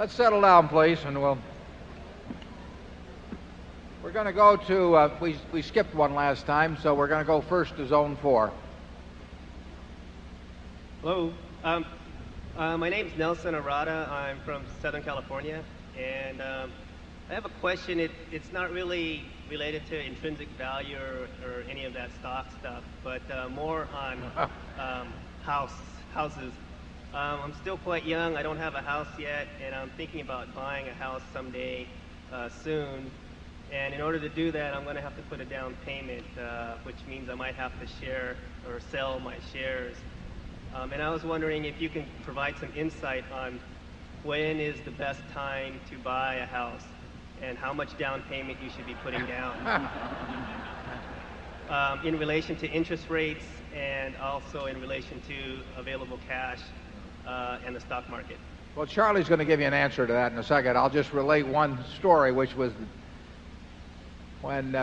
Let's settle down, please. And we'll we're going to go to, please we skipped one last time. So we're going to go first to zone 4. Hello. My name is Nelson Arata. I'm from Southern California. And I have a question. It's not really related to intrinsic value or any of that stock stuff, but more on house houses. I'm still quite young. I don't have a house yet, and I'm thinking about buying a house someday soon. And in order to do that, I'm going to have to put a down payment, which means I might have to share or sell my shares. And I was wondering if you can provide some insight on when is the best time to buy a house and how much down payment you should be putting down? In relation to interest rates and also in relation to available cash, in the stock market? Well, Charlie is going to give you an answer to that in a second. I'll just relate one story, which was when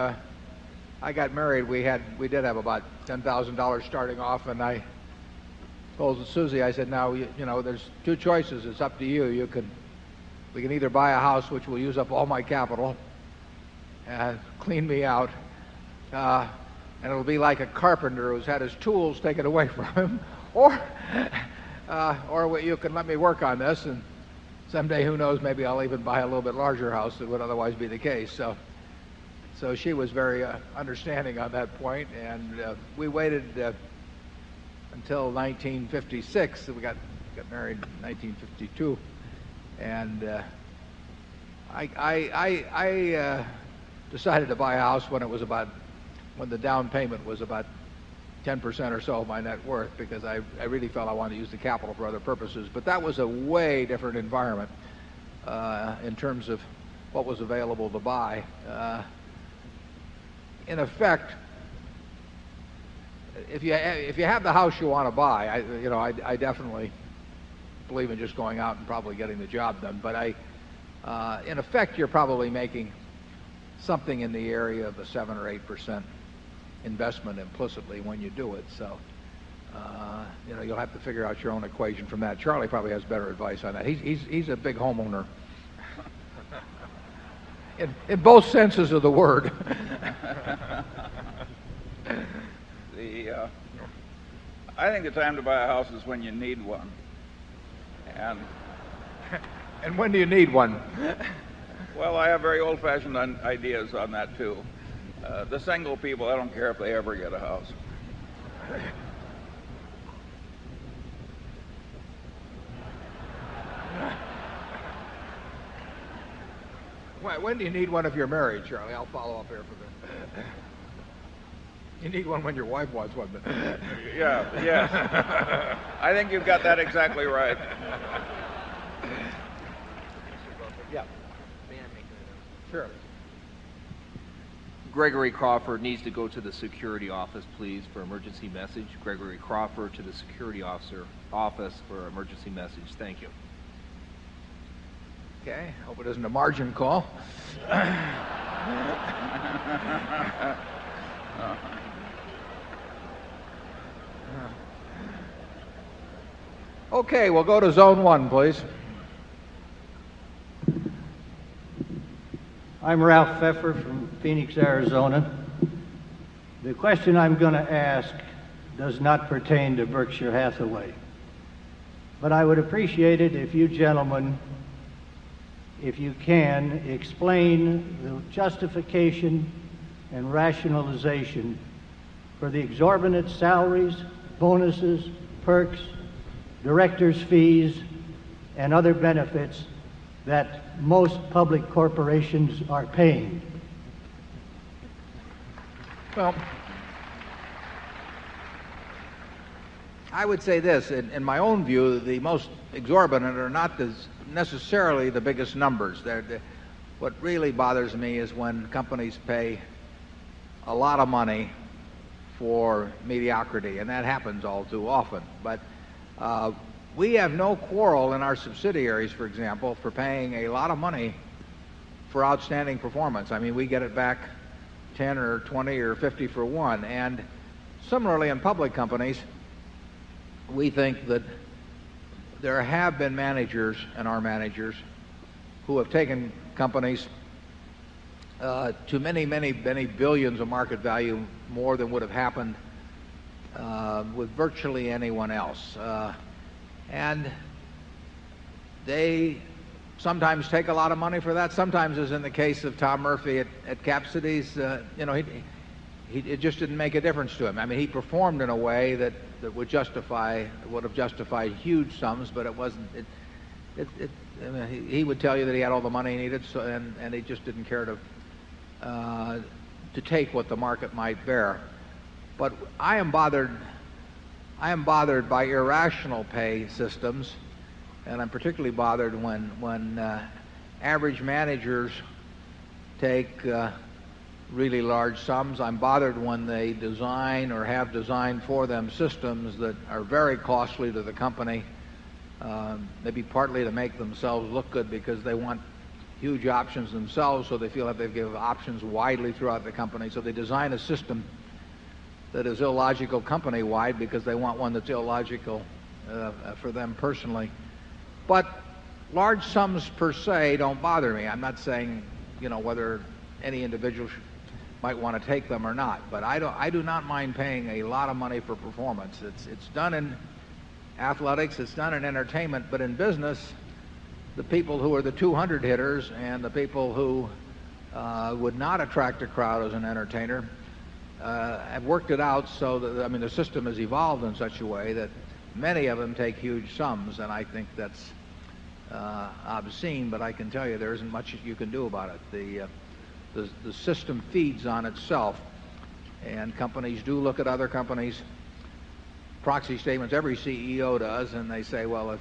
I got married, we had we did have about $10,000 starting off and I told Susie, I said, now, you know, there's two choices. It's up to you. You can we can either buy a house which will use up all my capital and clean me out, and it'll be like a carpenter who's had his tools taken away from him or, or what you can let me work on this and someday who knows maybe I'll even buy a little bit larger house than would otherwise be the case. So she was very, understanding on that point. And, we waited until 1956. We got married in 1952. And I decided to buy a house when it was about when the down payment was about 10% or so of my worth because I really felt I wanted to use the capital for other purposes. But that was a way different environment, in terms of what was available to buy. In effect, if you have the house you want to buy, I definitely believe in just going out and probably getting the job done. But I, in effect, you're probably making something in the area of a 7% or 8% investment implicitly when you do it. So, you know, you'll have to figure out your own equation from that. Charlie probably has better advice on that. He's a big homeowner. In both senses of the word. I think the time to buy a house is when you need 1. And And when do you need 1? Well, I have very old fashioned ideas on that, too. The single people, I don't care if they ever get a house. When do you need one of your marriage, Charlie? I'll follow-up here for this. You need one when your wife was, wasn't it? Yes. I think you've got that exactly right. The security office, please, for emergency message. Gregory Crawford to the security officer office for emergency message. Thank you. Okay. Hope it isn't a margin call. Okay. We'll go to zone 1, please. I'm Ralph Pfeffer from Phoenix, Arizona. The question I'm going to ask does not pertain to Berkshire Hathaway, But I would appreciate it if you gentlemen, if you can explain the justification and rationalization for the exorbitant salaries, bonuses, perks, directors' fees, and other benefits that most public corporations are paying. Well, Well, I would say this. In my own view, the most exorbitant are not necessarily the biggest numbers. What really bothers me is when companies pay a lot of money for mediocrity, and that happens all too often. But, we have no quarrel in our subsidiaries, for example, for paying a lot of money for outstanding performance. I mean, we get it back 10 or 20 or 50 for 1. And similarly in public companies, we think that there have been managers and our managers who have taken companies, to many, many, many billions of market value more than would have happened, with virtually anyone else. And they sometimes take a lot of money for that. Sometimes, as in the case of Tom Murphy at Cap Cities, you know, it just didn't make a difference to him. I mean, he performed in a way that would justify would have justified huge sums, but it wasn't he would tell you that he had all the money he needed. So and and they just didn't care to, to take what the market might bear. But I am bothered by irrational pay systems and I'm particularly bothered when average managers take, really large sums. I'm bothered when they design or have designed for them systems that are very costly to the company, maybe partly to make themselves look good because they want huge options themselves. So they that they give options widely throughout the company. So they design a system that is illogical company wide because they want one that's illogical for them personally. But large sums per se don't bother me. The mind paying a lot of money for performance. It's done in athletics. It's done in entertainment. But in business, the people who are the 200 hitters and the people who would not attract a crowd as an entertainer, have worked it out. So I mean, the system has evolved in such a way that many of them take huge sums. And I think that's, obscene, but I can tell you there isn't much you can do about it. The system feeds on itself and companies do look at other companies' proxy statements. Every CEO does and they say, well,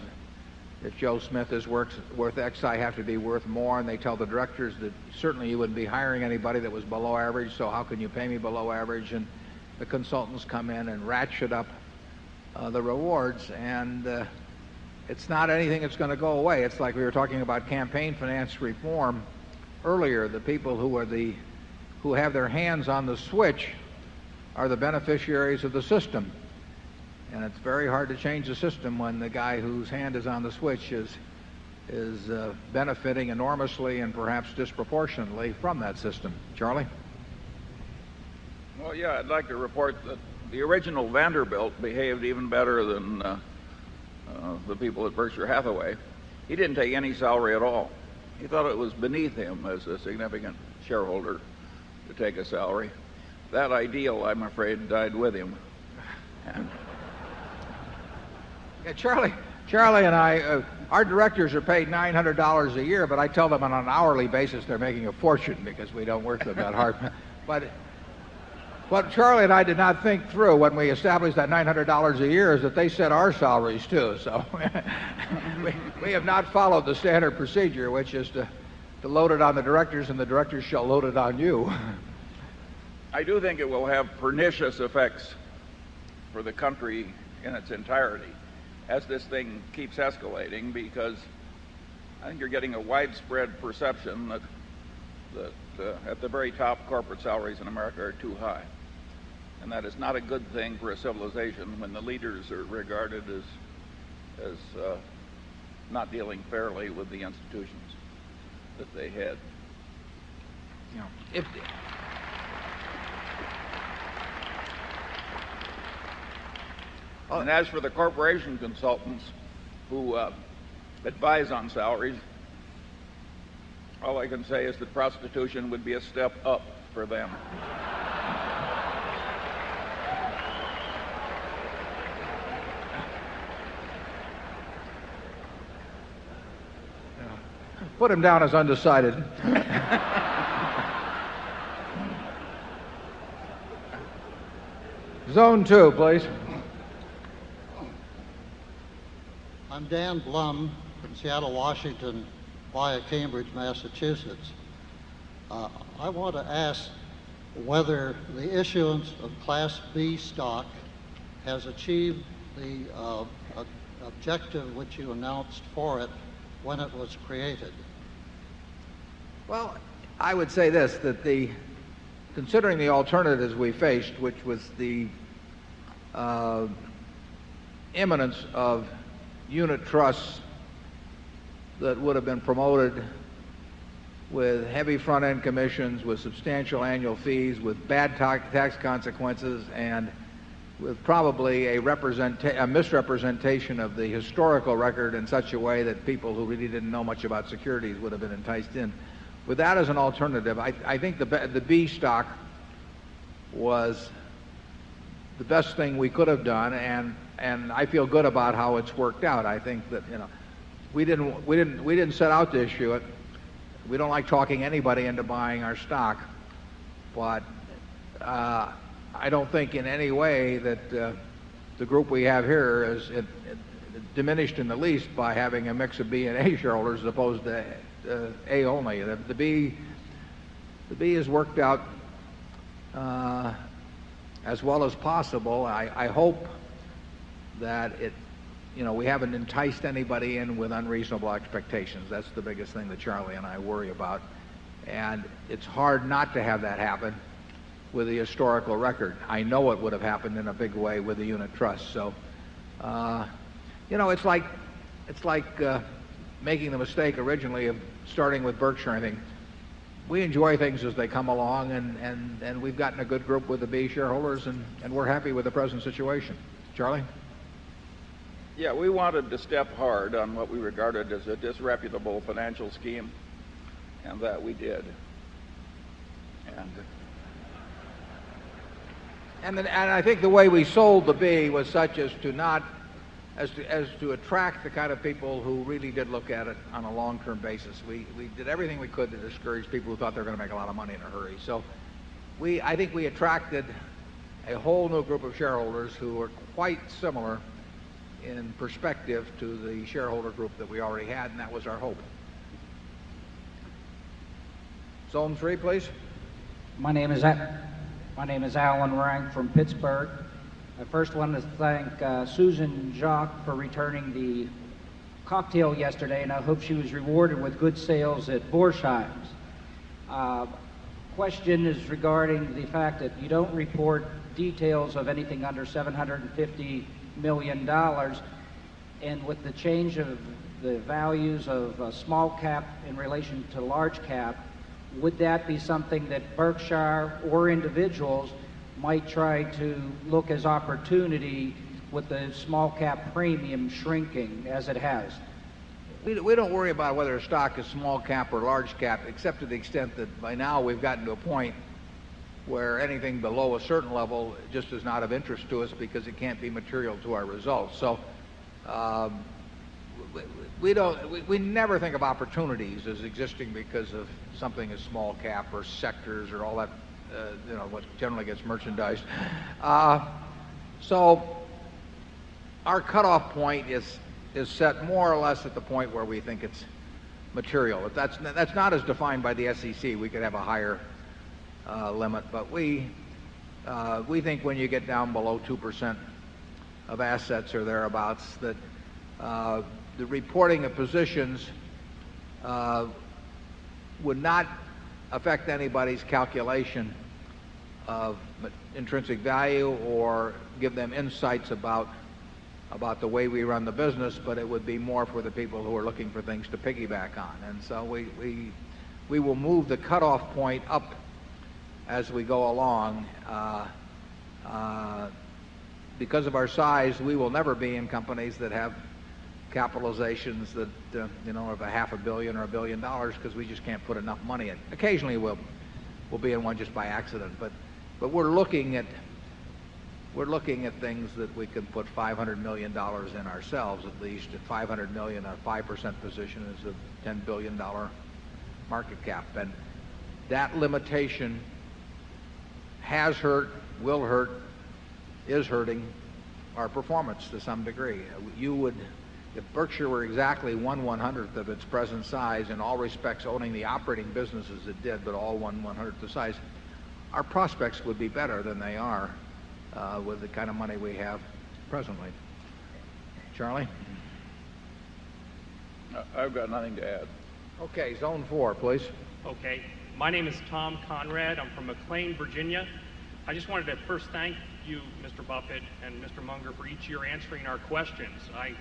if Joe Smith is worth X, I have to be worth more. And they tell the directors that certainly you wouldn't be hiring anybody that was below average. So how can you pay me below average? And the consultants come in and ratchet up the rewards. And it's not anything that's going to go away. It's like we were talking about campaign finance reform earlier. The people who are the who have their hands on the switch are the beneficiaries of the system. And it's very hard to change the system when the guy whose hand is on the switch is benefiting enormously and perhaps disproportionately from that system. Charlie? Well, yeah, I'd like to report that the original Vanderbilt behaved even better than the people at Berkshire Hathaway. He didn't take any salary at all. He thought it was beneath him as a significant shareholder to take a salary. That ideal, I'm afraid, died with him. And Charlie Charlie and I our directors are paid $900 a year, but I tell them on an hourly basis they're making a fortune because we don't work them that hard. But what Charlie and I did not think through when we established that $900 a year is that they set our salaries too. So we have not followed the standard procedure, which is to load it on the directors and the directors shall load it on you. I do think it will have pernicious effects for the country in its entirety as this thing keeps escalating because I think you're getting a widespread perception that, at the very top, corporate salaries in America are too high. And that is not a good thing for a civilization when the leaders are regarded as not dealing fairly with the institutions that they had. And as for the corporation consultants who, advise on salaries, All I can say is that prostitution would be a step up for them. Put him down as undecided. Zone 2, please. I'm Dan Blum from Seattle, Washington via Cambridge, Massachusetts. I want to ask whether the issuance of Class B stock has achieved the objective which you announced for it when it was created? Well, I would say this, that the considering the alternatives we faced, which was the, imminence of unit trusts that would have been promoted with heavy front end commissions, with substantial annual fees, with bad tax consequences and with probably a misrepresentation of the historical record in such a way that people who really didn't know much about securities would have been enticed in. With that as an alternative, I think the B stock was the best thing we could have done and and I feel good about how it's worked out. I think that, you know, we didn't we didn't we didn't set out to issue it. We don't like talking anybody into buying our stock. But, I don't think in any way that, the group we have here is diminished in the least by having a mix of B and A shareholders as opposed to A only. The B is worked out as well as possible. I hope that it, you know, we haven't enticed anybody in with unreasonable expectations. That's the biggest thing that Charlie and I worry about. And it's hard not to have that happen with the historical record. I know it would have and starting with Berkshire, I think. We enjoy things as they come along and and we've gotten a good group with the B shareholders and we're happy with the present situation. Charlie? Yeah. We wanted to step hard on what we regarded as a disreputable financial scheme. And that we did. And then and I think the way we sold the V was such as to not as to attract the kind of people who really did look at it on a long term basis. We did everything we could to discourage people who thought they're going to make a lot of money in a hurry. So we I think we attracted a whole new group of shareholders who are quite similar in perspective to the shareholder group that we already had and that was our hope. Zone 3, please. My name is Alan Rang from Pittsburgh. I first want to thank Susan Jacques for returning the cocktail yesterday, and I hope she was rewarded with good sales at Borsheim's. Question is regarding the fact that you don't report details of anything under $750,000,000 And with the change of the values of small cap in relation to large cap, would that be something that Berkshire or individuals might try to look as opportunity with the small cap premium shrinking as it has? We don't worry about whether a stock is small cap or large cap except to the extent that by now we've gotten to a point where anything below a certain level just is not of interest to us because it can't be material to our results. So we never think of opportunities as existing because of something as small cap or sectors or all that, you know, what generally gets merchandised. So our cutoff point is set more or less at the point where we think it's material. That's not as defined by the SEC. We could have a higher limit, but we think when you get down below 2% of assets or thereabouts that, the reporting of positions would not affect anybody's calculation of intrinsic value or give them insights about the way we run the business, but it would be more for the people who are looking for things to piggyback on. And so we will move the cutoff point up as we go along. Because of our size, we will never be in companies that have capitalizations that, you know, of a half a $1,000,000,000 or a $1,000,000,000 because we just can't put enough money in. Occasionally, we'll be in one just by accident. But we're looking at things that we can put $500,000,000 in ourselves, at least at $500,000,000 on 5% position is a $10,000,000,000 market cap. And that limitation has hurt, will hurt, is hurting our performance to some degree. You would if Berkshire were exactly oneone hundredth of its present size, in all respects, owning the operating businesses it did, but all oneone hundredth the size, our prospects would be better than they are with the kind of money we have presently. Charlie? I've I'm Mr. Munger, for each of your answering our questions. I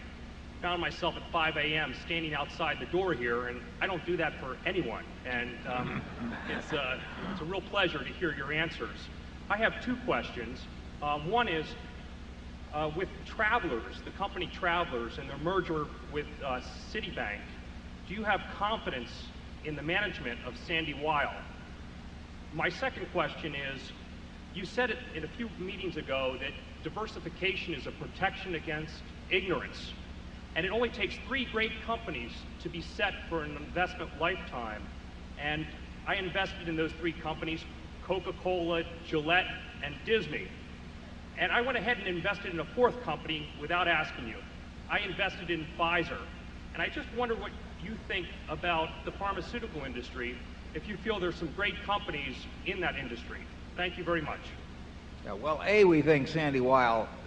found myself at 5 am standing outside the door here, and I don't do that for anyone. And it's a real pleasure to hear your answers. I have two questions. One is, with Travelers, the company Travelers and their merger with Citibank, do you have confidence in the management of Sandy Weil? My second question is, you said it in a few meetings ago that diversification is a protection against ignorance. And it only takes 3 great companies to be set for an investment lifetime. And I invested in those 3 companies, Coca Cola, Gillette, and Disney. And I went ahead and invested in a 4th company without asking you. I invested in Pfizer. And I just wonder what you think about is is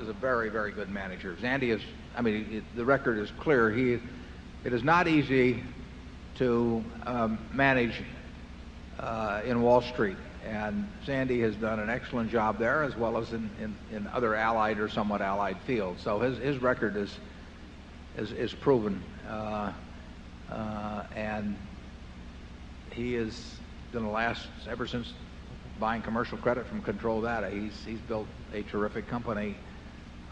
a very, very good manager. Sandy is I mean, the record is clear. He it is not easy to manage, in Wall Street. And Sandy has done an excellent job there as well as in in other allied or somewhat allied fields. So his record is proven. And he has been the last ever since buying commercial credit from Control Data. He's built a terrific company.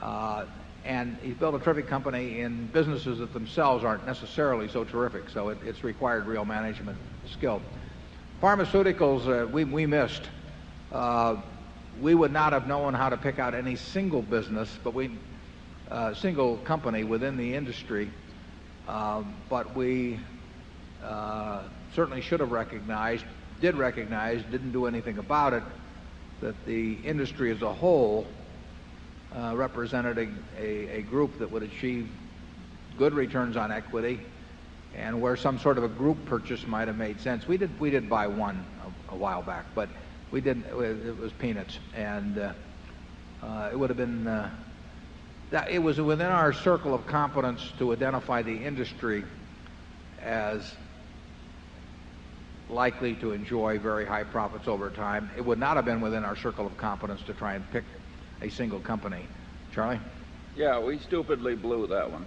And he's built a terrific company in businesses that themselves aren't necessarily so terrific. So it's required real management skill. Pharmaceuticals, we missed. We would not have known how to pick out any single business, but we single company within the industry. But we certainly should have recognized, did recognize, didn't do anything about it, that the industry as a whole, represented a group that would achieve good returns on equity and where some sort of a group purchase might have made sense. We did buy 1 a while back, but we didn't it was peanuts. And, it would have been, that it was within our circle of competence to identify the industry as likely to enjoy very high profits over time. It would not have been within our circle of competence to try and pick a single company. Charlie? Yeah. We stupidly blew that one.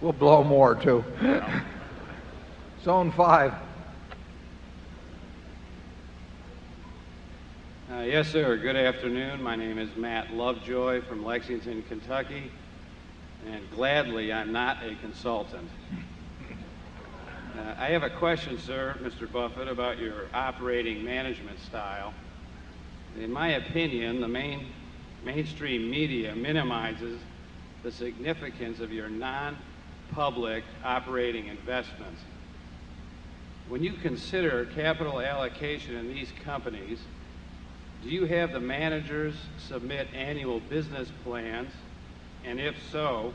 We'll blow more too. Zone 5. Not a consultant. I have a question, sir, Mr. Buffet, about your operating management style. In my opinion, the mainstream media minimizes the significance of your non public operating investments. When you consider capital allocation in these companies, do you have the managers submit annual business plans? And if so,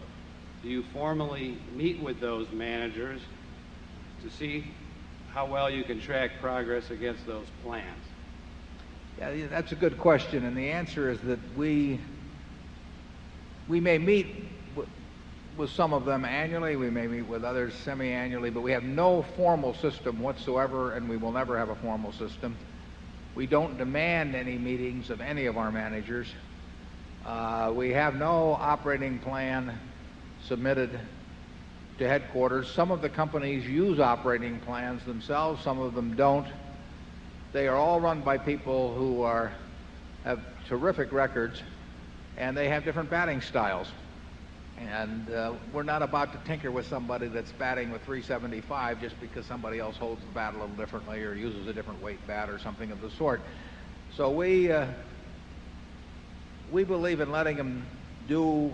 do you formally meet with those managers to see how well you can track progress against those plans? That's a good question. And the answer is that we may meet with some of them annually. We may meet with others semi annually, but we have no formal system whatsoever and we will never have a formal system. We don't demand any meetings of any of our managers. We have no operating plan submitted to headquarters. Some of the companies use operating plans themselves, some of them don't. They are all run by people who are have terrific records and they have different batting styles. And, we're not about to tinker with somebody that's batting with 375 just because somebody else holds the bat a little differently or uses a different weight bat or something of the sort. So we believe in letting them do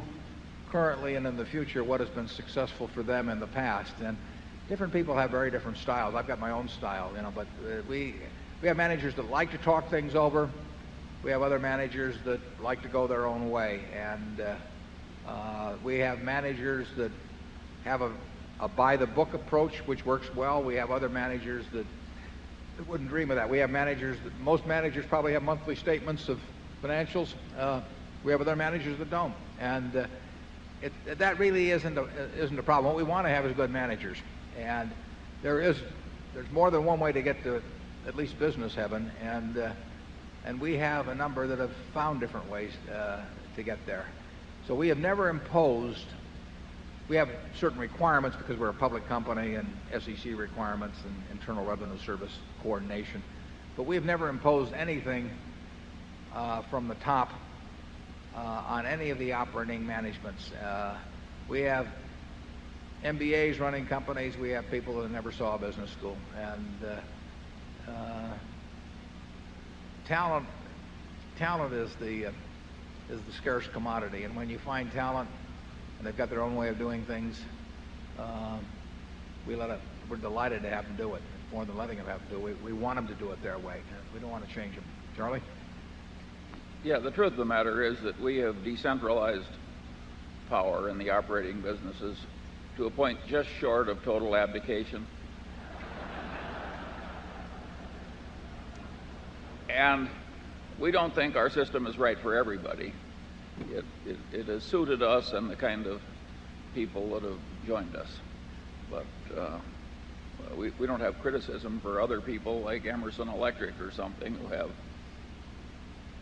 currently and in the future what has been successful for them in the past. And different people have very different styles. I've got my own style, you know. But we we have managers that like to talk things over. We have other managers that like to go their own way. And, we have managers that have a by the book approach, which works well. We have other managers that wouldn't dream of that. We have managers that most managers probably have monthly statements of financials. We have other managers that don't. And that really isn't a problem. What we want to have is good managers. And there is there's more than one way to get to at least business heaven. And and we have a number that have found different ways, to get there. So we have never imposed we have certain requirements because we're a public company and SEC requirements and Internal Revenue Service coordination. But we have never imposed anything, from the top, on any of the operating managements. We have MBAs running companies. We have people who never saw a business school. And talent is the scarce commodity. And when you find talent and they've got their own way of doing things, We let it we're delighted to have them do it more than letting them have to do. We want them to do it their way. We don't want to change them. Charlie? Yeah. The truth of the matter is that we have decentralized power in the operating businesses to a point just short of total abdication. And we don't think our system is right for everybody. It has suited us and the kind of people that have joined us. But we don't have criticism for other people like Emerson Electric or something who have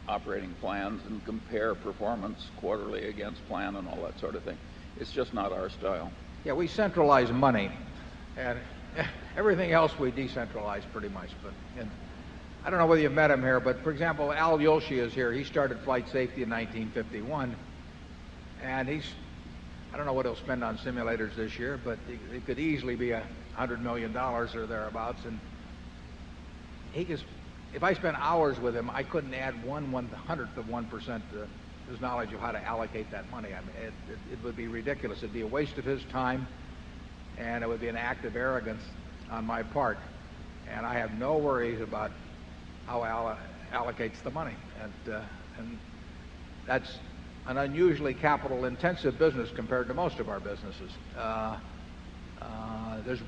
operating plans and compare performance quarterly against plan and all that sort of thing. It's just not our style. Yeah. We centralized money. And everything else we decentralize pretty much. But I don't know whether you've met him here, but for example, Al Yossi is here. He started flight safety in 1951. And he's I don't know what he'll spend on simulators this year but it could easily be $100,000,000 or thereabouts. And he just if I spent hours with him, I couldn't add 1, 1 100th of 1 percent to his knowledge of how to allocate that money. I mean, it would be ridiculous. It would be I Allah allocates the money. And that's an unusually capital intensive business compared to most of our businesses. There's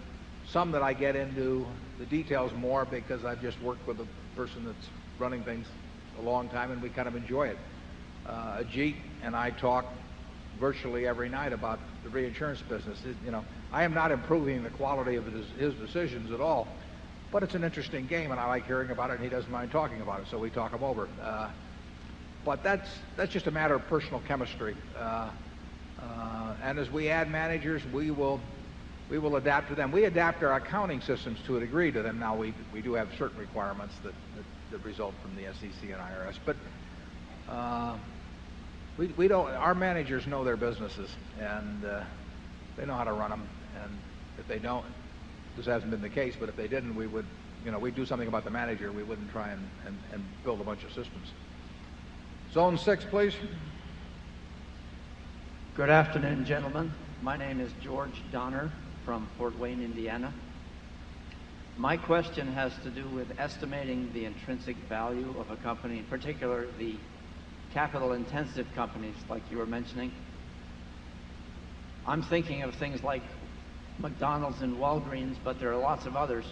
some that I get into the details more because I've just worked with a person that's running things a long time, and we kind of enjoy it. Ajit and I talk virtually every night about the reinsurance business. I am not improving the quality of his decisions at all. But it's an interesting game, and I like hearing about it and he doesn't mind talking about it. So we talk him over. But that's just a matter of personal chemistry. And as we add managers, we will adapt to them. We adapt our accounting systems to agree to them. Now we do have certain requirements that they know how to run them and they know how to run them. And if they don't this hasn't been the case, but if they didn't, we would we'd do something about the manager. We wouldn't try and build a bunch of systems. Zone 6, please. Good afternoon, gentlemen. My name is George Donner from Fort Wayne, Indiana. My question has to do with estimating the intrinsic value of a company, in particular the capital intensive companies like you were mentioning. I'm thinking of things like McDonald's and Walgreens, but there are lots of others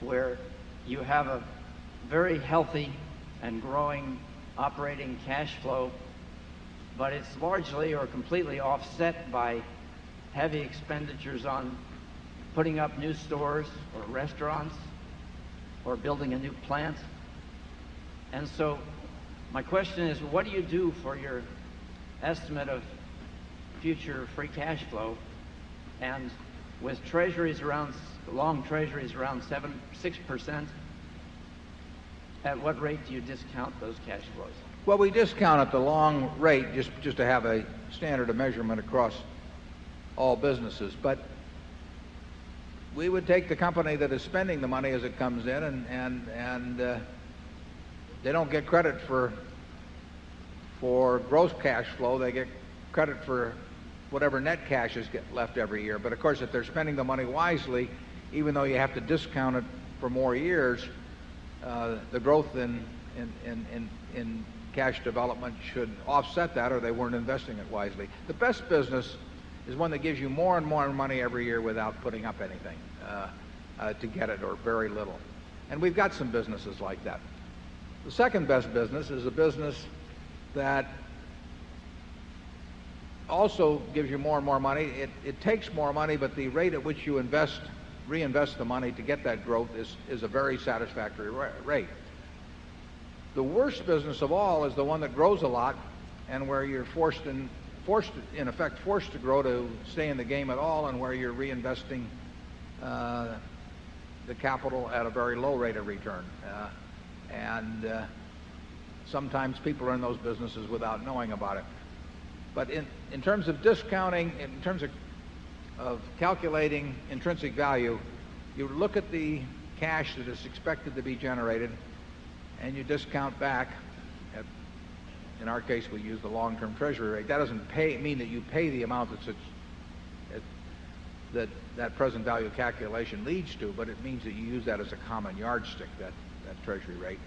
where you have a very healthy and growing operating cash flow, but it's largely or completely offset by heavy expenditures on putting up new stores or restaurants or building a new plant. And so my question is, what do you do for your estimate of future free cash flow? And with treasuries around long treasuries around 7 6%, at what rate do you discount those cash flows? Well, we discount at the long rate just to have a standard of measurement across all businesses. But we would take the company that is spending the money as it comes in and they don't get credit for gross cash flow. They get credit for whatever net cash is get left every year. But of course, if they're spending the money wisely, even though you have to discount it for more years, the growth in cash development should offset that or they weren't investing it wisely. The best business is one that gives you more and more money every year without putting up anything, to get it or very little. And we've got some businesses like that. The 2nd best business is a business that also gives you more and more money. It takes more money, but the rate at which you invest reinvest the money to get that growth is a very satisfactory rate. The worst business of all is the one that grows a lot and where you're forced in effect, forced to grow to stay in the game at all and where you're reinvesting the capital at a very low rate of return. And sometimes people are in those businesses without knowing about it. But in terms of discounting in terms of calculating intrinsic value, you look at the cash that is expected to be generated and you discount back in our case, we use the long term treasury rate. That doesn't pay mean that you pay the amount that that present value calculation leads to, but it means that you use that as a common yardstick, that treasury rate.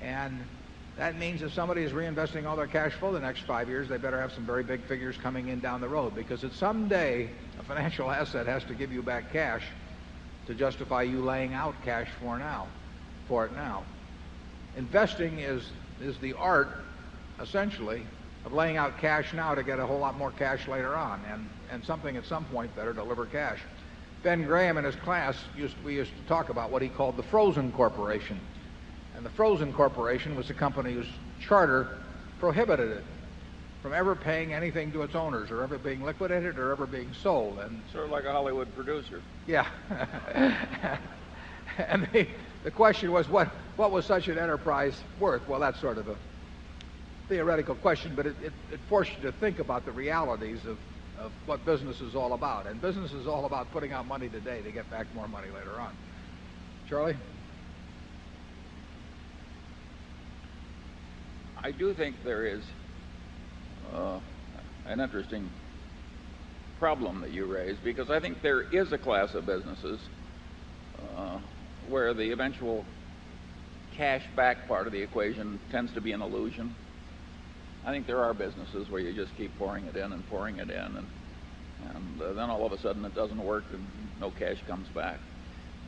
And that means if somebody is reinvesting all their cash flow the next 5 years, they better have some very big figures coming in down the road because if someday, a financial asset has to give you back cash to justify you laying out cash for now for it now. Investing is the art, essentially, of laying out cash now to get a whole lot more cash later on and something at some point better to deliver cash. Ben Graham in his class used we used to talk about what he called the frozen corporation. And the frozen corporation was a company whose charter prohibited it from ever paying anything to its owners or ever being liquidated or ever being sold. And Sort of like a Hollywood producer. Yeah. And the question was, what was such an enterprise worth? Well, that's sort of a theoretical question, but it forced you to think about the realities of what business is all about. And business is all about putting out money today to get back more money later on. Charlie? I do think there is an interesting problem that you raised because I think there is a class of businesses where the eventual cash back part of the equation tends to be an illusion. I think there are businesses where you just keep pouring it in and pouring it in. And then all of a sudden it doesn't work and no cash comes back.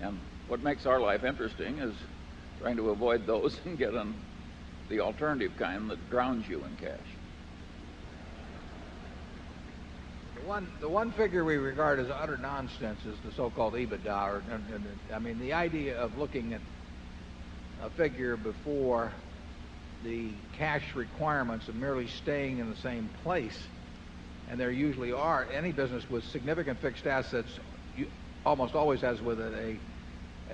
And what makes our life interesting is trying to avoid those and get them the alternative kind that drowns you in cash. The one figure we regard as utter nonsense is the so called EBITDA. I mean, the idea of looking at a figure before the cash requirements of merely staying in the same place and there usually are any business with significant fixed assets, almost always has with it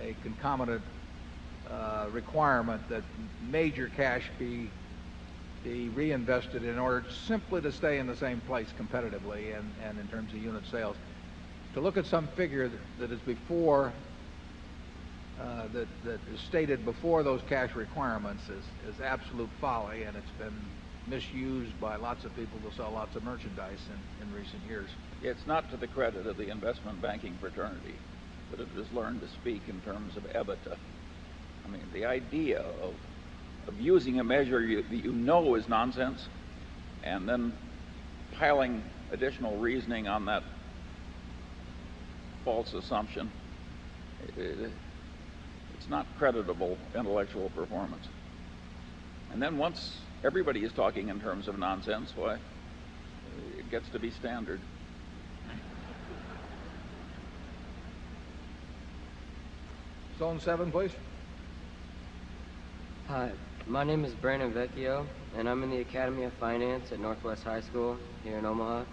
a concomitant requirement that major cash be reinvested in order simply to stay in the same place competitively and in terms of unit sales. To look at some figure that is before that is stated before those cash requirements is absolute folly and it's been misused by lots of people to sell lots of merchandise in in recent years. It's not to the credit of the investment banking fraternity, but it just learned to speak in terms of EBITDA. I mean, the idea of abusing a measure you know is nonsense and then piling additional reasoning on that false assumption. It's not creditable intellectual performance. And then once everybody is talking in terms of nonsense, why? It gets to be standard. And I'm in the Academy of Finance at Northwest High School here in Omaha.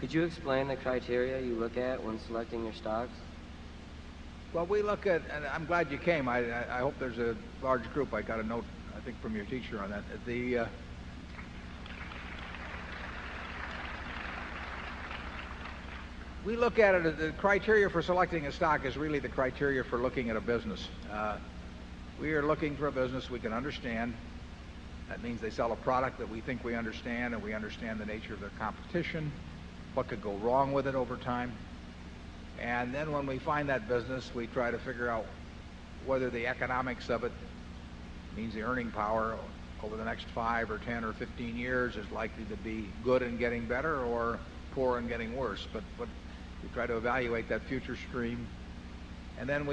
Could you explain the criteria you look at when selecting your stocks? Well, we look at and I'm glad you came. I hope there's a large group. I got a note, I think from your teacher on that. We look at it as the criteria for selecting a stock is really the criteria for looking at a business. We are looking for a business we can understand. That means they sell a product that we think we understand, and we understand the nature of their competition, what could go wrong with it over time. And then when we find that business, we try to figure out whether the economics of it means the figure out whether the economics of it means the earning power over the next 5 or 10 or 15 years is likely to be good and getting better or poor and getting worse. But we try to evaluate that future stream. And then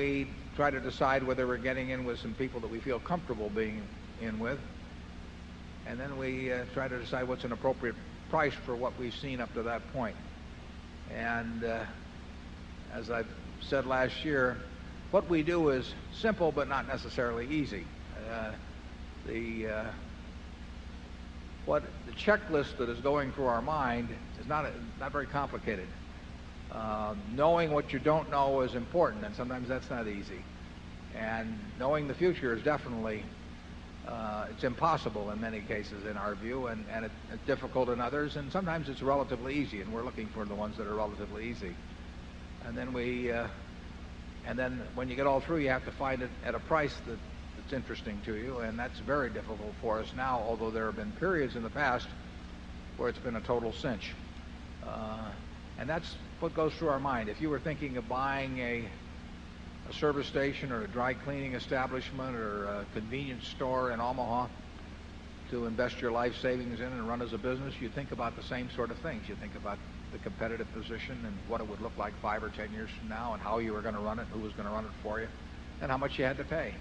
we try to decide whether we're getting in with some people that we feel comfortable being in with. And then we try to decide what's an appropriate price for what we've seen up to that point. And as I've said last year, what we do is simple but not necessarily easy. What the checklist that is going through our mind is not very complicated. Knowing what you don't know is important and sometimes that's not easy. And knowing the future is definitely, it's impossible in many cases in our view and it's difficult in others and sometimes it's relatively easy. We're looking for the ones that are relatively easy. And then we, and then when you get all through, you have to find it at a price that's interesting to you. And that's very difficult for us now, although there have been periods in the past where it's been a total cinch. And that's what goes through our mind. If you were thinking of buying a service station or a dry cleaning establishment or a convenience store in Omaha to invest your life savings in and run as a business, you think about the same sort of things. You think about the competitive position and what it would look like 5 or 10 years from now, and how you were going to run it, who was going to run it for you and how much you had to pay.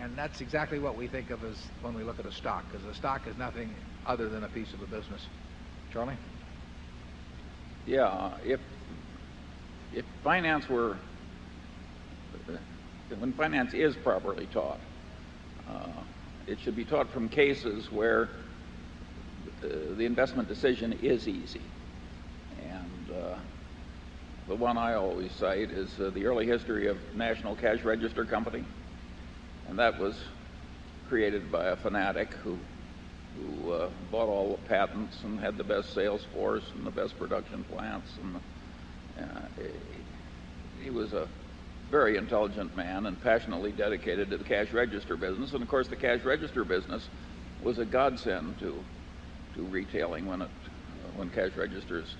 And that's exactly what we think of as when we look at a stock because a stock is nothing other than a piece of a business. Charlie? Yes. If finance were when finance is properly taught, it should be taught from cases where the investment decision is easy. And the one I always cite is the early history of National Cash Register Company. And that was created by a fanatic who, bought all the patents and had the best sales force and the best production plants. And He was a very intelligent man and passionately dedicated to the cash register business. And of course, the cash register business was a godsend to retailing when cash registers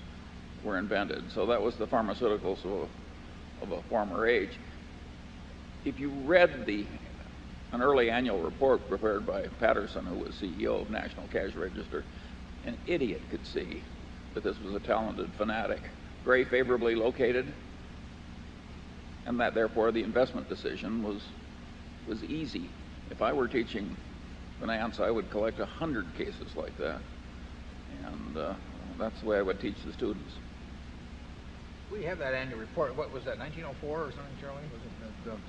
were invented. So that was the pharmaceuticals of a former age. If you read the an early annual report prepared by Patterson who was CEO of National Cash Register, An idiot could see that this was a talented fanatic, very favorably located and that therefore the investment decision was easy. If I were teaching finance, I would collect 100 cases like that. And that's the way I would teach the students. We have that annual report. What was that? 19 0 4 or something, Charlie?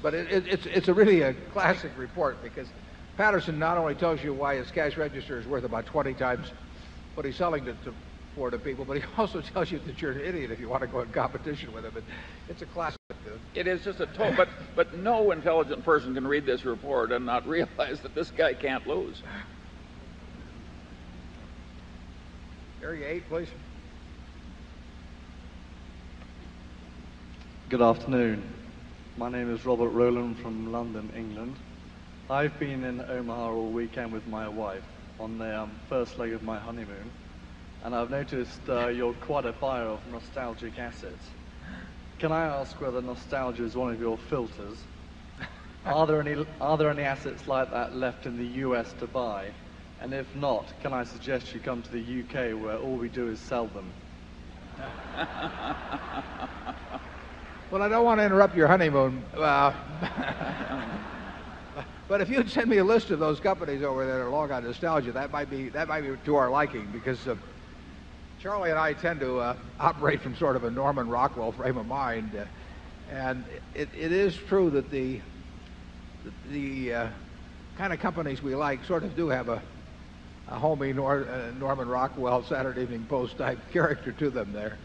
Was it? But it's really a classic report because Patterson not only tells you why his cash register is worth about 20 times what he's selling to to poor to people, but he also tells you that you're an idiot if you want to go in competition with him. And it's a classic of food. It is just a tone. But no intelligent person can read this report and not realize that this guy can't lose. Good afternoon. My name is Robert Roland from London, England. I've been in Omaha all weekend with my wife on the first leg of my honeymoon. I've noticed you're quite a fire of nostalgic assets. Can I ask whether nostalgia is one of your filters? Are there any assets like that left in the US to buy? And if not, can I suggest you come to the UK where all we do is sell them? Well, I don't want to interrupt your honeymoon. But if you'd send me a list of those companies that might be that might be to our liking because, Charlie and I tend to, operate from sort of a Norman Rockwell frame of mind. And it is true that the the kind of companies we like sort of do have a homey Norman Rockwell Saturday Evening Post type character to them there.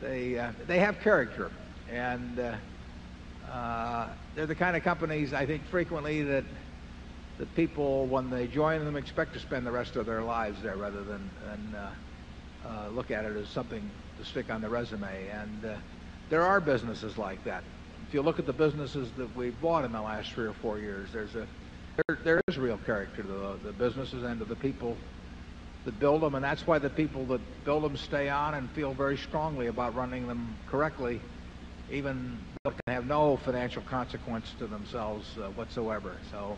They, they have character and, the kind of companies, I think, frequently that the people, when they join them, expect to spend the rest of their lives there rather than and, look at it as something to stick on their resume. And there are businesses like that. If you look at the businesses that we bought in the last 3 or 4 years, there's a there is a character to the businesses and to the people that build them. And that's why the people that build them stay on and feel very strongly about running them correctly even to have no financial consequence to themselves whatsoever. So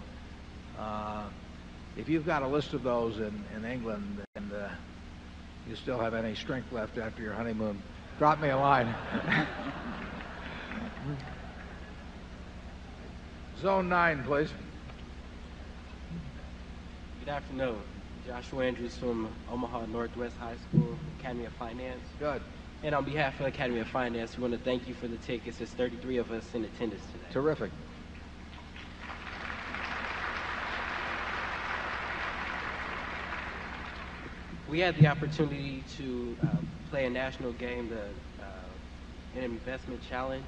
if you've got a list of those in England and you still have any strength left after your honeymoon, drop me a line. Us in attendance today. Terrific. We had the opportunity to play a national game, an investment challenge.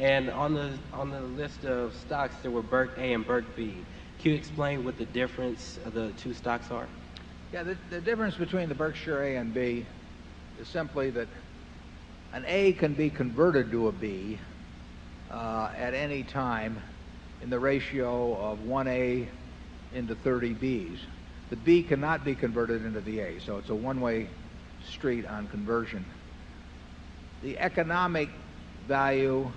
And on the list of stocks that were Burt A and Burt B, can you explain what the difference of the two stocks are? Yes. The difference between the Berkshire A and B is simply that an A can be converted to a B at any time in the ratio of 1A into 30Bs. The B cannot be converted into the A. So it's a one way street on conversion. The economic value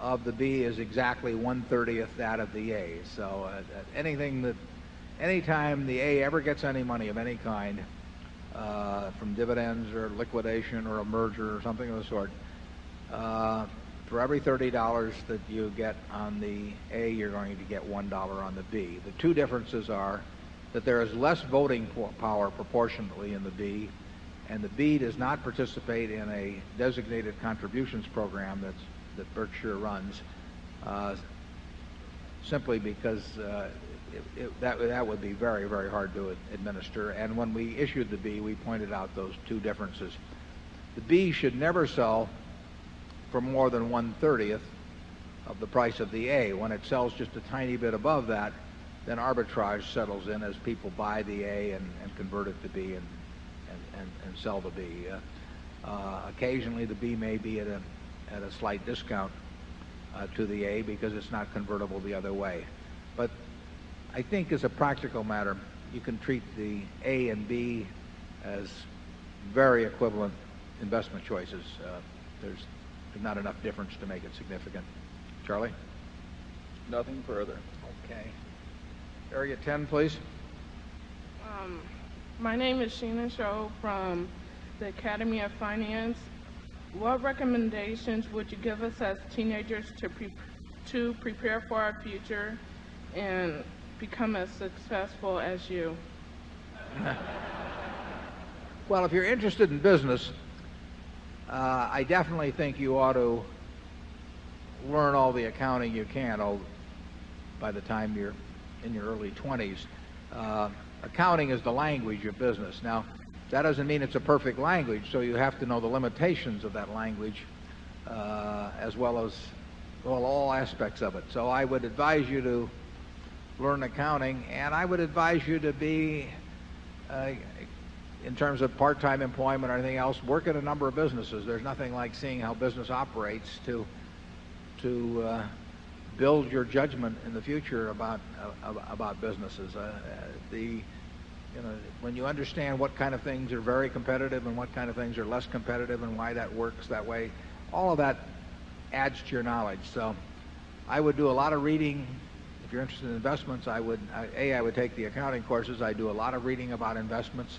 of the B is exactly 1 30th that of the A. So anything that any time the A ever gets any money of any kind from dividends or liquidation or a merger or something of the sort, for every $30 that you get on the A, you're going to get $1 on the B. The two differences are that there is less voting power proportionately in the B and the B does not participate in a designated contributions program that Berkshire runs simply because that would be very, very hard to administer. And when we issued the B, we pointed out those two differences. The B should never sell for more than onethirty of the price of the A. When it sells just a tiny bit above that, then arbitrage settles in as people buy the A and convert it to B and sell the B. Occasionally, the B may be at a slight discount to the A because it's not convertible the other way. But I think as a practical matter, you can treat the A and B as very equivalent investment choices. There's not enough difference to make it significant. Nothing further. Okay. Area 10, please. My name is Sheena Cho from the become as successful as you. Well, if you're interested in business, I definitely think you ought to learn all the accounting you can by the time you're in your early twenties. Accounting is the language of business. Now that doesn't mean it's a perfect language. So you have to know the limitations of that language, as well as all aspects of it. So I would advise you to learn accounting and I would advise you to be, in terms of part time employment or anything else, work at a number of businesses. There's nothing like seeing how business operates to build your judgment in the future about businesses. The when you understand what kind of things are very competitive and what kind of things are less competitive and why that works that way, all of that adds to your knowledge. So I would do a lot of reading. If you're interested in investments, I would, a, I would take the accounting courses. I do a lot of reading about investments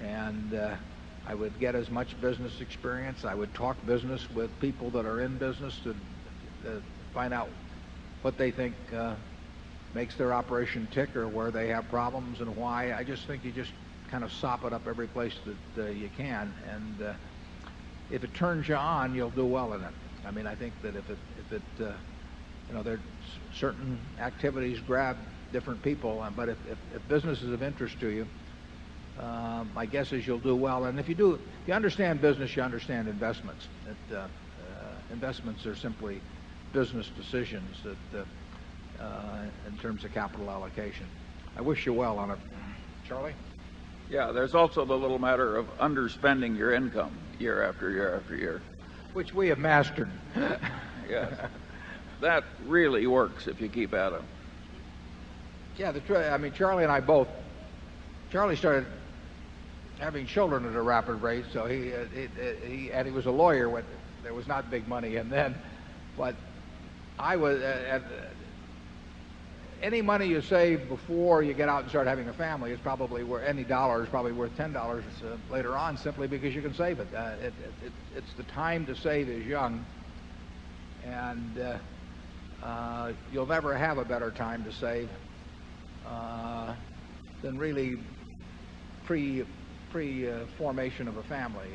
And I would get as much business experience. I would talk business with people that are in business to find out what they think makes their operation tick or where they have problems and why. I just think you just kind of sop it up every place that you can. And if it turns you on, you'll do well in it. I mean, I think that if it there are certain activities grab different people. But if business is of interest to you, my guess is you'll do well. And if you do if you understand business, you understand investments. Investments are simply business decisions that in terms of capital allocation. I wish you well on it. Charlie? Yeah. There's also the little matter of underspending your income year after year after year. Which we have mastered. Yes. That really works if you keep at them. Yeah. I mean, Charlie and I both Charlie started having children at a rapid rate. So he he and he was a lawyer when there was not big money in then. But I was any money you save before you get out and start having a family is probably worth any dollar is probably worth $10 later on simply because you can save it. It's the time to save is young. And you'll never have a better time to save than really pre formation of a family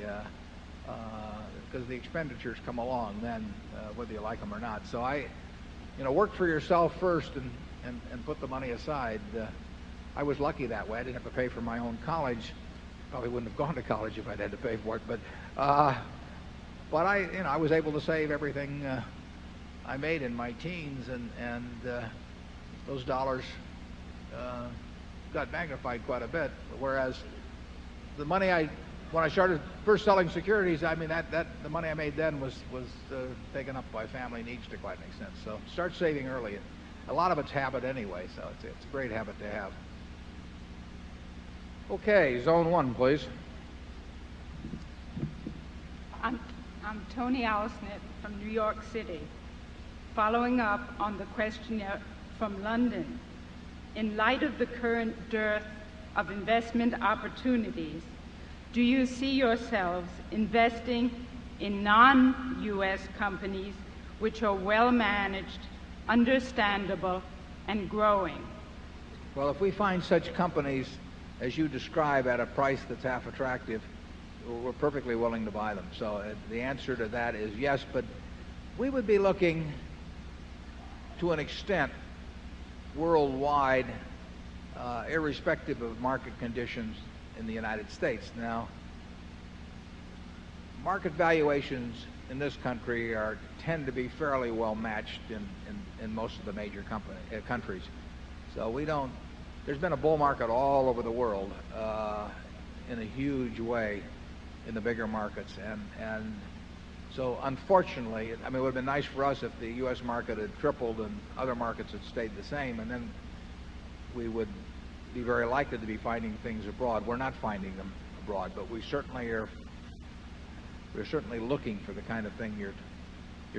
because the expenditures come along then, whether you like them or not. So I work for yourself first and put the money aside. I was lucky that way. I didn't have to pay for my own college. Probably wouldn't have gone to college if I'd had to pay for it. But I was able to save everything I made in my teens and those dollars got magnified quite a bit. Whereas the money I when I started first selling securities, I mean, that the money I made then was taken up by family needs to quite make sense. So start saving early. A lot of it's habit anyway. So it's a great habit to have. Okay. Zone 1, please. I'm Toni Allison from New York City following up on the questionnaire from London. In light of the current dearth of investment opportunities, do you see yourselves investing in non U. S. Companies which are well managed, understandable and growing? Well, if we find such companies, as you describe, at a price that's half attractive, we're perfectly willing to buy them. So the answer to that is yes, but we would be looking to an extent worldwide, irrespective of market conditions in the United States. Now market valuations in this country are tend to be fairly well matched in most of the major companies countries. So we don't there's been a bull market all over the world in a huge way in the bigger markets. And so unfortunately, I mean, it would have been nice for us if the U. S. Market had tripled and other markets had stayed the same. And then we would be very likely to be finding things abroad. We're not finding them abroad, but we certainly are looking for the kind of thing you're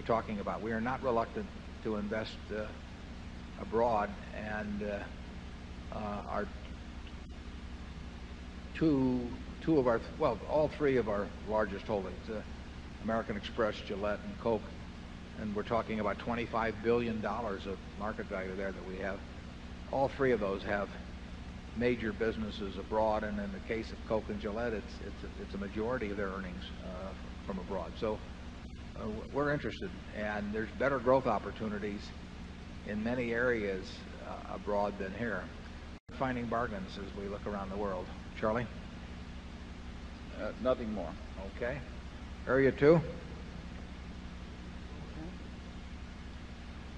talking about. We are not reluctant to invest abroad and our 2 of our well, all three of our largest holdings, American major businesses abroad. And in the case of Coke and Gillette, it's major businesses abroad. And in the case of Coke and Gillette, it's a majority of their earnings from abroad. So we're interested. And there's better growth opportunities in many areas abroad than here. We're Finding bargains as we look around the world. Charlie? Nothing more. Okay. Area 2.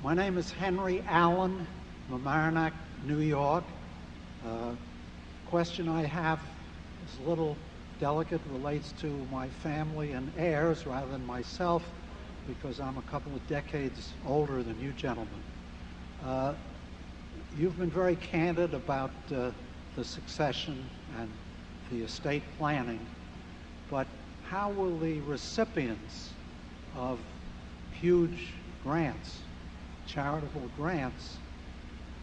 My name is Henry Allen, Mamaroneck, New York. Question I have is a little delicate, relates to my family and heirs rather than myself because I'm a couple of decades older than you gentlemen. You've been very candid about the succession and the estate planning, but how will the recipients of huge grants, charitable grants,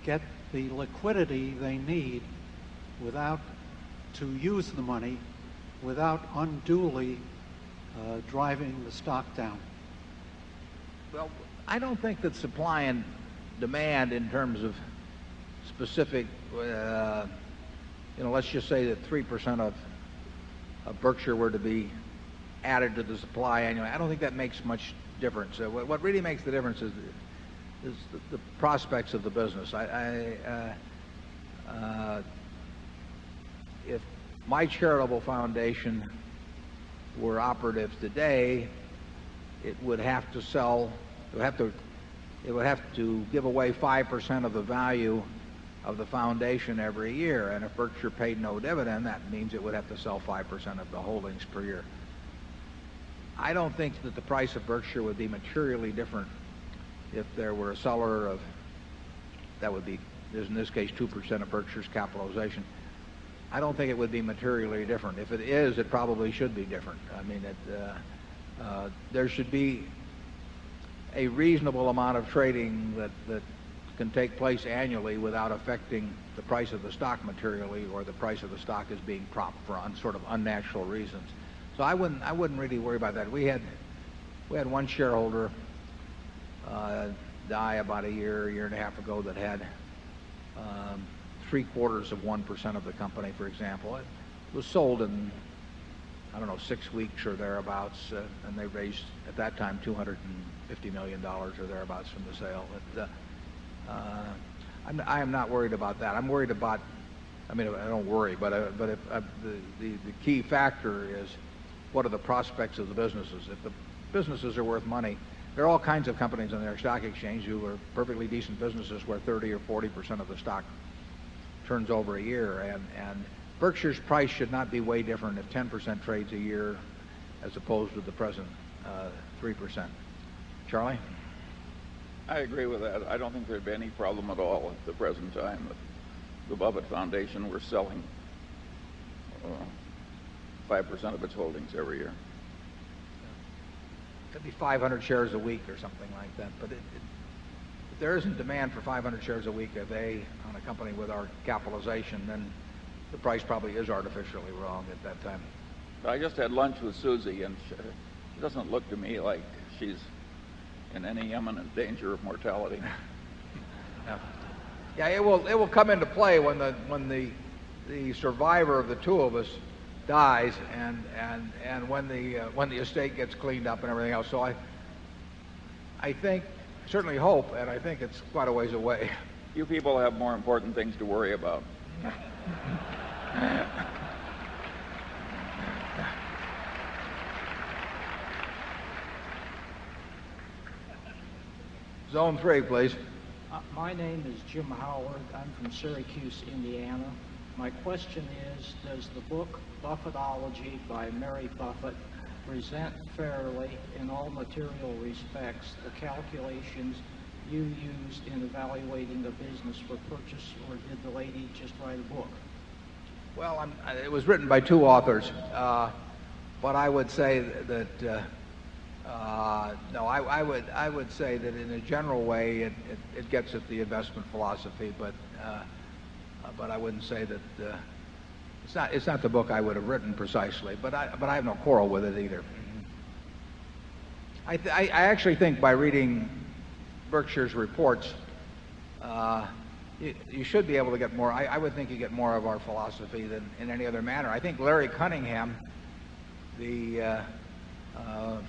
get the liquidity they need without to use the money without unduly driving the stock down? Well, I don't think that supply and demand in terms of specific let's just say that 3% of Berkshire were to be added to the supply annually. I don't think that makes much difference. What really makes the difference is the prospects of the business. If my charitable foundation were operative today, it would have to sell it would have to it would have to give away 5% of the value of the foundation every year. And if Berkshire paid no dividend, that means it would have to sell 5% of the holdings per year. I don't think that the price of Berkshire would be materially different if there were a seller of that would be, in this case, 2% of Berkshire's capitalization. I don't think it would be materially different. If it is, it probably should be different. I mean, there should be a reasonable amount of trading that can take place annually without affecting the price of the stock materially or the price of stock is being propped for on sort of unnatural reasons. So I wouldn't really worry about that. We had one shareholder die about a year, year and a half ago that had 3 quarters of 1% of the company, for example. It was sold in, I don't know, 6 weeks or thereabouts. And they raised at that time $250,000,000 or thereabouts from the sale. I am not worried about that. I'm worried about I mean, I don't worry, but the key factor is what are the prospects of the businesses. If the businesses are worth money, there are all kinds of companies on their stock exchange who are perfectly decent businesses where 30% or 40% of the stock turns over a year. And Berkshire's price should not be way different if 10% trades a year as opposed to the present 3%. Charlie? I agree with that. I don't think there'd be any problem at all at the present time. The Buffett Foundation, we're selling 5% of its holdings every year. It could be 500 shares a week or something like that. But if there isn't demand for 500 shares a week of A on a company with our capitalization, then the price probably is artificially wrong at that time. I just had lunch with Susie and she doesn't look to me like she's in any imminent danger of mortality. Yeah. It will come into play when the survivor of the 2 of us dies and when the estate gets cleaned up and everything else. So I think certainly hope, and I think it's quite a ways away. You people have more important things to worry about. Is does the book Buffetology by Mary Buffett present fairly in all material respects the calculations you used in evaluating the business for purchase? Or did the lady just write a book? Well, it was written by 2 authors. But I would say that, no, I would say that in a general way, it gets at the investment philosophy. But I wouldn't say that, it's not the book I would have written precisely, but I have no quarrel with it either. I actually think by reading Berkshire's reports, you should be able to get more. I would think you get more of our philosophy than in any other manner. I think Larry Cunningham, the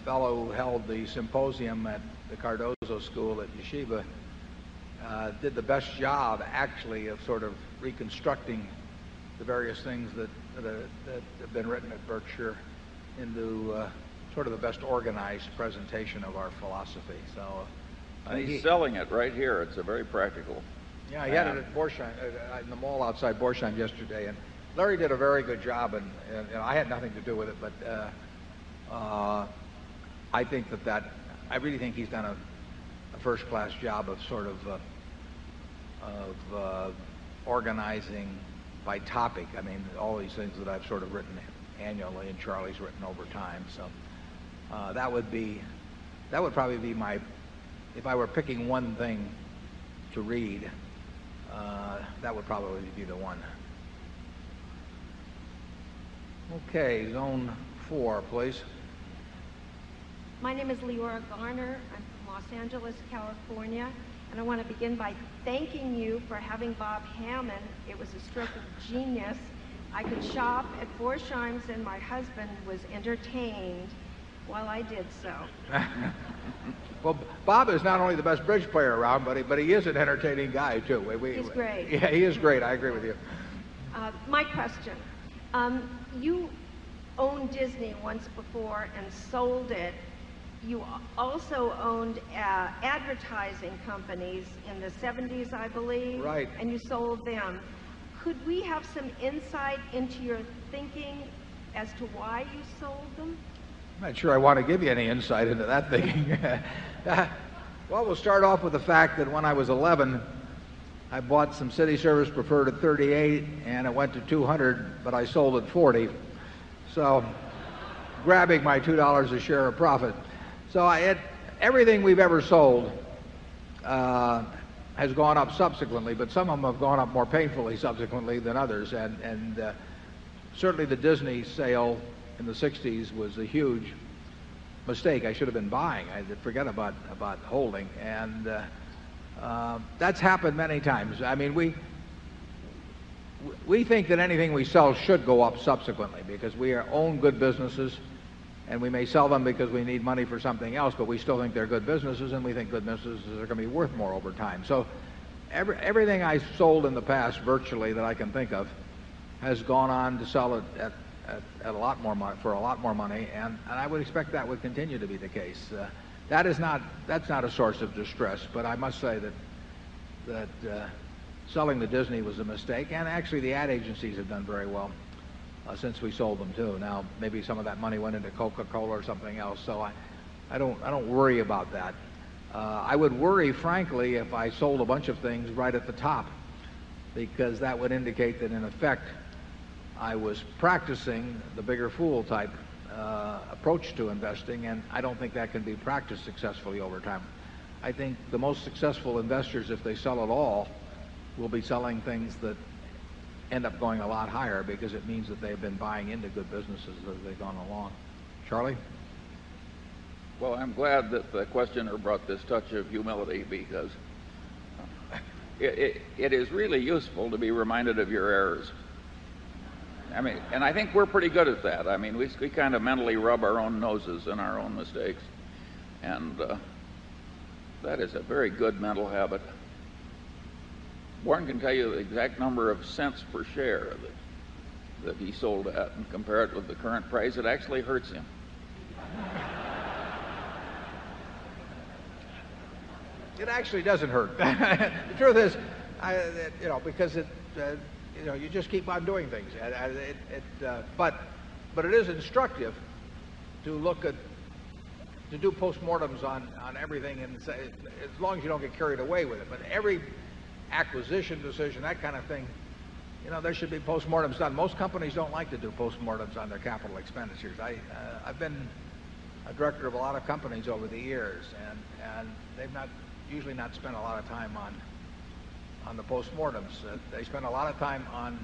fellow who held the symposium at the Cardoso School at Yeshiva, the, fellow who held the symposium at the Cardozo School at Yeshiva, did the best job actually of sort of reconstructing the various things that that have been written at Berkshire into sort of the best organized presentation of our philosophy. So he's selling it right here. It's a very practical Yeah. He had it at Borsheim, in the mall outside Borsheim yesterday. And Larry did a very good job and I had nothing to do with it. But, I think that that I really think he's done a first class job of sort of organizing by topic. I mean, all these things that I've sort of written annually and Charlie's written over time. So that would be that would probably be my if I were picking one thing to read, that would probably be the one. Okay. Zone 4, please. My name is Leora Garner. I'm from Los Angeles, California. And I want to begin by thanking you for having Bob Hammond. It was a stroke of genius. I could shop at 4 Shines, and my husband was entertained while I did so. Well, Bob is not only the best bridge player around, buddy, but he is an entertaining guy too. We we He's great. Yeah, he is great. I agree with you. My question. You owned Disney once before and sold it. You also owned advertising companies in the '70s, I believe. Right. And you sold them. Could we have some insight into your thinking as to why you sold them? I'm not sure I want to give you any insight into that thinking. Well, we'll start off with the fact that when I was 11, I bought some city service preferred at 38 and it went to 200, but I sold at 40. So grabbing my $2 a share of profit. So I had everything we've ever sold, has gone up subsequently, but some of them have gone up more painfully subsequently than others. And and, certainly the Disney sale in the sixties was a huge mistake. I should have been buying. I forget about about holding. And, that's happened many times. I mean, we think that anything we sell should go up subsequently because we own good businesses and we may sell them because we need money for something else, but we still think they're good businesses and we think good businesses are going to be worth more over time. So everything I sold in the past virtually that I can think of has gone on to sell it at a lot more for a lot more money, and I would expect that would continue to be the case. That is not that's not a source of distress. But I must say that selling to Disney was a mistake. And actually, the ad agencies have done very well since we sold them too. Now maybe some of that money went into Coca Cola or something else. So I don't worry about that. I would worry, frankly, if I sold a bunch of things right at the top because that would indicate that in effect, I was practicing the bigger fool type approach to investing and I don't think that can be have been buying into good businesses as they've gone along. Charlie? Well, I'm glad that the questioner brought this touch of humility because it is really useful to be reminded of your errors. And I think we're pretty good at that. I mean, we kind of mentally rub our own noses in our own mistakes. And that is a very good exact number of cents per share that he sold at. And exact number of cents per share that he sold at and compare it with the current price. It actually hurts him. It actually doesn't hurt. The truth is, you know, because it, you know, you just keep on doing things. But it is instructive to look at to do postmortems on everything and say as long as you don't get carried away with it. But every acquisition decision, that kind of thing, there should be postmortems done. Most companies don't like to do postmortems on their capital expenditures. I, I've been a director of a lot of companies over the years and and they've not usually not spent a lot of time on on the post mortems. They spend a lot of time on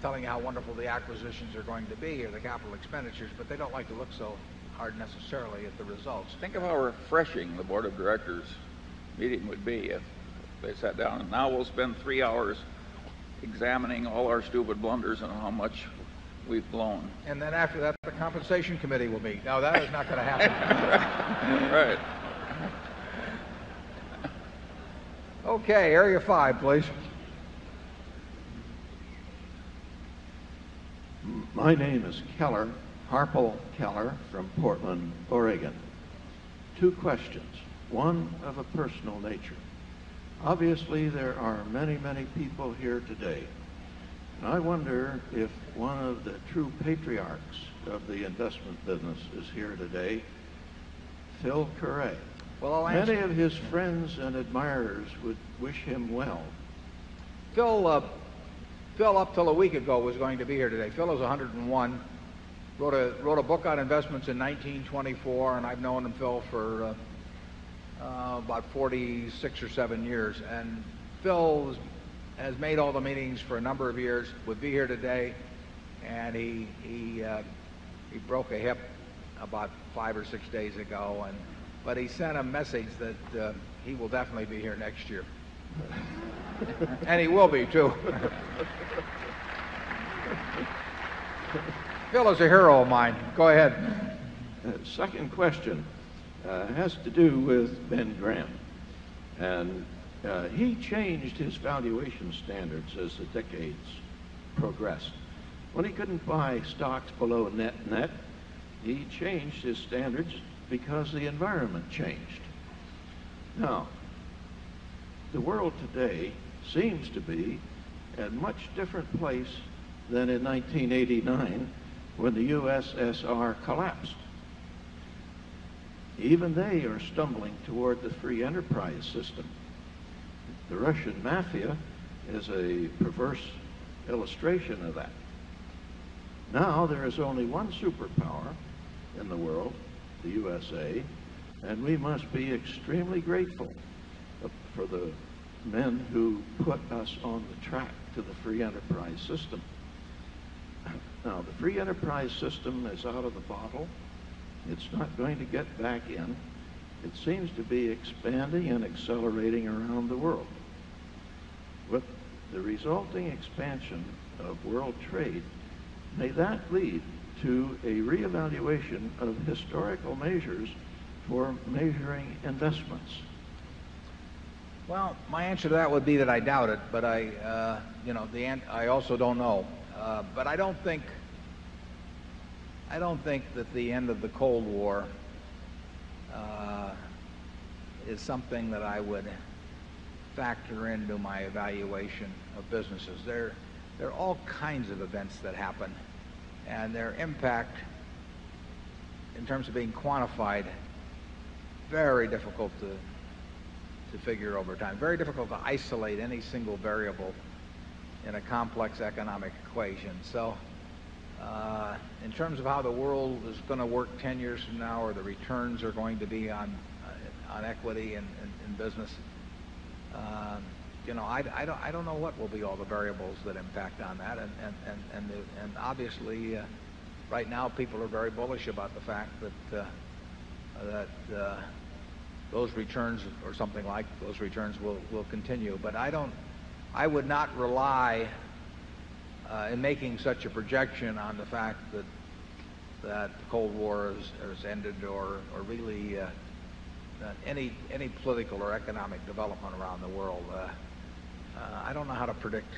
telling how wonderful the acquisitions are going to be or the capital expenditures, but they don't like to look so hard necessarily at the results. Think of how refreshing the Board of Directors meeting would be if they sat down. And now we'll spend 3 hours examining all our stupid blunders and how much we've blown. And then after that, the compensation committee will meet. No, that is not going to happen. Right. Okay. Area 5, please. My name is Kellar, Harpal Keller from Portland, Oregon. Two questions, one of a personal nature. Obviously, there are many, many people here today. And I wonder if one of the true patriarchs of the investment business is here today, Phil Currey. Many of his friends and admirers would wish him well. Phil, up till a week ago, was going to be here today. Phil is 101. Wrote a book on investments in 1924 and I've known him, Phil, for about 46 or 7 years. And Phil has made all the meetings for a number of years, would be here today. And he broke a hip about 5 or 6 days ago and but he sent a message that, he will definitely be here next year. And he will be too. When he couldn't buy stocks below net net, he changed his standards because the environment changed. Now, the world today seems to be a much different place than in 1989 when the USSR collapsed. Even they are stumbling toward the free enterprise system. The Russian mafia is a perverse illustration of that. Now there is only one superpower in the world, the USA, and we must be extremely grateful for the men who put us on the track to the free enterprise system. Now, the free enterprise system is out of the bottle. It's not going to get back in. It seems to be expanding and accelerating around the world. With the resulting expansion of world trade, may that lead to a reevaluation of historical measures for measuring investments? Well, my answer to that would be that I doubt it, but I, you know, I also don't know. But I don't think that the end of the Cold War is something that I would factor into my evaluation of businesses. There are all kinds of events that happen and their impact in terms of being quantified, very difficult to figure over time, very difficult to isolate any single variable in a complex economic equation. So in terms of how the world is going to work 10 years from now or the returns are going to be on equity and business, I don't know what will be all the variables that impact on that. And obviously, right now, people are very bullish about the fact that those returns or something like those returns will continue. But I don't I would not rely in making such a projection on the fact that the Cold War has ended or really any political or economic development around the world. I don't know how to predict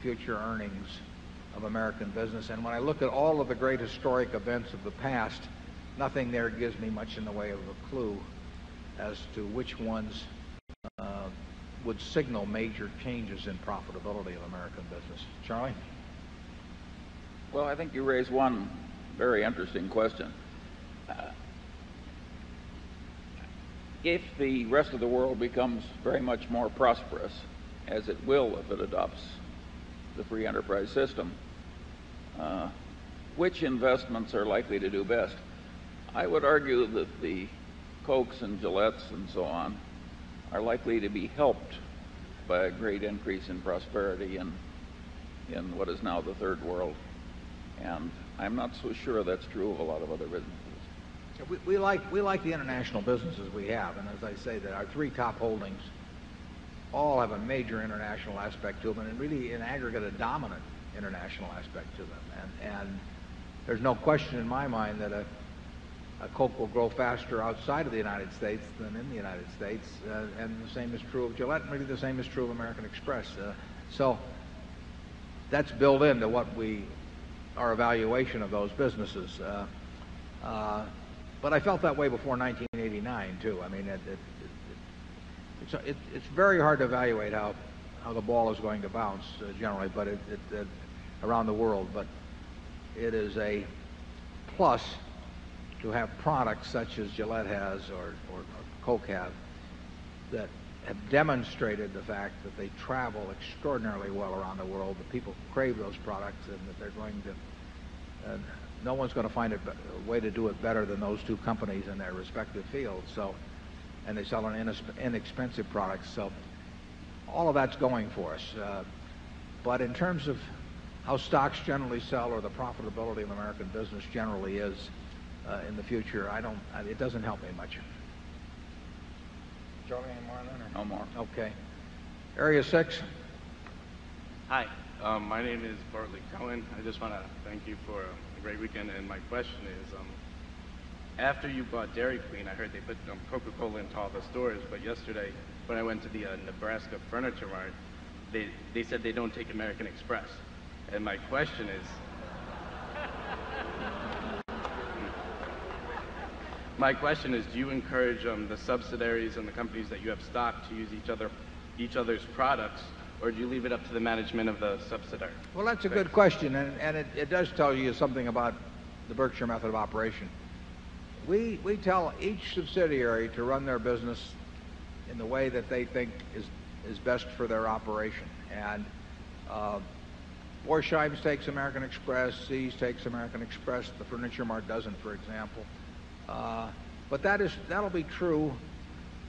future earnings of American business. And when I look at all of the great historic events of the past, nothing there gives me much in the way of a clue as to which ones would signal major changes in profitability of American business. Charlie? Well, I think you raised one very interesting question. If the rest of the world becomes very much more prosperous as it will if it adopts the free enterprise system, which investments are likely to do best? I would argue that the Cokes and Gillette and so on are likely to be helped by a great increase in prosperity in what is now the 3rd world. And I'm not so sure that's true of a lot of other businesses. We like the international businesses we have. And as I say that our 3 top holdings all have a major international aspect to them and really in aggregate a dominant international aspect to them. And there's no question in my mind that Coke will grow faster outside of the United States than in And the same is true of Gillette and really the same is true of American Express. So that's built into what we our evaluation of those businesses. But I felt that way before 1989 too. I mean it's very hard to evaluate out how the ball is going to bounce generally but around the world. But it is a plus to have products such as Gillette has or Coke have that have demonstrated the fact that they travel extraordinarily well around the world, that people crave those products and that they're going to no one's going to find a way to do it better than those 2 companies in their respective fields. So and they sell an inexpensive product. So all of that's going for us. But in terms of how stocks generally sell or the profitability of American business generally is in the future, I don't it doesn't help me much. Do you have any more Leonard? No more. Okay. Area 6. Hi. My name is Bartley Cohen. I just want to thank you for a great weekend. And my question is, after you bought Dairy Queen, I heard they put Coca Cola in tall the stores. But yesterday, when I went to the Nebraska Furniture Mart, they they said they don't take American Express. And my question is my question is do you encourage stopped to use each other each other's products or do you leave it up to the management of the subsidiary? Well, that's a good question. And and it does tell you something about the Berkshire method of operation. We tell each subsidiary to run their business in the way that they think is best for their operation. And, Horsheim's takes American Express, Sees takes American The Furniture Mart doesn't, for example. But that is that'll be true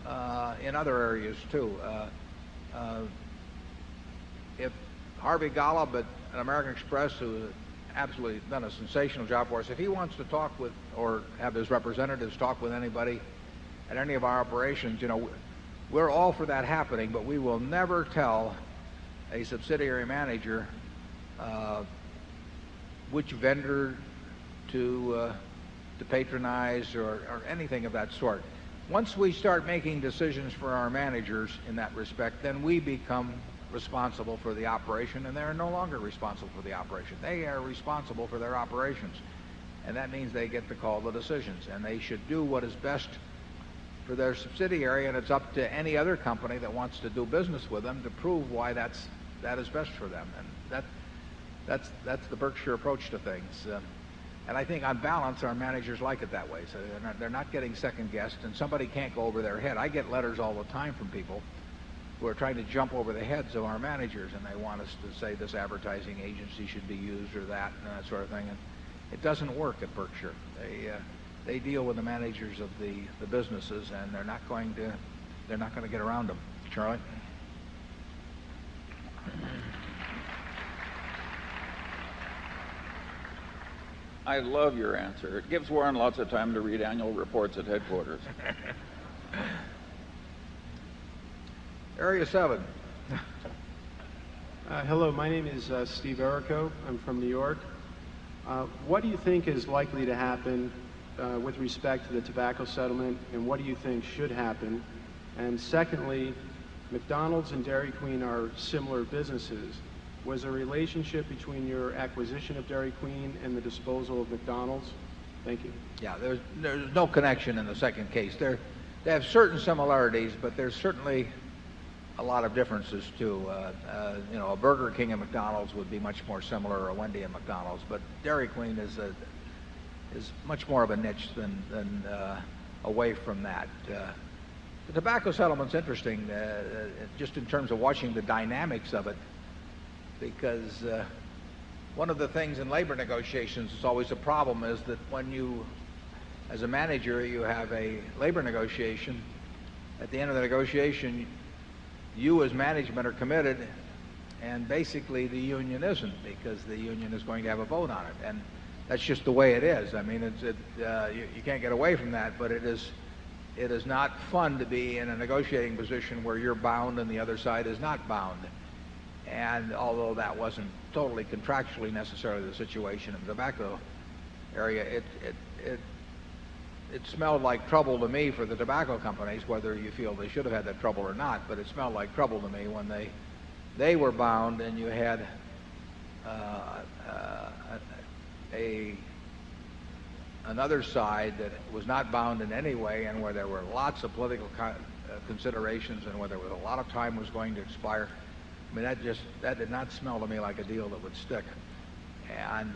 in other areas too. If Harvey Golub at American Express, who has absolutely done a sensational job for us, if he wants to talk with or have his representatives talk with anybody at any of our operations, you know, we're all for that happening, but we will never tell a subsidiary manager which vendor to patronize or anything of that sort. Once we start making decisions for our managers in that respect, then we become responsible for the operation. And they are no longer responsible for the operation. They are responsible for their operations. And that means they get the call of the decisions. And they should do what is best for their subsidiary, and it's up to any other company that wants to do business with them to prove why that's that is best for them. And that's the Berkshire approach to things. And I think, on balance, our managers like it that way. So they're not getting second guessed and somebody can't go over their head. I get letters all the time from people who are trying to jump over their heads of our sort of thing. And it doesn't work at Berkshire. They deal with the managers of the businesses and they're not going to get around them. Charlie? I love your answer. It gives Warren lots of time to read annual reports at headquarters. Area 7. Hello. My name is Steve Ereco. I'm from New York. What do you think is likely to happen with respect to the tobacco settlement? And what do you think should happen? And secondly, McDonald's and Dairy Queen are similar businesses. Was there a relationship between your acquisition of Dairy Queen and the disposal of McDonald's? Thank you. Yes. There's no connection in the second case. They have certain similarities, but there's certainly a lot of differences too. Burger King and McDonald's would be much more similar or Wendy and McDonald's, but Dairy Queen is much more of a niche than away from that. The tobacco settlement is interesting just in terms of watching the dynamics of it because one of the things in labor negotiations, it's always a problem, is that when you, as a manager, you have a labor negotiation. At the end of the negotiation, you as management are committed and basically, the union isn't because the union is going to have a vote on it. And that's just the way it is. I mean, it's it, you can't get away from that, but it is it is not fun to be in a negotiating position where you're bound and the other side is not bound. And although that wasn't totally contractually necessarily the situation of the tobacco area, it smelled like trouble to me for the tobacco companies, whether you feel they should have had that trouble or not, but it smelled like trouble to me when they were bound and you had another side that was not bound in any way and where there were lots of political considerations and where there was a lot of time was going to expire. I mean, that just that did not smell to me like a deal that would stick. And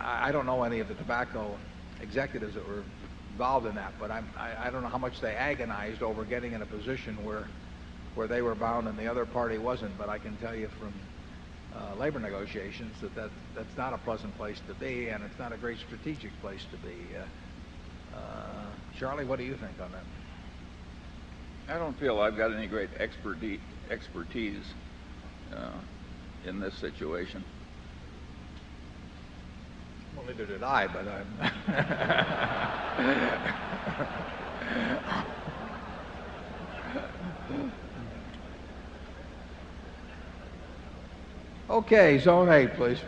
I don't know any of the tobacco executives that were involved in that, but I'm I don't know how much they agonized over getting in a position where they were bound and the other party wasn't. But I can tell you from labor negotiations that that's not a pleasant place to be and it's not a great strategic place to be. Charlie, what do you think on that? I don't feel I've got any great expertise in this situation. Okay. Zone 8, please.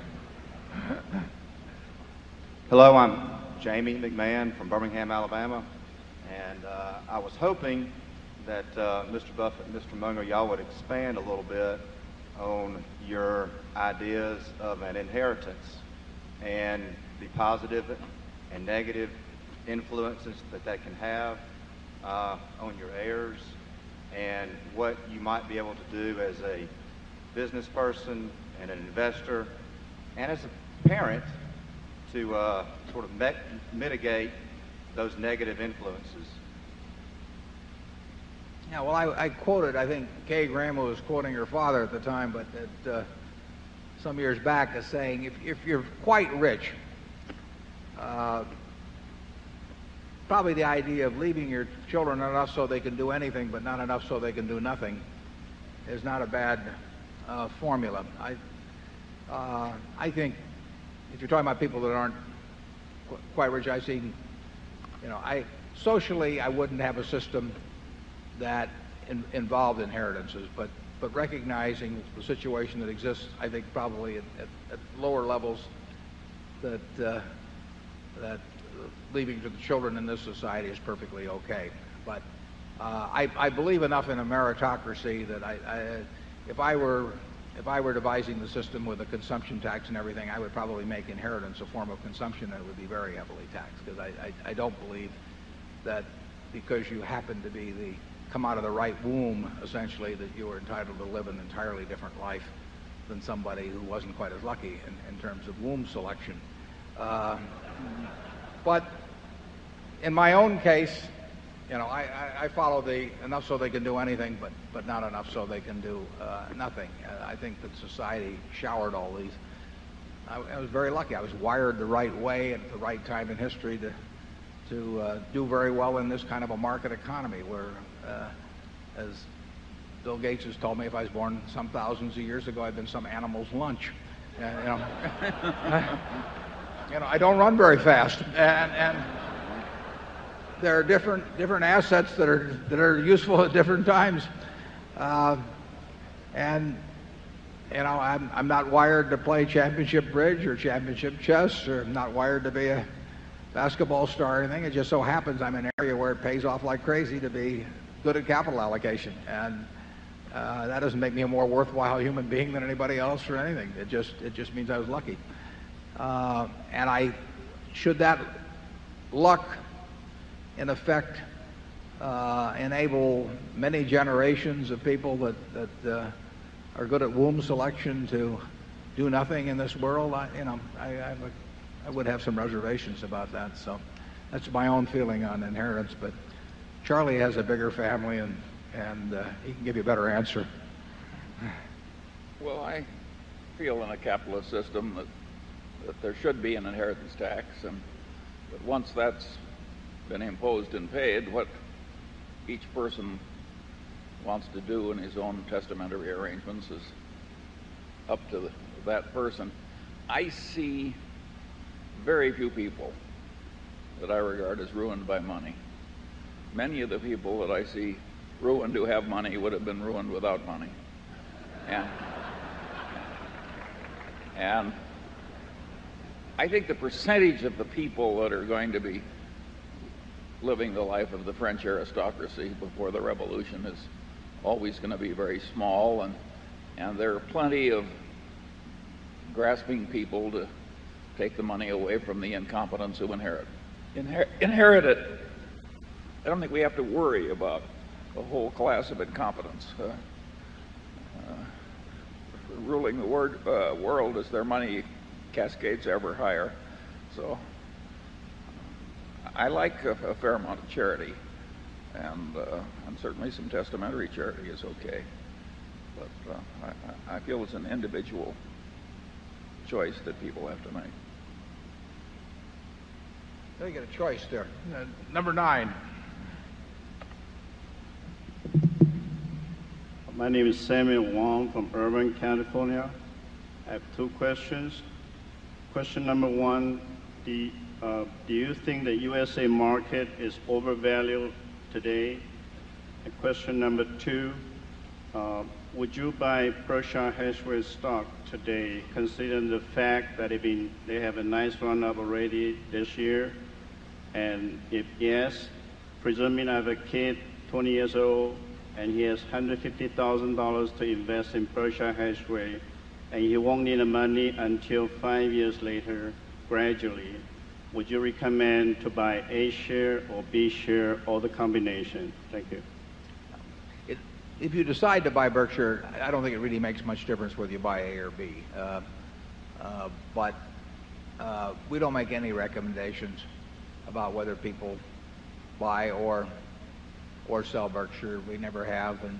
Hello. I'm Jamie McMahon from Birmingham, Alabama. And, I was hoping that, mister Buffet and mister Munger, y'all would expand a little bit on your ideas of an inheritance and the positive and negative influences that they can have, on your heirs and what you might be able to do as a business person and investor and as a parent to, sort of mitigate those negative influences? Yeah. Well, I quoted, I think Kaye Graham was quoting her father at the time, but that some years back as saying, if you're quite rich, probably the idea of leaving your children enough so they can do anything, but not enough so they can do nothing is not a bad formula. I think if you're talking about people that aren't quite regiasing, I socially, I wouldn't have a system that involved inheritances. But recognizing the situation that exists, I think probably at lower levels that leaving to the children in this society is perfectly okay. But I believe enough in a meritocracy that if I were devising the system with a consumption tax and everything, I would probably make inheritance a form of consumption that would be very heavily taxed. Because I don't believe that because you happen to be the come out of the right womb essentially that you are entitled to live an entirely different life than somebody who wasn't quite as lucky in terms of womb selection. But in my own case, you know, I follow the enough so they can do anything but not enough so they can do, nothing. I think that society showered all these. I was very lucky. I was wired the right way at the right time in history to do very well in this kind of a market economy where, as Bill Gates has told me, if I was born some 1000 of years ago, I'd been some animal's lunch. You know, I don't run very fast. And there are different, different assets that are, that are useful at different times. And I'm not wired to play championship bridge or championship chess or not wired to be a basketball star or anything. It just so happens I'm in an area where it pays off like crazy to be good at capital allocation. And that doesn't make me a more worthwhile human being anybody else or anything. It just means I was lucky. And I should that luck in effect, enable many generations of people that are good at womb selection to do nothing in this world. I would have some reservations about that. So that's my own feeling on inheritance. But Charlie has a bigger family and, he can give you a better answer. Well, I feel in a capitalist system that there should be inheritance tax. And once that's been imposed and paid, what each person wants to do in his own testamentary arrangements is up to that person. I see very few people that I regard as ruined by money. Many of the people that I see ruined to have money would have been ruined without money. And I think the percentage of the people that are going to be living the life of the French aristocracy before the revolution is always going to be very small. And there are plenty of grasping people to take the money away from the the incompetence ruling the world as their money cascades ever higher. So I like a fair amount of charity. And certainly some testamentary charity is okay. But I feel it's an individual choice that people have to make. They got a choice there. Number 9. My name is Samuel Wong from Irvine, California. I have two questions. Question number 1, do you think the U. S. A. Market is overvalued today? And question number 2, would you buy fresh rate stock today considering the fact that they have a nice run up already this year? And if yes, presuming I have a kid, 20 years old and he has $150,000 to invest in Berkshire Hathaway and he won't need the money until 5 years later gradually. Would you recommend to buy A share or B share or the combination? If you decide to buy Berkshire, I don't think it really makes much difference whether you buy A or B. But we don't make any recommendations about whether people buy or sell Berkshire. We never have and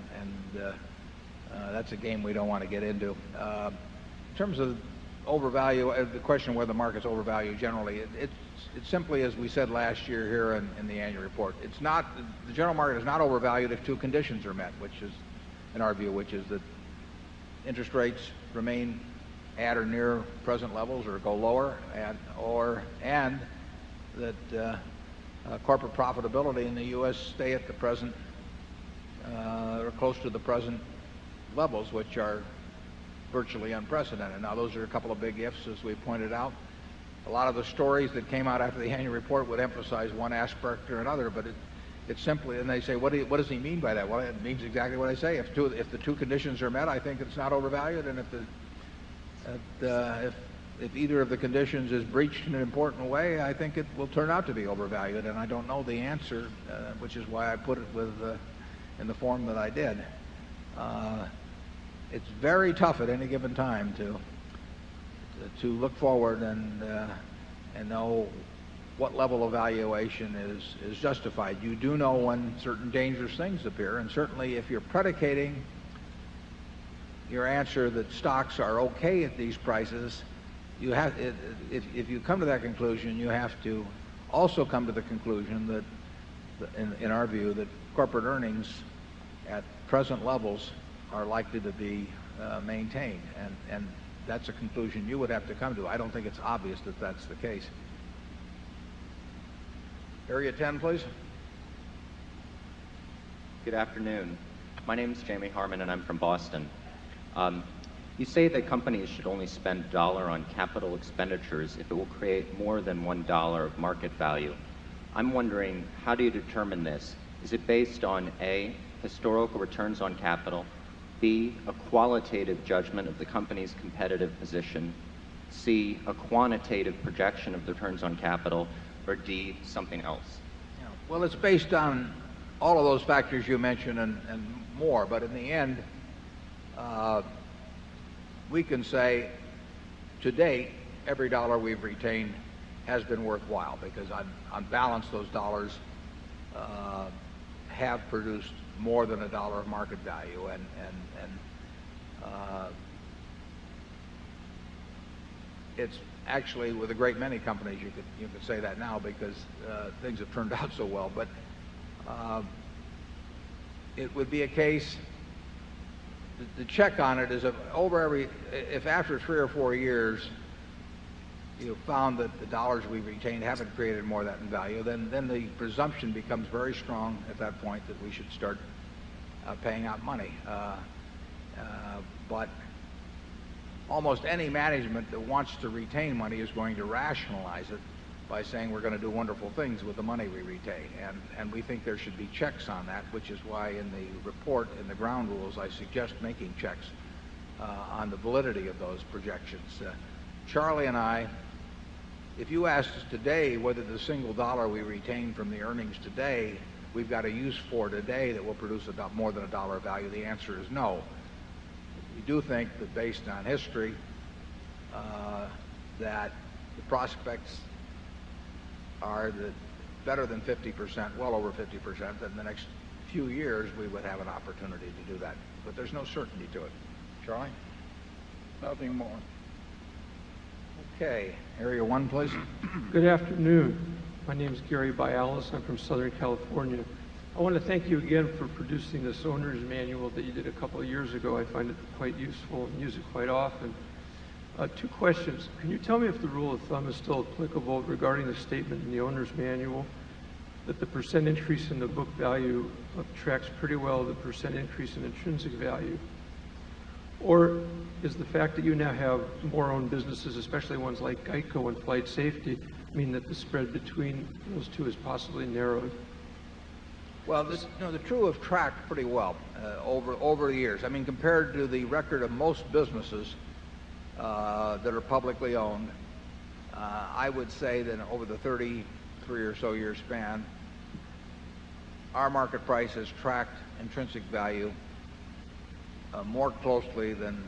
that's a game we don't want to get into. In terms of overvalue, the question whether the market is overvalued it's simply as we said last year here in the annual report. It's not the general market is not overvalued if two conditions are met, is, in our view, which is that interest rates remain at or near present levels or go lower and or and that corporate profitability in the U. S. Stay at the present, or close to the present levels, which are virtually unprecedented. Now those are a couple of big ifs, as we pointed out. A lot of the stories that came out after the annual report would emphasize one aspect or another, but it simply and they say, what does he mean by that? Well, it means exactly what I say. If the two conditions are met, I think it's not overvalued. And if the if either of the conditions is breached in an important way, I think it will turn out to be overvalued. And I don't know the answer, which is why I put it with in the form that I did. It's very tough at any given time to look forward and know what level of valuation is justified. You do know when certain dangerous things appear. And certainly, if you're predicating your answer that stocks are okay at these prices, you have if you come to that conclusion, you have to also come to the conclusion that in our view that corporate earnings at present levels are likely to be maintained. And that's a conclusion you would have to come to. I don't think it's obvious that that's the case. Area 10, please. Good afternoon. My name is Jamie Harmon and I'm from Boston. You say that companies should only spend a dollar on capital expenditures if it will create more than $1 of market value. I'm wondering how do you determine this? Is it based on, a, historical returns on capital, b, a qualitative judgment of the company's competitive position, c, a quantitative projection of the returns on capital, or d, something else? Well, it's based on all of those factors you mentioned and more. But in the end, we can say today every dollar we've retained has been worthwhile because on balance those dollars have produced more than $1 of market value. And it's actually with a great many companies, you could say that now because things have turned out so well. But it would be a case to check on it is over every if after 3 or 4 years, you found that the dollars we've retained haven't created more of that in value, then the presumption becomes very strong at that point that we should start paying out money. But almost any management that wants to retain money is going to rationalize it by saying we're going to do wonderful things with the money we retain. And we think there should be checks on that, which is why in the report, in the ground rules, I suggest making checks on the validity of those projections. Charlie and I, if you asked us today whether the single dollar we retain from the earnings today, we've got a use for today that will produce about more than a dollar value. The answer is no. We do think that based on history, that the prospects are better than 50%, well over 50%, then the next few years, we would have an opportunity to do that. But there's no certainty to it. Charlie? Nothing more. Okay. Area 1, please. Good afternoon. My name is Gary Bialis. I'm from Southern California. I want to thank you again for producing this owner's manual that you did a couple of years ago. I find it quite useful and use it quite often. Two questions. Can you tell me if the rule of thumb is still applicable regarding the statement in the owner's manual that the percent increase in the book value attracts pretty well the percent increase in intrinsic value? Or is the fact that you now have more owned businesses, especially ones like GEICO and FlightSafety, mean that the spread between those two is possibly narrowed? Well, the true have tracked pretty well over over the years. I mean, compared to the record of most businesses that are publicly owned, I would say that over the 33 or so year span, our market price has tracked intrinsic value more closely than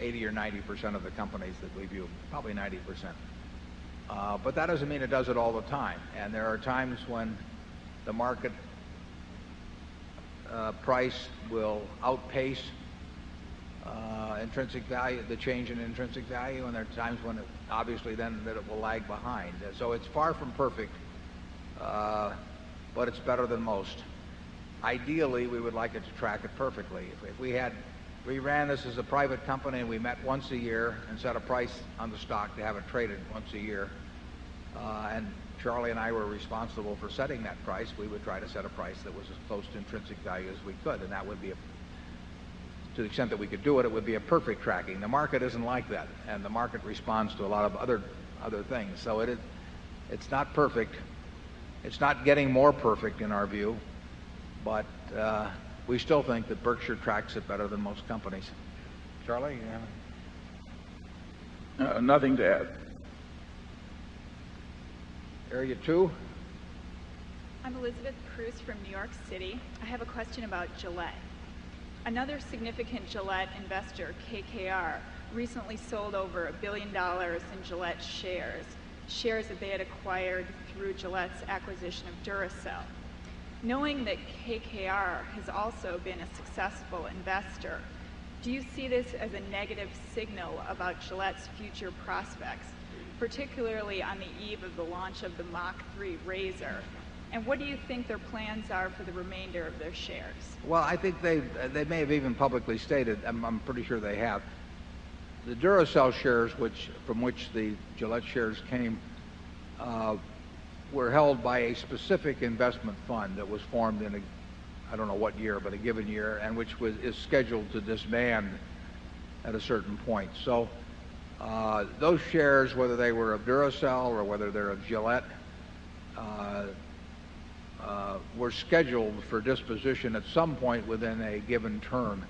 80% or 90% of the companies that we view, probably 90%. Of the companies that we view. Probably 90%. But that doesn't mean it does it all the time. And there are times when the market price will outpace intrinsic value the change in intrinsic value. And there are times when it obviously then that it will lag behind. So it's far from perfect, but it's better than most. Ideally, we would like it to track it perfectly. If we had we ran this as a private company and we met once a year and set a price on the stock to have it traded once a year. And Charlie and I were responsible for setting that price. We would try to set a price that was as close to intrinsic value as we could. And that would to the extent that we could do it, it would be a perfect tracking. The market isn't like that and the market responds to a lot of other things. So it's not perfect. It's not getting more perfect in our view, but we still think that Berkshire tracks it better than most companies. Charlie, you have it? Nothing to add. Area 2. I'm Elizabeth Cruz from New York City. I have a question about Gillette. Another significant Gillette investor, KKR, recently sold over $1,000,000,000 in Gillette shares, shares that they had acquired through Gillette's acquisition of Duracell. Knowing that KKR has also been a successful investor, do you see this as a negative signal about Gillette's future prospects, particularly on the eve of the launch of the Mach 3 RZR? And what do you think their plans are for the remainder of their shares? Well, I think they may have even publicly stated, I'm pretty sure they have. The Duracell shares which from which the Gillette shares came, were held by a specific investment fund that was formed in a I don't know what year, but a given year and which was is scheduled to disband at a certain point. So, those shares, whether they were Aburocell or whether they're a Gillette, were scheduled for disposition at some point within a given term.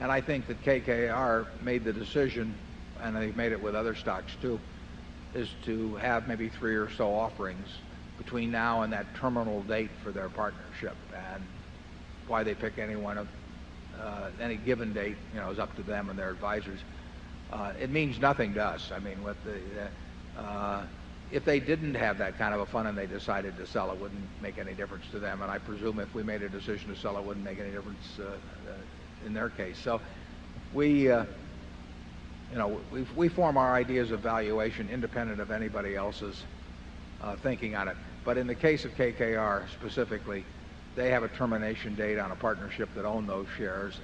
And I think that KKR made the decision and they've made it with other stocks too, is to have maybe 3 or so offerings between now and that terminal date for their partnership. And why they pick any one of any given date is up to them and their advisors. It means nothing to us. I mean, what the if they didn't have that kind of a fund and they decided to sell, it wouldn't make any difference to them. And I presume if we made a decision to sell, it wouldn't make any difference in their case. So we form our ideas of valuation independent of anybody else's thinking on it. But in the case of on it. But in the case of KKR specifically, they have a termination date on a partnership that own those shares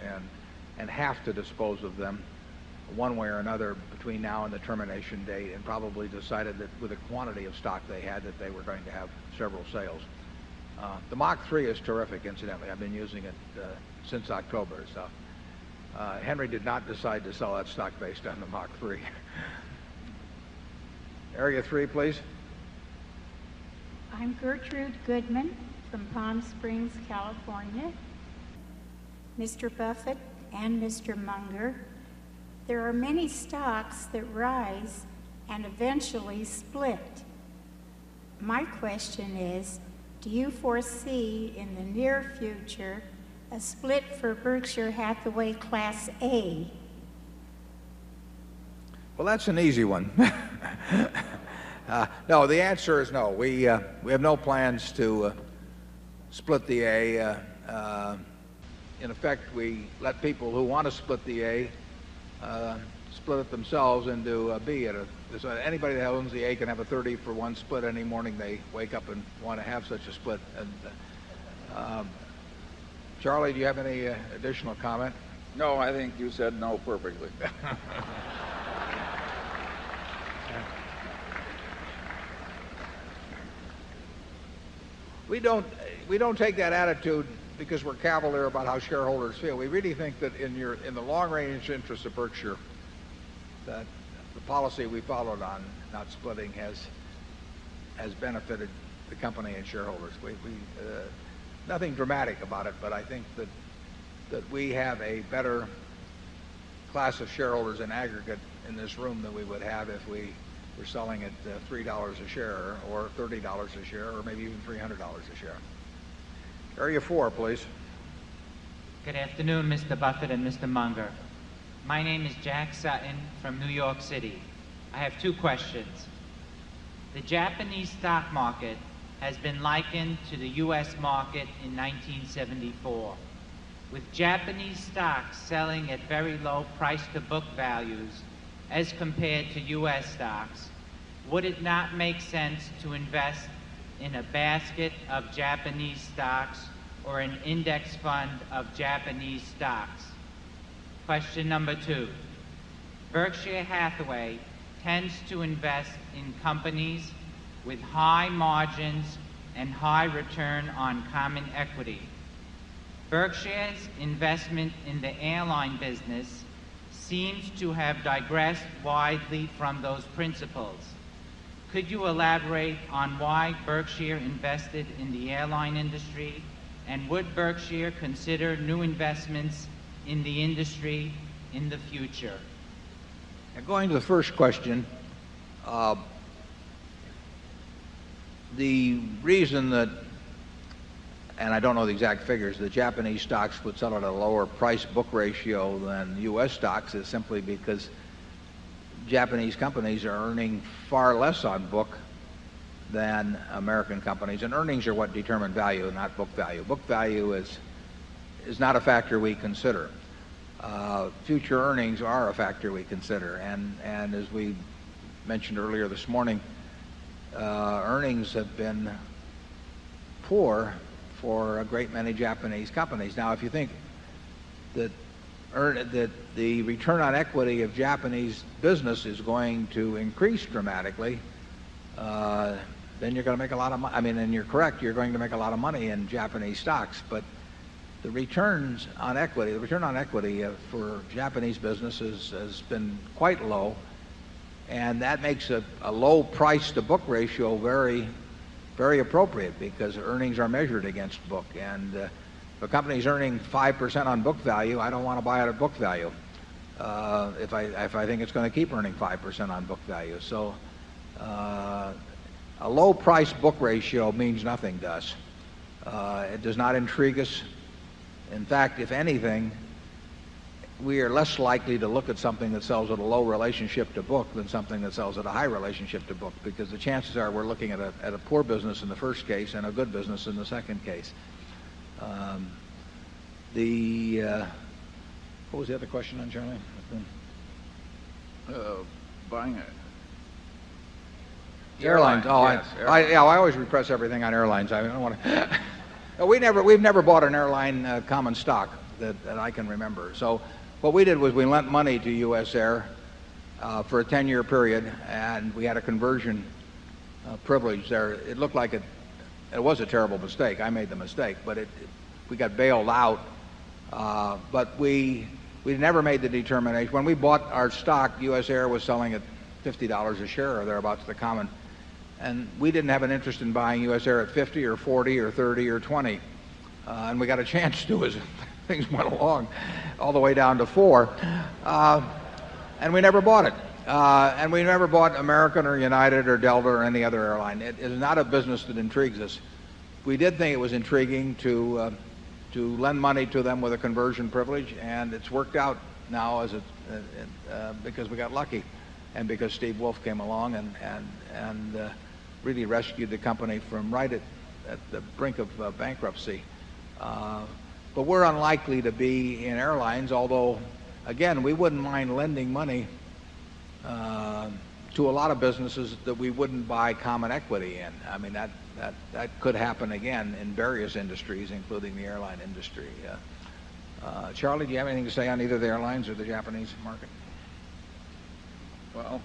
and have to dispose of them one way or another between now and the termination date and probably decided with the quantity of stock they had that they were going to have several sales. The Mach 3 is terrific incidentally. I've been using it since October. So Henry did not decide to sell that stock based on the Mach 3. Area 3, please. I'm Gertrude Goodman from Palm Springs, California. Mister Buffet and mister Munger, there are many stocks that rise and eventually split. My question is, do you foresee in the near future a split for Berkshire Hathaway Class A? Well, that's an easy one. No, the answer is no. We have no plans to split the A. In effect, we let people who want to split the A, split it themselves into And Charlie, do you have any additional comment? SECRETARY No, I think you said no perfectly. We don't take that attitude because we're cavalier about how shareholders feel. We really think that in your in the long range interest of Berkshire, that the policy we followed on not splitting has benefited the company and shareholders. We nothing dramatic about it, but I think that we have a better class of shareholders in aggregate in this room than we would have if we're selling at $3 a share or $30 a share or maybe even $300 a share. Area 4, please. Good afternoon, Mr. Buffet and Mr. Munger. My name is Jack Sutton from New York City. I have two questions. The Japanese stock market has been likened to the U. S. Market in 1974. With stock selling at very low price to book values as compared to U. S. Stocks, would it not make sense to invest in a basket of Japanese stocks or an index fund of Japanese stocks? Question number 2: Berkshire Hathaway tends to invest in companies with high margins and high return on common equity. Berkshire's investment in the airline business seems to have digressed widely from those principles. Could you elaborate on why Berkshire invested the airline industry? And would Berkshire consider new investments in the industry in the future? Going to the first question, the reason that and I don't know the exact figures, the Japanese stocks put some at a lower price book ratio than U. S. Stocks is simply because Japanese companies are earning far less on book than American companies. And earnings are what determine value, not book value. Book value is not a factor we consider. Future earnings are a factor a factor we consider. And as we mentioned earlier this morning, earnings have been poor for a great many Japanese companies. Now if you think that the return on equity of Japanese business is going to increase dramatically, then you're going to make a lot of I mean, and you're correct, you're going to make a lot of money in Japanese stocks. But the returns on equity, the return on equity for Japanese businesses has been quite low. And that makes a low price to book ratio very appropriate because earnings are measured against book. And if a company is earning 5% on book value, I don't want to buy at book value if I think it's going to keep earning 5% on book value. So a low price book ratio means nothing to us. It does not intrigue us. In fact, if anything, we are less likely to look at something that sells at a low relationship to book than something that sells at a high relationship to book because the chances are we're looking at a poor business in the first case and a good business in the second case. What was the other question on Germany? Buying it. Airlines. Yes. I always repress everything on airlines. I don't want to we never we've never bought an airline common stock that I can remember. So what we did was we lent money to US Air for a 10 year period and we had a conversion privilege there. It looked like it was a terrible mistake. I made the mistake, but it we got bailed out. But we never made the determination. When we bought our stock, U. S. Air was selling at $50 a share or thereabouts to come in. And we didn't have an interest in buying US Air at 50 or 40 or 30 or 20. And we got a chance to as things went along, all the way down to 4. And we never bought it. And we never bought American or United or Delta or any other airline. It's not a business that intrigues us. We did think it was intriguing to lend money to them with a conversion privilege, And it's worked out now as it because we got lucky and because Steve Wolf came along and really rescued the company from right at the brink of bankruptcy. But we're unlikely to be in airlines. Although, again, we wouldn't mind lending money to a lot of businesses that we wouldn't buy common equity in. I mean, that could happen again in various industries, including the airline industry. Charlie, do you have anything to say on either the airlines or the Japanese market? Well,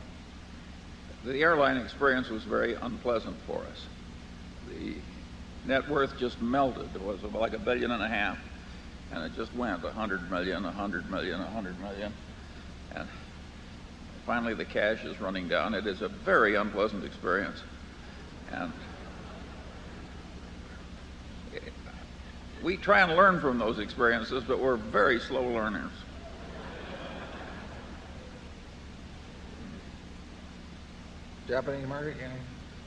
the airline experience was very unpleasant for us. The net worth just melted. It was about 1,500,000,000 and it just went 100,000,000, 100,000,000, 100,000,000. And finally, the cash is running down. It is a very unpleasant experience. And we try and learn from those Japanese market?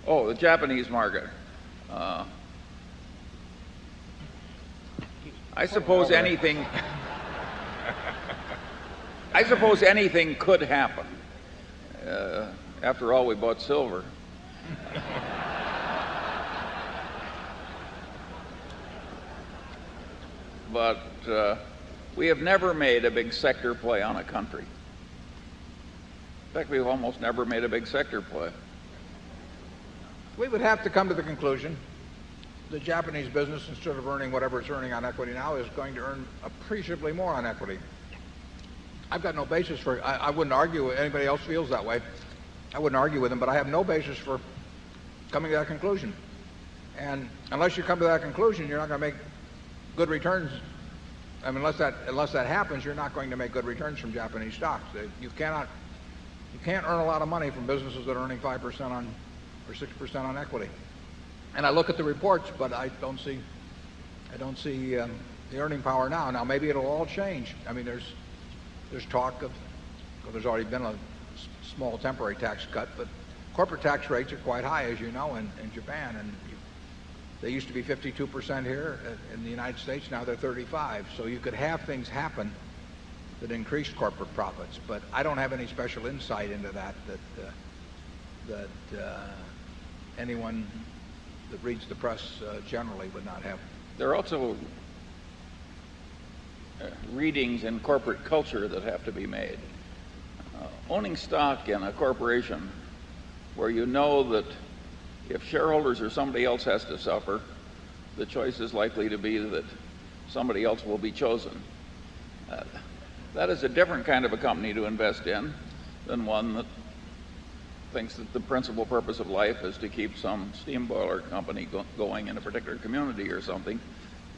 Oh, the Japanese market. I suppose anything could happen. After all, we bought silver. But we have never made a big sector play on a country. In fact, we've almost never made a big sector play. We would have to come to the conclusion the Japanese business, instead of earning whatever it's earning on equity now, is going to earn appreciably more on equity. I got no basis for I wouldn't argue with anybody else feels that way. I wouldn't argue with them, but I have no basis for coming to that conclusion. And unless you come to that conclusion, you're not going to make good returns. I mean, unless that happens, you're not going to make good returns from Japanese stocks. You cannot earn a lot of money from businesses that are earning 5% on or 6% on equity. And I look at the reports, but I don't see the earning power now. Now maybe it'll all change. I mean there's talk of there's already been a small temporary tax cut, but corporate tax rates are quite high, as you know, in Japan. And they used to be 52% here in the United States. Now they're 35%. So you could have things happen that increase corporate profits. But I don't have any special insight into that, that anyone that reads the press generally would not have. There are also readings in corporate culture that have to be made. Owning stock in a corporation where you know that if shareholders or somebody else has to suffer, the choice is likely to be that somebody else will be chosen. That is a different kind of a company to invest in than one that thinks that the principal purpose of life is to keep some steam boiler company going in a particular community or something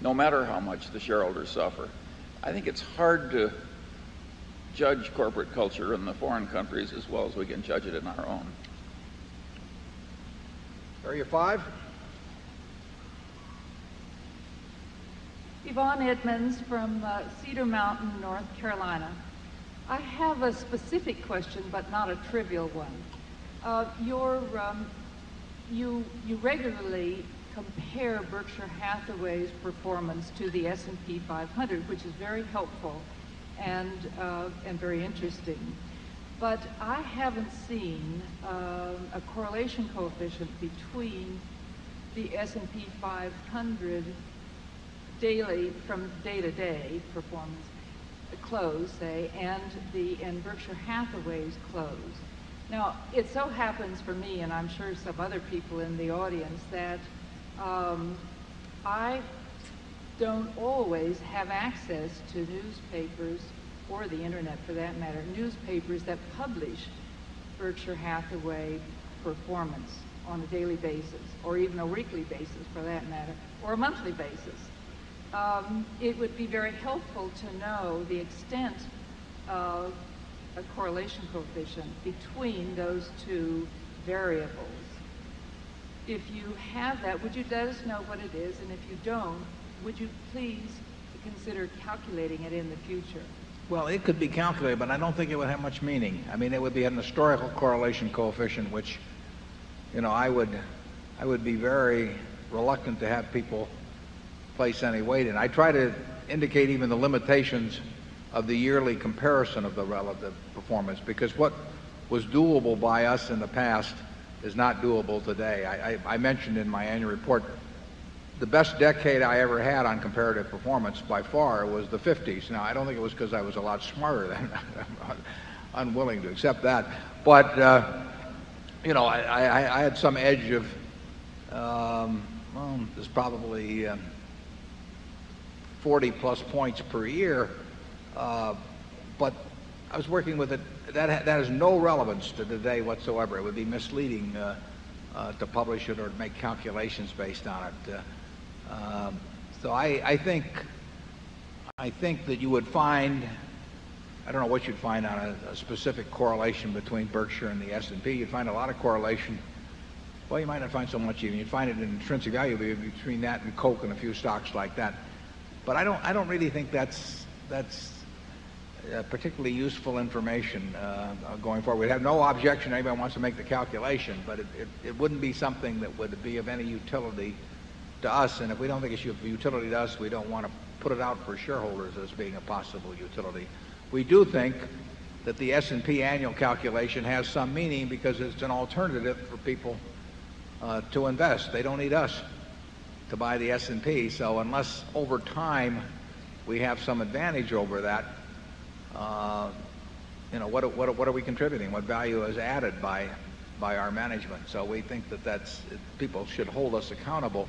no matter how much the shareholders suffer. I think it's hard to judge corporate culture in the foreign countries as well as we can judge it in our own. Are you five? Yvonne Edmonds from, Cedar Mountain, North Carolina. I have a specific question but not a trivial one. And very interesting. But I haven't seen a correlation coefficient between the S and P 500 daily from day to day performance close, say, and the and Berkshire Hathaway's close Now it so happens for me and I'm sure some other people in the audience that I don't always have access to newspapers or the Internet for that matter, newspapers that publish Berkshire Hathaway performance on a daily basis or even a weekly basis for that matter or a monthly basis. It would be very helpful to know the extent of a correlation coefficient between those two variables. If you have that, would you just know what it is? And if you don't, would you please consider calculating it in the future? Well, it could be calculated, but I don't think it would have much meaning. I mean, it would be a historical correlation coefficient which I would be very reluctant to have people place any weight in. I try to indicate even the limitations of the yearly comparison of the relative performance because what was doable by us in the past is not doable today. I mentioned in my annual report, the best decade I ever had on comparative performance by far was the 50s. Now I don't think it was because I was a lot smarter than unwilling to accept that. But I had edge of, it's probably 40 plus points per year. But I was working with it. That has no relevance to today whatsoever. It would be misleading to publish it or to make calculations based on it. So I think that you would find I don't know what you'd find on a specific correlation between Berkshire and the S and P. You'd find a lot of correlation. Well, you might not find so much even. You'd find it in intrinsic value between that and Coke and a few stocks like that. But I don't really think that's particularly useful information going forward. We have no objection. Anyone wants to make the calculation, but it wouldn't be something that would be of any utility to us. And if we don't think it's annual calculation has some meaning because it's an all time high. We do think that the S and P annual calculation has some meaning because it's an alternative for people to invest. They don't need us to buy the S and P. So unless over time we have some advantage over that, what are we contributing? What value is added by our management? So we think that that's people should hold us accountable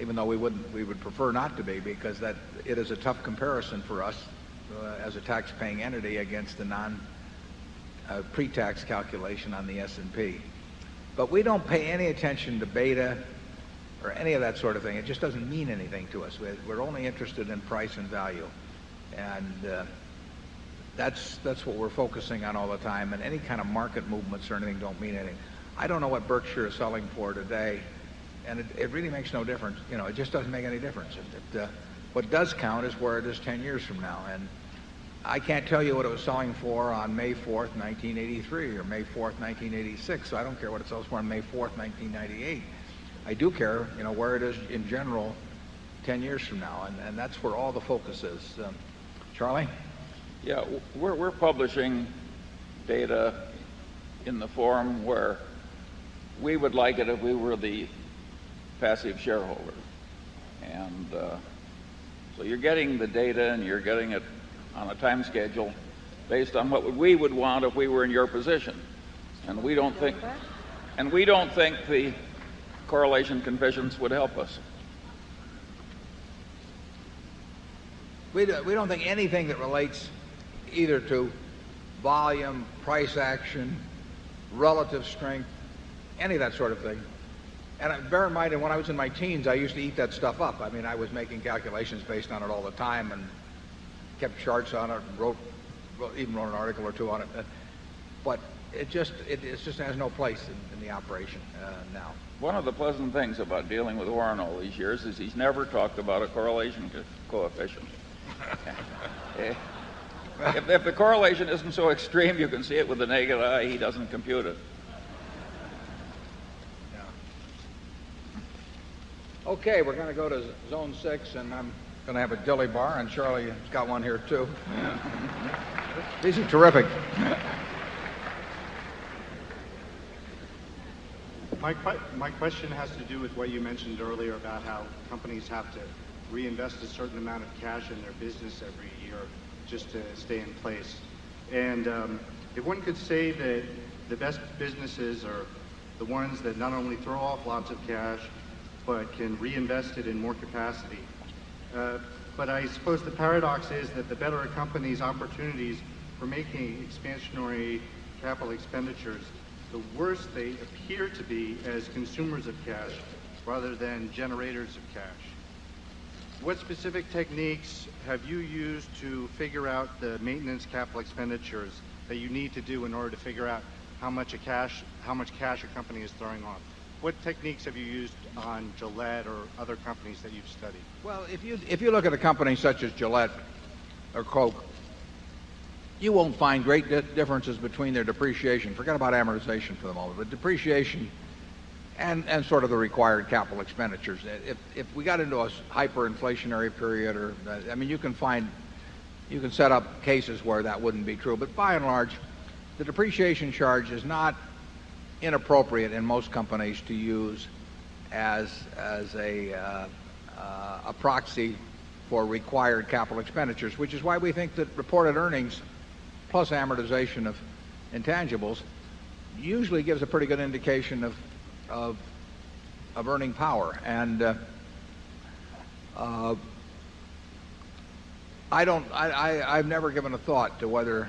even though we wouldn't we would prefer not to be because that it is a tough comparison for us as a taxpaying entity against the non pretax calculation on the S and P. But we don't pay any attention to beta or any of that sort of thing. It just doesn't mean anything to us. We're only interested in price and value. And that's what we're focusing on all the time. And any kind of market movements or anything don't mean anything. I don't know what Berkshire is selling for today. And it really makes no difference. It just doesn't make any difference. What does count is where it is 10 years from now. And I can't tell you what it was selling for on May 4, 1983 or May 4, 80 6. So I don't care what it sells for on May 4, 1998. I do care where it is in general 10 years from now. And that's where all the focus is. Charlie? Yeah. We're publishing data in the forum where we would like it if we were the passive shareholder. And so you're getting the data and you're getting it on a time schedule based on what we would want if we were in your position. And we don't think the correlation conditions would help us. We don't think anything that relates either to volume, price action, relative strength, any of that sort of thing. And bear in mind, when I was in my teens, I used to eat that stuff up. I mean, I was making calculations based on it all the time and kept charts on it and wrote the operation the operation now. One of the pleasant things about dealing with Warren all these years is he's never talked about a correlation coefficient. If the correlation isn't so extreme, you can see it with a negative eye. He doesn't compute it. Okay. We're going to go to zone 6, and I'm going to have a deli bar. And Charlie has got one here, too. These are terrific. My my question has to do with what you mentioned earlier about how companies have to reinvest a certain amount of cash in their business every year just to stay in place. And, if one could say that the best businesses are the ones that not only throw off lots of cash but can reinvest it in more capacity. But I suppose the paradox is that the better accompanies opportunities for making expansionary capital expenditures, the worst they appear to be as consumers of cash rather than generators of cash. What specific techniques have you used to figure out the maintenance capital expenditures that you need to do in order to figure out how much cash a company is throwing off? What techniques have you used on Gillette or other companies that you've studied? Well, if you look at a company such as Gillette or Coke, you won't find great differences between their depreciation. Forget about amortization for them all, but depreciation and sort of the required capital expenditures. If we got into a hyperinflationary period or I mean, you can find you can set up cases where that wouldn't be true. But by and large, the depreciation charge is not inappropriate in most companies to use as a proxy for required capital expenditures, which is why we think that reported earnings plus amortization of intangibles usually gives a pretty good indication of earning power. And I don't I've never given a thought to whether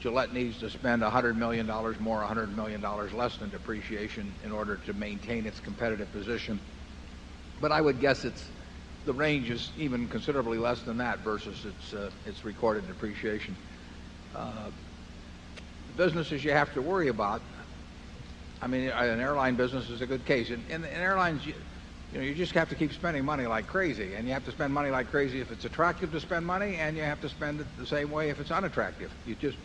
Gillette needs to spend $100,000,000 more, dollars 100,000,000 less than depreciation in order to maintain its competitive position. But I would guess it's the range is even considerably less than that versus its recorded depreciation. The businesses you have to worry about, I mean, an airline business is a good case. In airlines, you just have to keep spending money like crazy. And you have to spend money like crazy if it's attractive to spend money, and you have to spend it the same way if it's unattractive. You just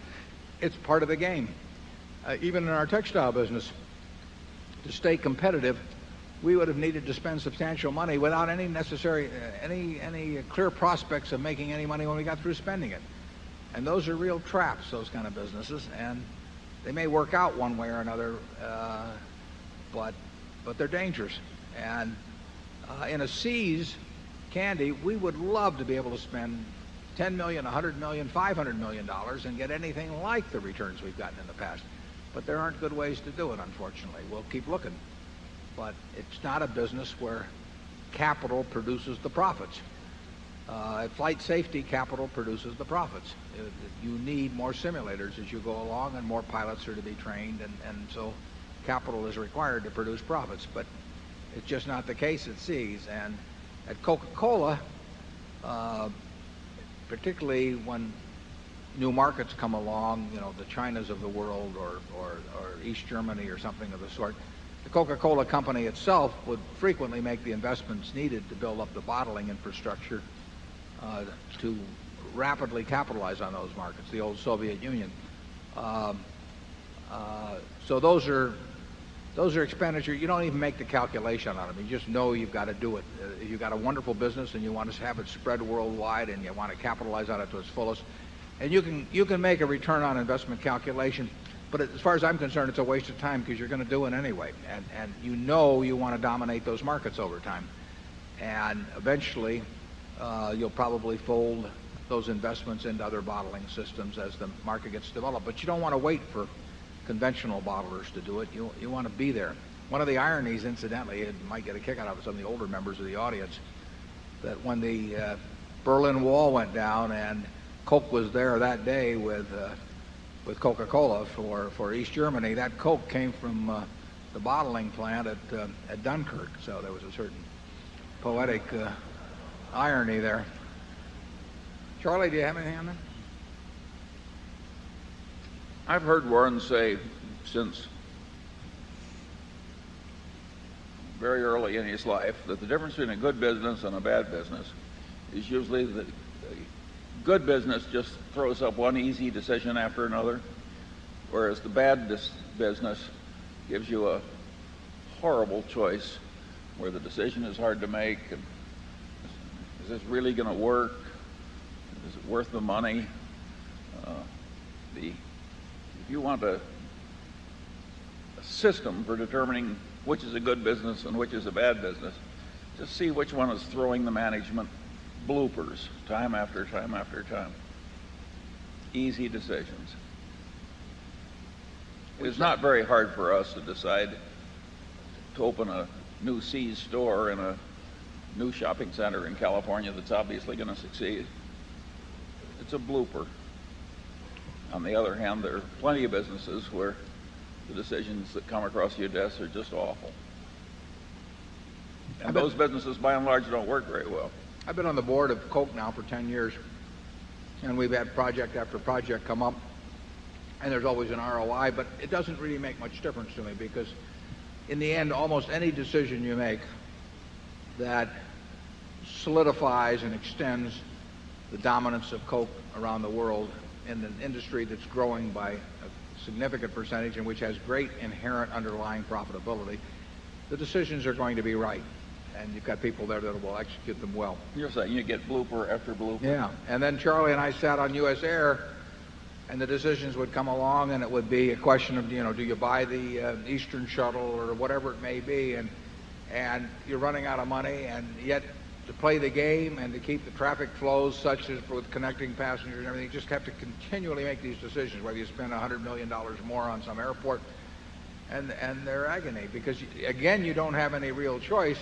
it's part of the game. Even in our textile business, to stay competitive, we would have needed to spend substantial money without any clear prospects of making any money when we got through spending it. And those are real traps, those kind of businesses. And they may work out one way or another, but they're dangerous. And in a sea's candy, we would love to be able to spend $10,000,000 $100,000,000 $500,000,000 and get anything like the returns we've gotten in the past. But there aren't good ways to do it, unfortunately. We'll keep looking. But it's not a business where capital produces the profits. You need more simulators as you go along and more pilots are to be trained. And so capital is required to produce profits. But it's just not the case at seas. And at Coca Cola, particularly when new markets come along, the Chinas of the world or East Germany or something of the sort, the Coca Cola Company itself would old Soviet Union. So those are expenditure. You don't even make the calculation on them. You just know you've got to do it. You've got a wonderful business and you want us to have it spread worldwide and you want to capitalize on it to its fullest. And you can make a return on investment calculation. But as far as I'm concerned, it's a waste of time because you're going to do it anyway. And you know you want to dominate those markets over time. And eventually, you'll probably fold those investments into other bottling systems as the market gets developed. But you don't want to wait for conventional bottlers to do it. You want to be there. One of the ironies incidentally, it might get a kick out of some of the older members of the audience, that when the Berlin Wall went down and Coke was there that day with Coca Cola for East Germany, that Coke came from the bottling plant at Dunkirk. So there was a certain poetic irony there. Charlie, do you have any hand then? I've heard Warren say since very early in his life that the difference between a good business and a bad business is usually that good business just throws up one easy decision after another, whereas the bad business gives you a horrible choice where the decision is hard to make. Is this really going to work? Is it worth the money? If you want a system for determining which is a good business and which is a bad business to see which one is throwing the management bloopers time after time after time. Easy decisions. It is not very hard for us to decide to open a new C's store in a new shopping center in California that's obviously going to succeed. It's a blooper. On the other hand, there are plenty of businesses where the decisions that come across your desk are just awful. And those businesses, by and large, don't work very well. I've been on the Board of Coke now for 10 years and we've had project after project come up. And there's always an ROI. But it doesn't really make much difference to me because in the end, almost any decision you make that solidifies and extends the dominance of Coke around the world in an industry that's growing by a significant percentage and which has great inherent underlying profitability, the decisions are going to be right. And you've got people there that will execute them well. You're saying you get blooper after blooper. Yeah. And then Charlie and I sat on US Air and the decisions would come along and it would be a question of, you know, do you buy the Eastern Shuttle or whatever it may be. And you're running out of money. And yet to play the game and to keep the traffic flows such as with connecting passengers and everything, you just have to continually make these decisions whether you spend $100,000,000 more on some airport. And they're agony because, again, you don't have any real choice,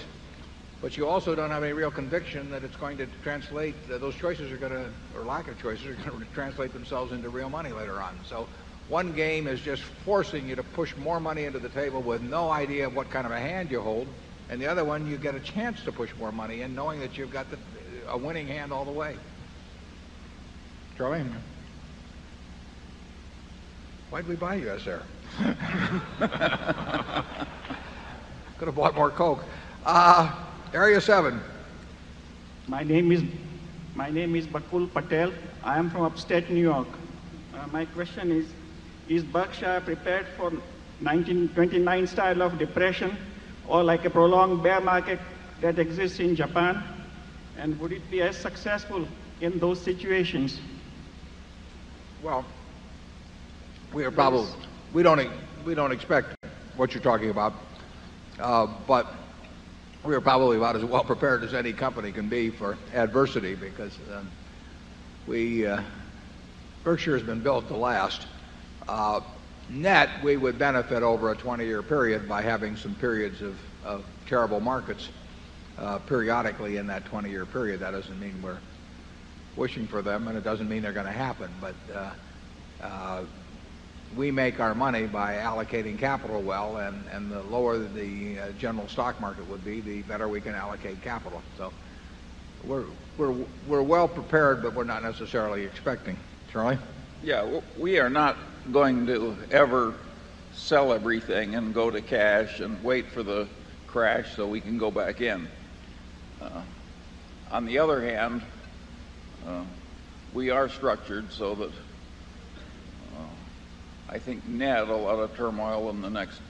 but you also don't have any real conviction that it's going to translate those choices are going to or lack of choices are going to translate themselves into real money later on. So one game is just forcing you to push more money into the table with no idea what kind of a hand you hold. And the other one, you get a chance to push more money in knowing that you've got a winning hand all the way. Jerome? Why did we buy you out there? Could have bought more coke. Area 7. My name is Patel. I am from upstate New York. My question is, is Berkshire prepared for 29 style of depression or like a prolonged bear market that exists in Japan? And would it be as successful in those situations? Well, we are probably we don't we don't expect what you're talking about. But we are probably about as well prepared as any company can be for adversity because we Berkshire has been built to last. Net, we would benefit over a 20 year period by having some periods of terrible markets periodically in that 20 year period. That doesn't mean we're wishing for them and it doesn't mean they're going to happen. But we make our money by allocating capital well and the lower the general stock market would be, the better we can allocate capital. So we're well prepared but we're not necessarily expecting. Charlie? Yes. We are not going to ever sell everything and go to cash and wait for the crash so we can go back in. On the other hand, we are structured so that I think now that a lot of turmoil in the next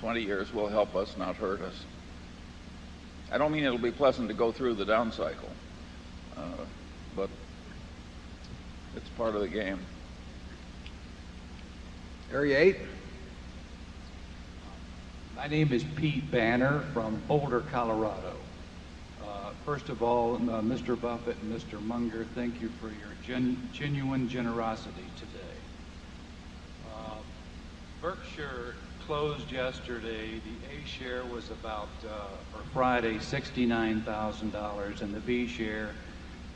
20 years will help us, not hurt us. I don't mean it'll be pleasant to go through the down cycle, but it's part of the game. Area 8, my name is Pete Banner from Boulder, Colorado. First of all, mister Buffet and mister Munger, thank you for your genuine generosity today. Berkshire closed yesterday. The a share was about, or Friday, dollars 69,000 and the b share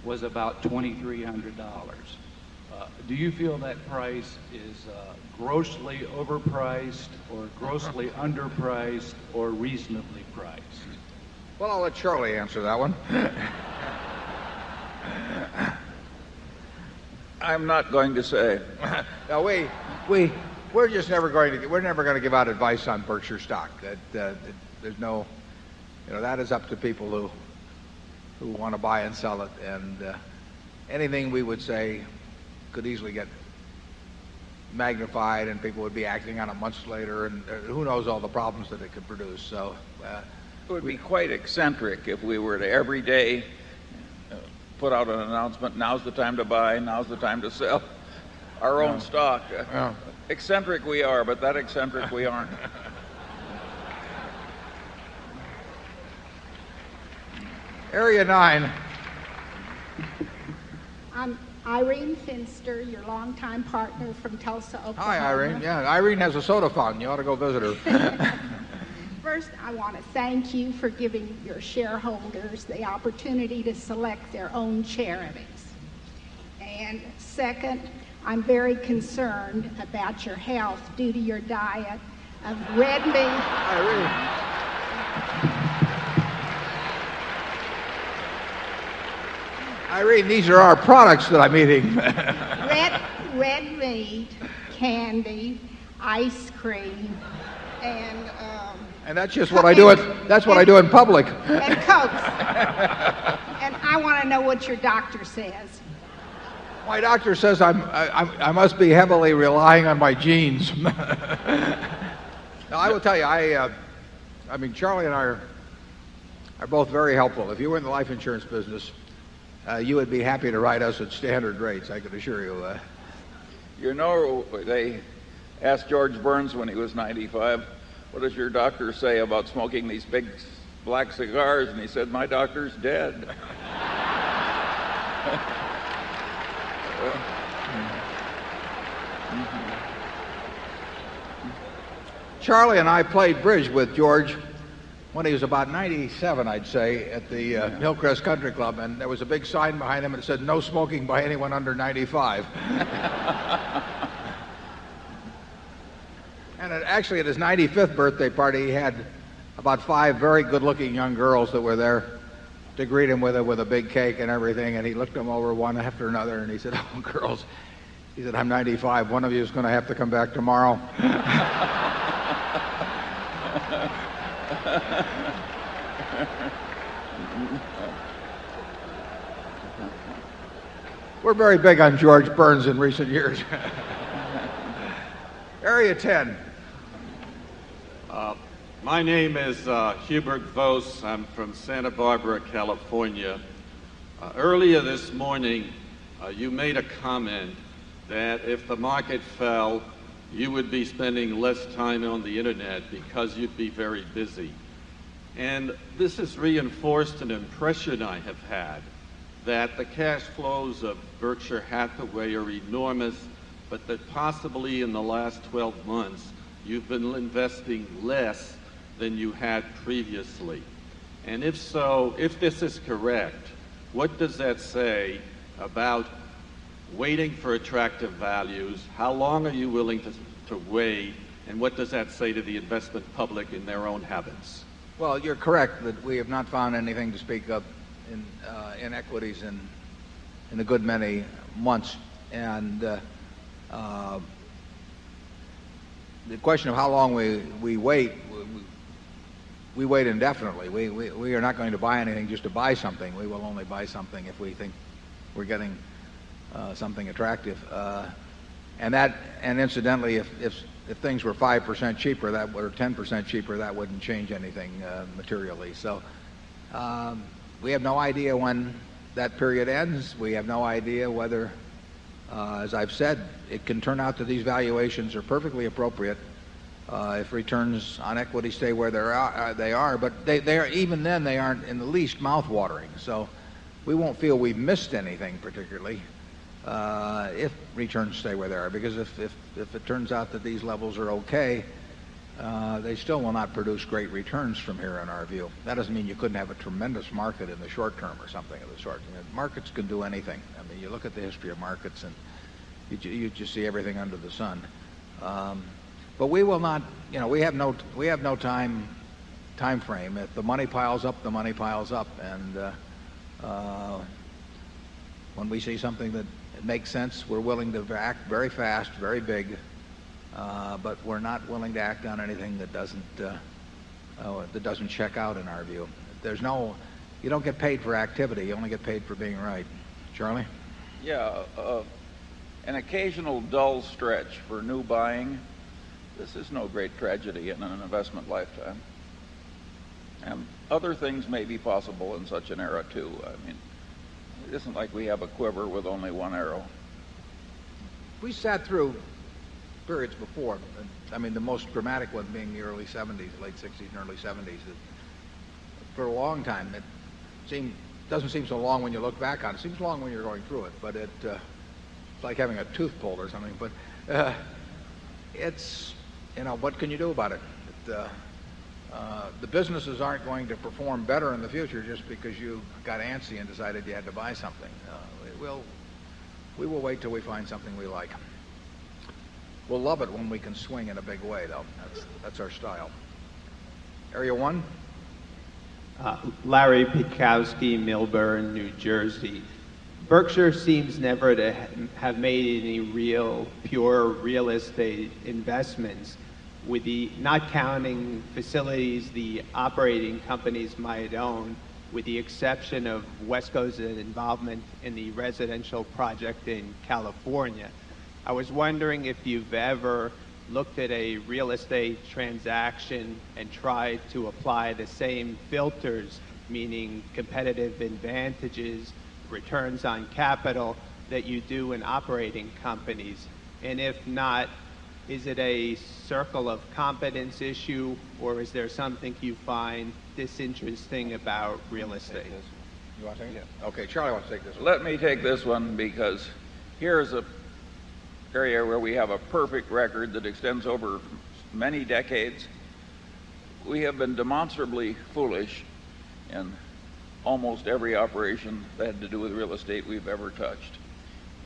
was about $2,300 Do you feel that price is grossly overpriced or grossly underpriced or reasonably priced? Well, I'll let Charlie answer that one. I'm not going to say. No, we're just never going to we're never going to give out advice on Berkshire stock. There's no you know, that is up to people who want to buy and sell it. And anything we would say could easily get magnified and people would be acting on it months later. And who knows all the problems that it could produce. So, it would be quite eccentric if we were to every day put out an announcement, now's the time to buy, now's the time to sell our own stock. Eccentric we are, but that eccentric we aren't. Area 9. Irene Finster, your longtime partner from Tulsa, Oakland. Irene has a soda pond. You ought to go visit her. First, I want to thank you for giving your shareholders the opportunity to select their own charities. And second, I'm very concerned about your health due to your diet of red meat. Irene, these are our products that I'm eating. Red red meat, candy, ice cream, and, And that's just what I do it that's what I do in public. And Cokes. And I want to know what your doctor says. My doctor says I must be heavily relying on my genes. I will tell you, I mean, Charlie and I are both very helpful. If you were in the life insurance business, you would be happy to write us at standard rates, I could assure you. You know, they asked George Burns when he was 95, what does your doctor say about smoking these big black cigars? And he said, my doctor's dead. Charlie and I played bridge with George when he was about 97, I'd say, at the, Hillcrest Country Club. And there was a big sign behind him that said, no smoking by anyone under 95. And actually, at his 95th birthday party, he had about 5 very good looking young girls that were there to greet him with a with a big cake and everything. And he looked them over one after another. And he said, oh, girls, he said, I'm 95. 1 of you is going to have to come back tomorrow. We're very big on George Burns in recent years. Area 10. My name is, Hubert Vos. I'm from Santa Barbara, California. Earlier this morning, you made a comment that if the market fell, you would be spending less time on the Internet because you'd be very busy. And this has reinforced an impression I have had that the cash flows of Berkshire Hathaway are enormous, but that possibly in the last 12 months, you've been investing less than you had previously? And if so, if this is correct, what does that say about waiting for attractive values? How long are you willing to to wait? And what does that say to the investment public in their own habits? Well, you're correct that we have not found anything to speak of in, inequities in a good many months. And the question of how long we wait, we wait indefinitely. We are not going to buy anything just to buy something. We will only buy something if we think we're getting something attractive. And incidentally, if things were 5% cheaper, that were 10% cheaper, that wouldn't change anything materially. So we have no idea when that period ends. We have no idea whether, as I've said, it can turn out that these valuations are perfectly appropriate if returns on equity stay where are. They are, but they are even then, they aren't in the least mouth watering. So we won't feel we missed anything particularly if returns stay where they are. Because if it turns out that these levels are okay, they still will not produce great returns from here in our view. That doesn't mean you couldn't have a tremendous market in the short term or something of the short term. Markets can do anything. I mean, you look at the history of markets and you just see everything under the sun. But we will not you know, we have no time frame. If the money piles up, the money piles up. And when we see something that makes sense, we're willing to act very fast, very big. But we're not willing to act on anything that doesn't check out, in our view. There's no you don't get paid for activity. You only get paid for being right. Charlie? Yeah. An occasional dull stretch for new buying. This is no great tragedy in an investment lifetime. And other things may be possible in such an era, too. I mean, it isn't like we have a quiver with only one arrow. We sat through periods before. I mean, the most dramatic one being the early 70s, late '60s and early '70s. For a long time, it doesn't seem so long when you look back on it. It seems long when you're going through it. But it's like having a tooth pulled or something. But it's what can you do about it? The businesses aren't going to perform better in the future just because you got antsy and decided you had to buy something. We will wait till we find something we like. We'll love it when we can swing in a big way though. That's our style. Area 1. Larry Pikowski, Millburn, New Jersey. Berkshire seems never to have made any real pure real estate investments with the not counting facilities the operating companies might own with the exception of West Coast involvement in the residential project in California. I was wondering if you've ever looked at a real estate transaction and tried to apply the same filters, meaning competitive advantages, returns on capital that you do in operating companies? And if not, is it a circle of competence issue or is there something you find disinteresting about real estate? Okay. Charlie wants to take this one. Let me take this one because here is a area where we have a perfect record that extends over many decades, we have been demonstrably foolish in almost every operation that had to do with real estate we've ever touched.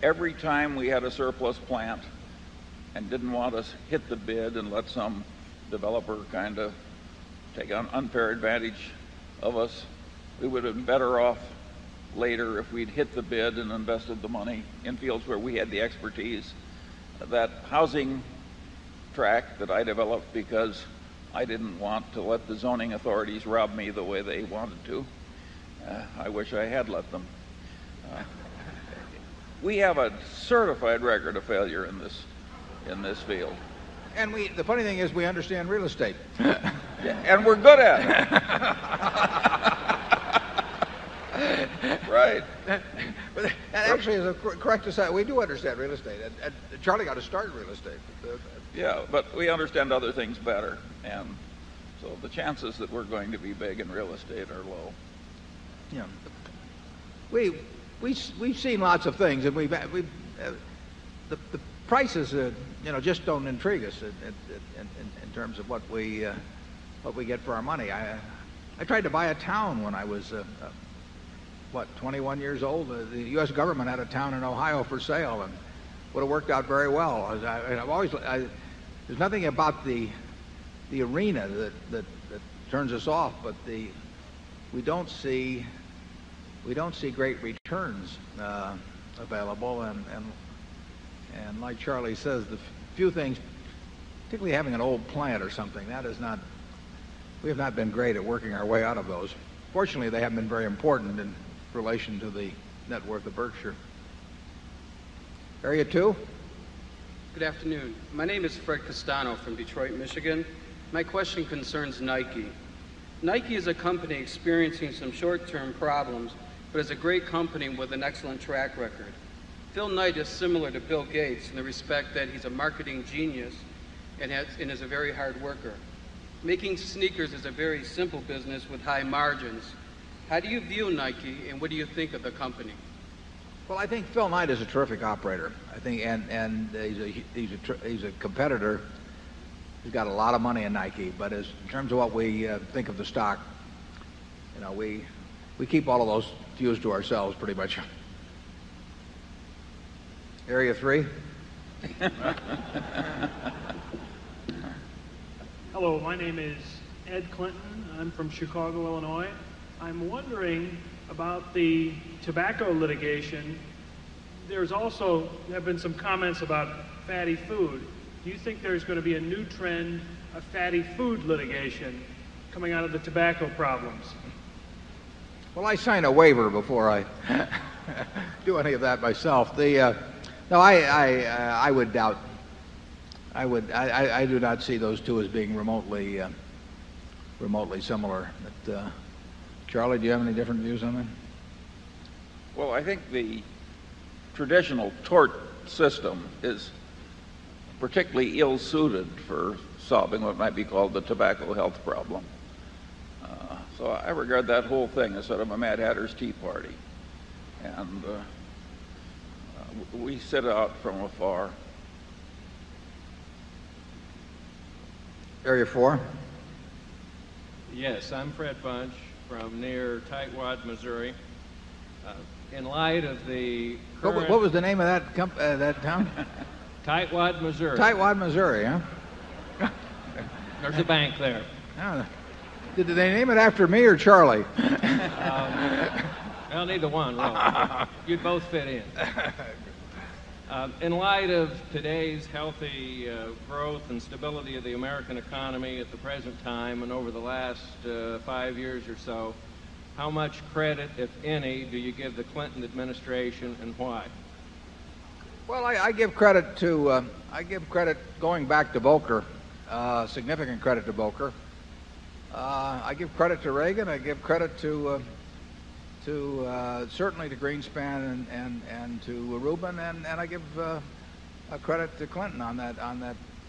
Every time we had a surplus plant and didn't want us to hit the bid and let some developer kind of take an unfair advantage of us. We would have been better off later if we'd hit the bid and invested the money in fields where we had the expertise. That housing track that I developed because I didn't want to let the zoning authorities rob me the way they wanted to. I wish I had let them. We have a certified record of failure in this field. And we the funny thing is we understand real estate. And we're good at it. Right. But actually, as a correct to say, we do understand real estate. And Charlie got to start real estate. Yes. But we understand other things better. And so the chances that we're going to be big in real estate are low. We've seen lots of things. The prices intrigue us in terms of what we get for our money. I tried to buy a town when I was, what, 21 years old? The U. S. Government had a town in Ohio for sale and would have worked out very well. There's nothing about the arena that turns us off, but the see we don't see great returns available. And like Charlie says, the few things, particularly having an old plant or something, that is not we have not been great at working our way out of those. Fortunately, they have been very important in relation to the network of Berkshire. Area 2. Good afternoon. My name is Fred Castano from Detroit, Michigan. My question concerns Nike. Nike is a company experiencing some short term problems but is a great company with an excellent track record. Phil Knight is similar to Bill Gates in the respect that he's a marketing genius and has and is a very hard worker. Making sneakers is a very simple business with high margins. How do you view Nike? And what do you think of the company? Well, I think Phil Knight is a terrific operator. And he's a competitor. He's got a lot of money in Nike. But in terms of what we think of the stock, we keep all of those fuels to ourselves pretty much. Area 3. Hello. My name is Ed Clinton. I'm from Chicago, Illinois. I'm wondering about the tobacco litigation. There's also there have been some comments about fatty food. Do you think there's going to be a new trend of fatty food litigation coming out of the tobacco problems? Well, I signed a waiver before I do any of that myself. No, I would doubt I would I do not see those 2 as being remotely similar. But, Charlie, do you have any different views on that? Well, I think the traditional tort system is particularly ill suited for solving what might be called the tobacco health problem. So I regard that whole thing instead of my Mad Hatter's Tea Party. And we set out from afar. Area 4. Yes. I'm Fred Bunch from near TiteWad, Missouri. In light of the What was the name of that company that town? Tightwad, Missouri. Tightwad, Missouri. There's a bank there. Do they name it after me or Charlie? I'll neither one, Laurel. You both fit in. In light of today's healthy growth and stability of the American economy at the present time and over the last, 5 years or so, how much credit, if any, do you give the Clinton administration and why? Well, I give credit to I give credit going back to Volker, significant credit to Volker. I give credit to Reagan. I give credit to, certainly to Greenspan and to Reuben. And I give credit to Clinton on that.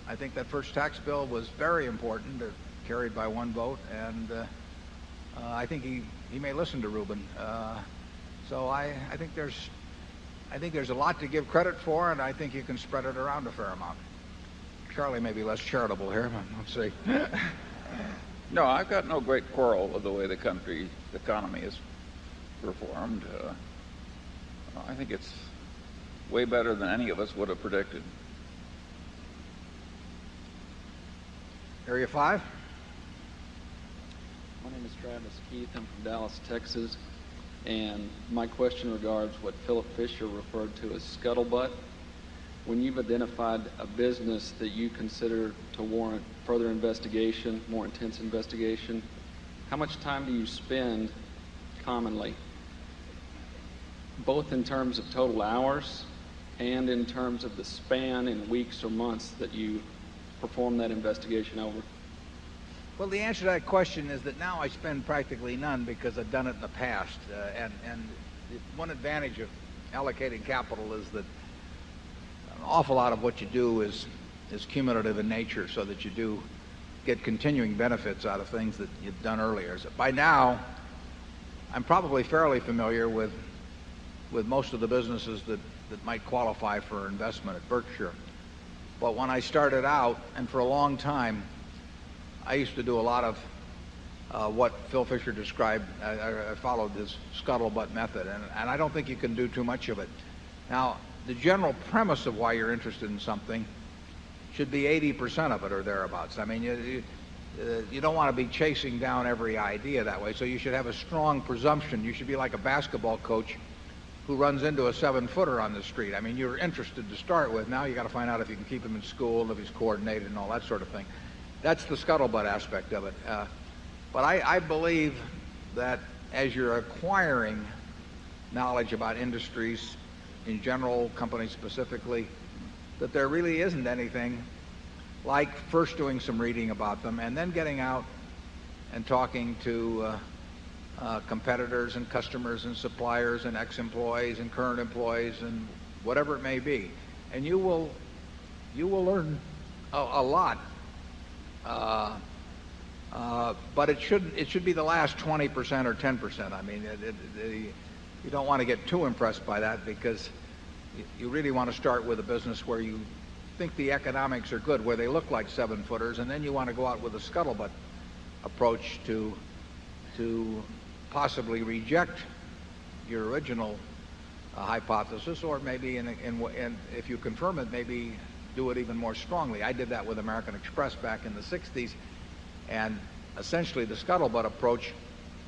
I think that first tax bill was very important, carried by one vote. And I think he may listen to Rubin. So I think there's a lot to give credit for and I think you can spread it around a fair amount. Charlie may be less charitable here, but let's see. No, I've got no great quarrel of the way the country, the economy is performed. I think it's way better than any of us would have predicted. My name is Travis Keith. I'm from Dallas, Texas. And my question regards what Philip Fisher referred to as scuttlebutt. When you've identified a business that you consider both in terms of total hours and in terms of the span in weeks or months that you perform that investigation over? Well, the answer to that question is that now I spend practically none because I've done it in the past. And and one advantage of allocating capital is that an cumulative in nature so that you do get continuing benefits out of things that you've done earlier. So by now, I'm probably fairly familiar with most of the businesses that qualify for investment at Berkshire. But when I started out and for a long time, I used to do a lot of what Phil Fisher described. I followed this scuttlebutt method. And I don't think you can do too much of it. Now the general premise of why you're interested in something should be 80% of it or thereabouts. I mean, you You're interested to start with. Now you've got to find out if you can keep him in school, if he's coordinated and all that sort of thing. That's the scuttlebutt aspect of it. I believe that as you're acquiring knowledge about industries, in general, companies specifically, that there really isn't anything like first doing some reading about them and then getting out and talking to competitors and customers and suppliers and ex employees and current employees and whatever it may be. And you will learn a lot. But it should be the last 20% or 10%. I mean, you don't want to get too impressed by that because you really want to start with a business where you think the economics are good, where they look like 7 footers and then you want to go out with a scuttlebutt approach to possibly reject your original hypothesis or maybe, and if you confirm it, maybe do it even more strongly. I did that with American Express back in the 60s. And essentially, the scuttlebutt approach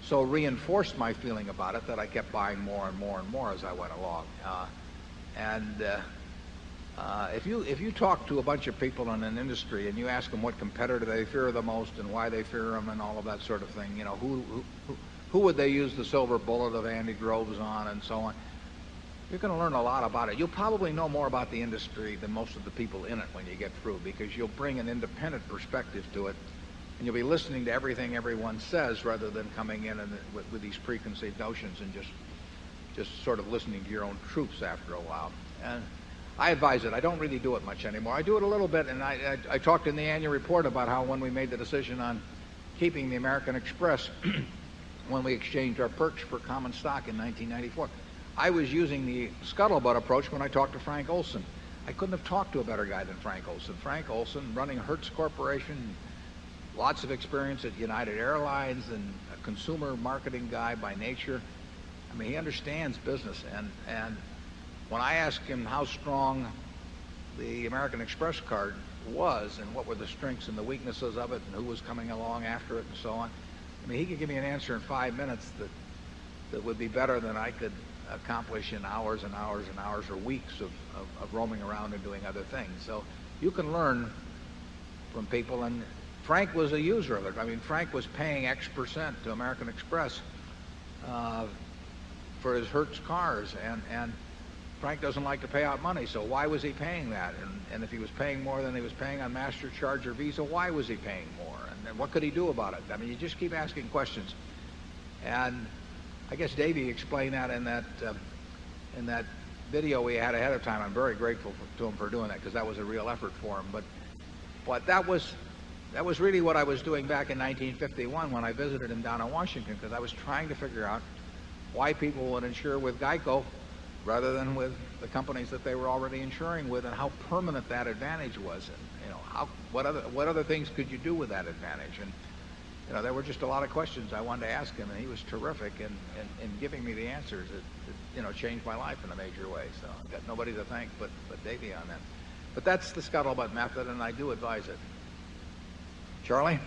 so reinforced my feeling about it that I kept buying if you talk to a bunch of people in an industry and you ask them, if you talk to a bunch of people in an industry and you ask them what competitor they fear the most and why they fear them and all of that sort of thing, Who would they use the silver bullet that Andy Groves on and so on? You're going to learn a lot about it. You'll probably know more about the industry than most of the people in it when you get through because you'll bring an independent perspective to it and you'll be listening to everything everyone says rather than coming in with these preconceived notions the decision on keeping the American Express when we the decision on keeping the American Express when we exchanged our perch for common stock in 1994. I was using the scuttlebutt approach when I talked to Frank Olson. I couldn't have talked to a better guy than Frank Olson. Frank Olson, running Hertz Corporation, lots of experience at United Airlines and a consumer marketing guy by nature. I mean, he understands business. And when I asked him how strong the American Express card was and what were the strengths and the weaknesses of it and who was coming along after it and so on, I mean, he could give me an answer in 5 minutes that would be better than I could accomplish in hours and hours and hours or weeks of roaming around and doing other things. So you can learn from people. And Frank was a user of it. I mean, Frank was paying X percent to American Express for his Hertz cars. And Frank doesn't like to pay out money. So why was he paying that? And if he was paying more than he was paying on Master, Charger, Visa, why was he paying more? And what could he do about it? I mean, you just keep asking questions. And I guess Davy explained that in video we had ahead of time. I'm very grateful to him for doing that because that was a real effort for him. But that was really what I was doing back in 1951 when I visited him down in Washington because I was trying to figure out why people would ensure him down in Washington because I was trying to figure out why people would insure with GEICO rather than with the companies that they were already insuring with and how permanent that advantage was. What other things could you do with that advantage? And there were just a lot of questions I wanted to ask him, and he was terrific in giving me the answers that changed my life in a major way. So I've got nobody to thank but Davion then. But that's the scuttlebutt method and I do advise it. Charlie?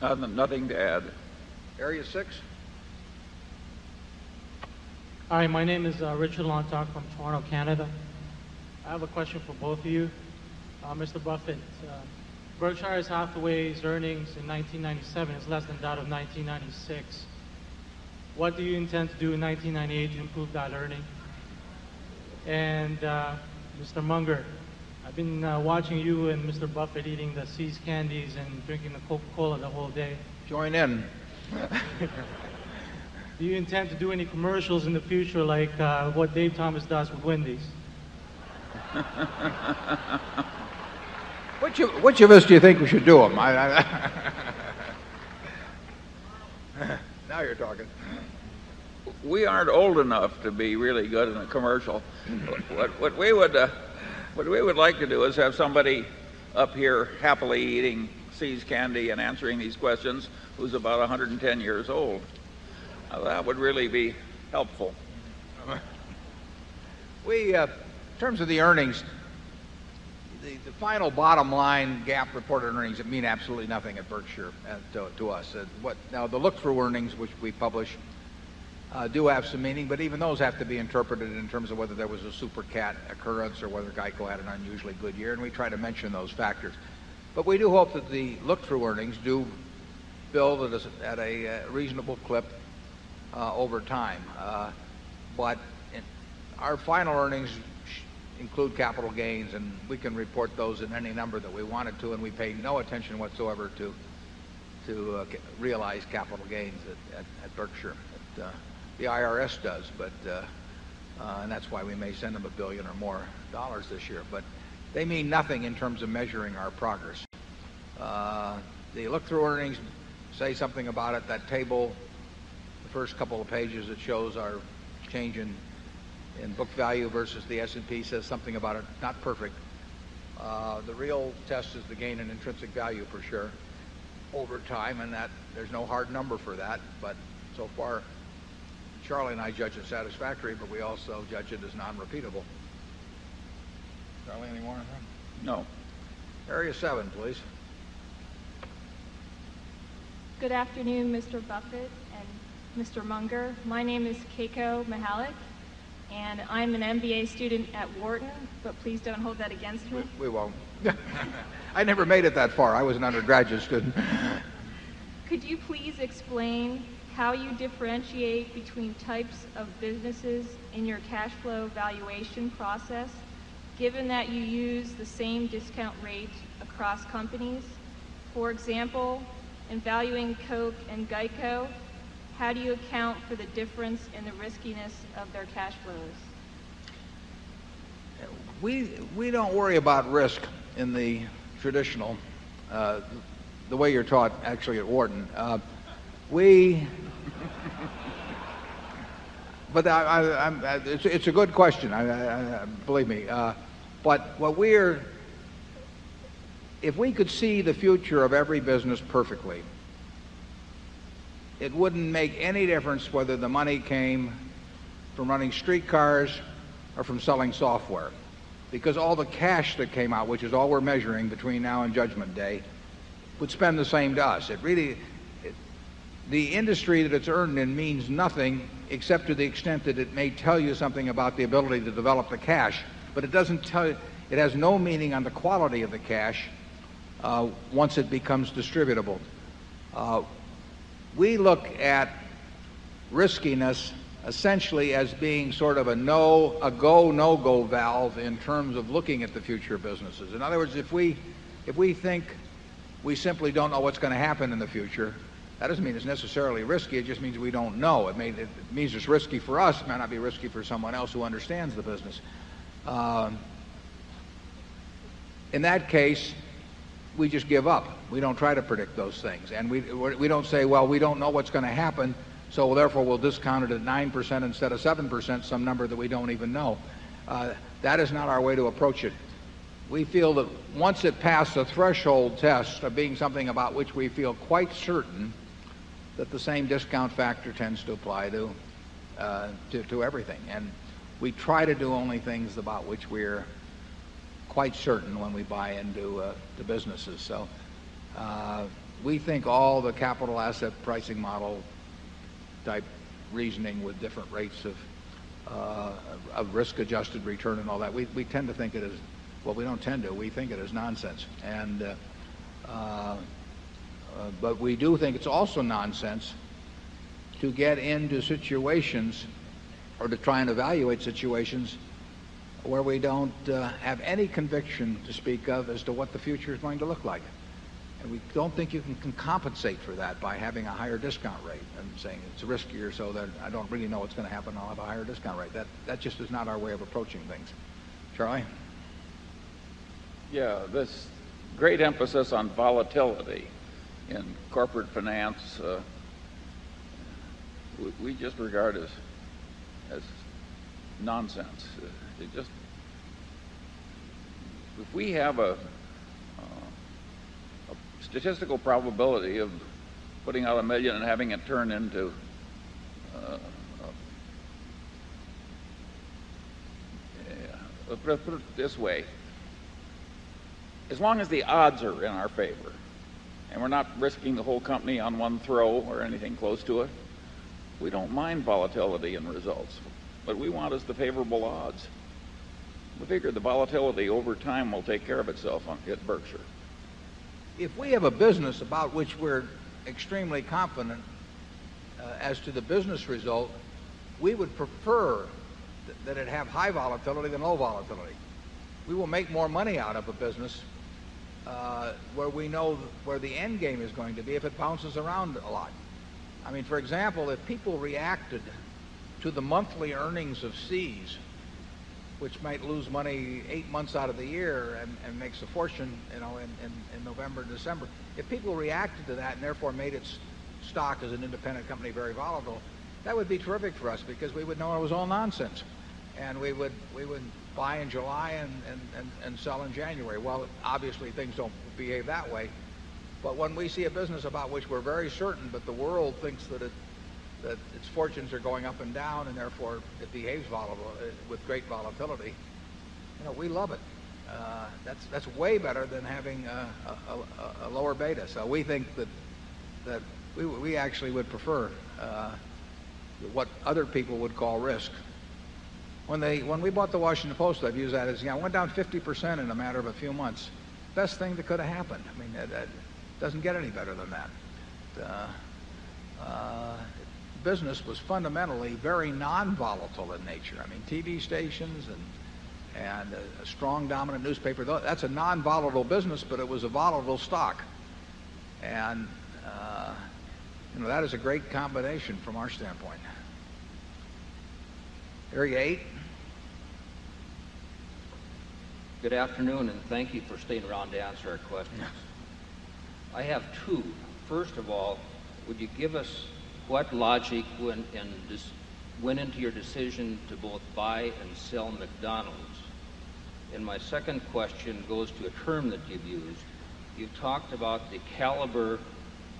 Hi. My name is Richard Lontoc from Toronto, Canada. I have a question for both of you. Mr. Buffett, Berkshire Hathaway's earnings in 1997 is less than that of 1996. What do you intend to do in 1998 to improve that earnings? And, Mr. Munger, I've been watching you and Mr. Buffet eating the See's Candies and drinking the Coca Cola the whole day. Join in. Do you intend to do any commercials in the future like, what Dave Thomas does for Wendy's? What you wish you wish you think we should do on? Now you're talking. We aren't old enough to be really good in a commercial. What we would like to do is have somebody up here happily eating See's candy and answering these questions who's about 110 years old. That would really be helpful. We, in terms of the earnings, the final bottom line GAAP reported earnings mean absolutely nothing at Berkshire to us. Now the look through earnings, which we publish, do have some meaning, but even those have to be interpreted in terms of whether there was a super cat occurrence or whether GEICO had an unusually good year and we try to mention those factors. But we do hope that the look through earnings do build at a reasonable clip over time. But our final earnings include capital gains and we can report those in any number that we wanted to and we paid no attention whatsoever to realize capital gains at Berkshire. The IRS does, but and that's why we may send them $1,000,000,000 or more this year. But they mean nothing in terms of measuring our progress. They look through earnings, say something about it. That table, the first couple of pages, it shows our change in book value versus the S and P says something about it not perfect. The real test is the gain in intrinsic value for sure over time. And that there's no hard number for that. But so far, Charlie and I judge it satisfactory, but we also judge as non repeatable. Charlie, any more in front? No. Area 7, please. Good afternoon, mister Buffet and mister Munger. My name is Keiko Mihalik, and I'm an MBA student at Wharton, but please don't hold that against me. We won't. I never made it that far. I was an undergraduate student. Could you please explain how you differentiate between types of businesses in your cash flow valuation process, given that you use the same discount rate across companies? For example, in valuing Coke and GEICO, how do you account for the difference in the riskiness of their cash flows? We don't worry about risk in the traditional the way you're taught actually at Wharton. We but it's a good question, believe me. But what we're if we could see the future of every business perfectly, it wouldn't make any difference whether the money came from running streetcars or from selling software because all the cash that came out, which is all we're measuring between now and judgment day, would spend the same to us. It really the industry that it's earned in means nothing except to the extent that it may tell you something about the ability to develop the cash, but it doesn't tell you it has no meaning on the quality of the cash once it becomes distributable. We look at riskiness essentially as being sort of a no a go, no go valve in terms of looking at the future businesses. In other words, if we think we simply don't know what's going to happen in the future, that doesn't mean it's necessarily risky. It just means we don't know. It means it's risky for us. It might not be risky for someone else who understands the business. In that case, we just give up. We don't try to predict those things. And we don't say, well, we don't know what's going to happen, so therefore, we'll discount it at 9% instead of 7%, some number that we don't even know. That is not our way to approach it. We feel that once it passed a threshold test of being something about which we feel quite certain that the same discount factor tends to apply to everything. And we try to do only things about which we're quite certain when we buy into businesses. So we think all the capital asset pricing model type reasoning with different rates of risk adjusted return and all that, we tend to think it as well, we don't tend to. We think it as nonsense. And but we do think it's also nonsense to get into situations or to try and evaluate situations where we don't have any conviction to speak of as to what the future is going to look like. And we don't think you can compensate for that by having a higher discount rate. I'm saying it's Yes. This great emphasis on volatility in corporate finance, we just regard as nonsense. If we have statistical probability of putting out a million and having it turn into this way as long as the odds are in our favor and we're not risking the whole company on one throw or anything close to it, we don't mind volatility in results. What we want is the favorable odds. We figured the volatility over time will take care of itself on Hit Berkshire. If we have a business about which we're extremely confident as to the business result, If we have a business about which we're extremely confident as to the business result, we would prefer that it have high volatility than no volatility. We will make more money out of a business, where we know where the end game is going to be if it pounces around a lot. I mean, for example, if people reacted to the monthly earnings of seas, which might lose money 8 months out of the year and makes a fortune in November December, If people reacted to that and therefore made its stock as an independent company very volatile, that would be terrific for us because we would know it was all nonsense. And we would we're very certain but the world thinks that its fortunes are going up and down and therefore it behaves with great volatility, we love it. That's way better than having a lower beta. So we think that we actually would prefer what other people would call risk. When they when we bought the Washington Post, I've used that as, you know, it went down 50 percent in a matter of a few months. Best thing that could have happened. I mean, that doesn't get any better than that. Business was fundamentally very non volatile in nature. I mean, TV stations and a strong dominant newspaper, That's a non volatile business but it was a volatile stock. And that is a great combination from our standpoint. Area 8. Good afternoon, and thank you for staying around to answer our questions. I have 2. First of all, would you give us what logic went into your decision to both buy and sell McDonald's? And my second question goes to a term that you've used. You talked about the caliber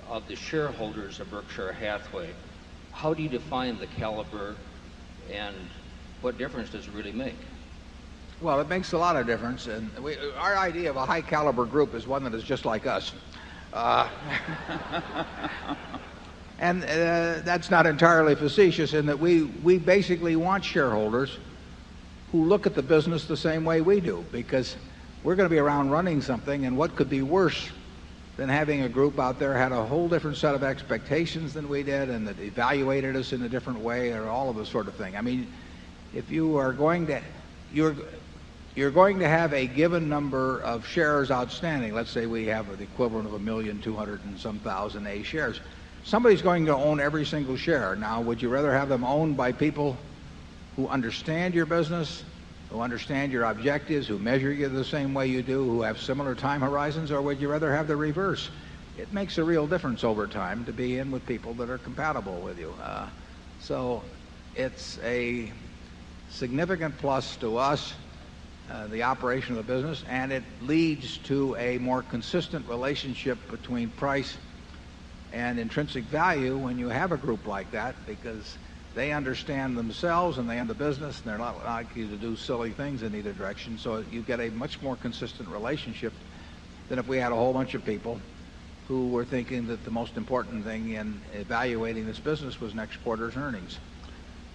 of the shareholders of Berkshire Hathaway. How do you define the caliber and what difference does it really make? Well, it makes a lot of difference. And our idea of a high caliber group is one that is just like us. And that's not entirely facetious in that we basically want shareholders who look at the business the same way we do because we're going to be around running something. And what could be worse than having a group out there had a whole different set of expectations than we did and that evaluated us in a different way or all those sort of things. I mean, if you are going to have a given number of shares outstanding, let's say we have an equivalent of 1,200 and some 1,000 A shares. Somebody is going to own every single share. Now would you rather have them owned by people who understand your business, who understand your objectives, who measure you the same way you do, who have similar time horizons? Or would you rather have the reverse? It makes a real difference over time to be in with people that are compatible with you. So it's a significant plus to us, the operation of the business, and it leads to a more consistent relationship between price and intrinsic value when you have a group like that because they understand themselves and they end the business and they're not likely to do silly things in either direction. So you get a much more consistent relationship than if we had a whole bunch of people who were thinking that the most important thing in evaluating this business was next quarter's earnings.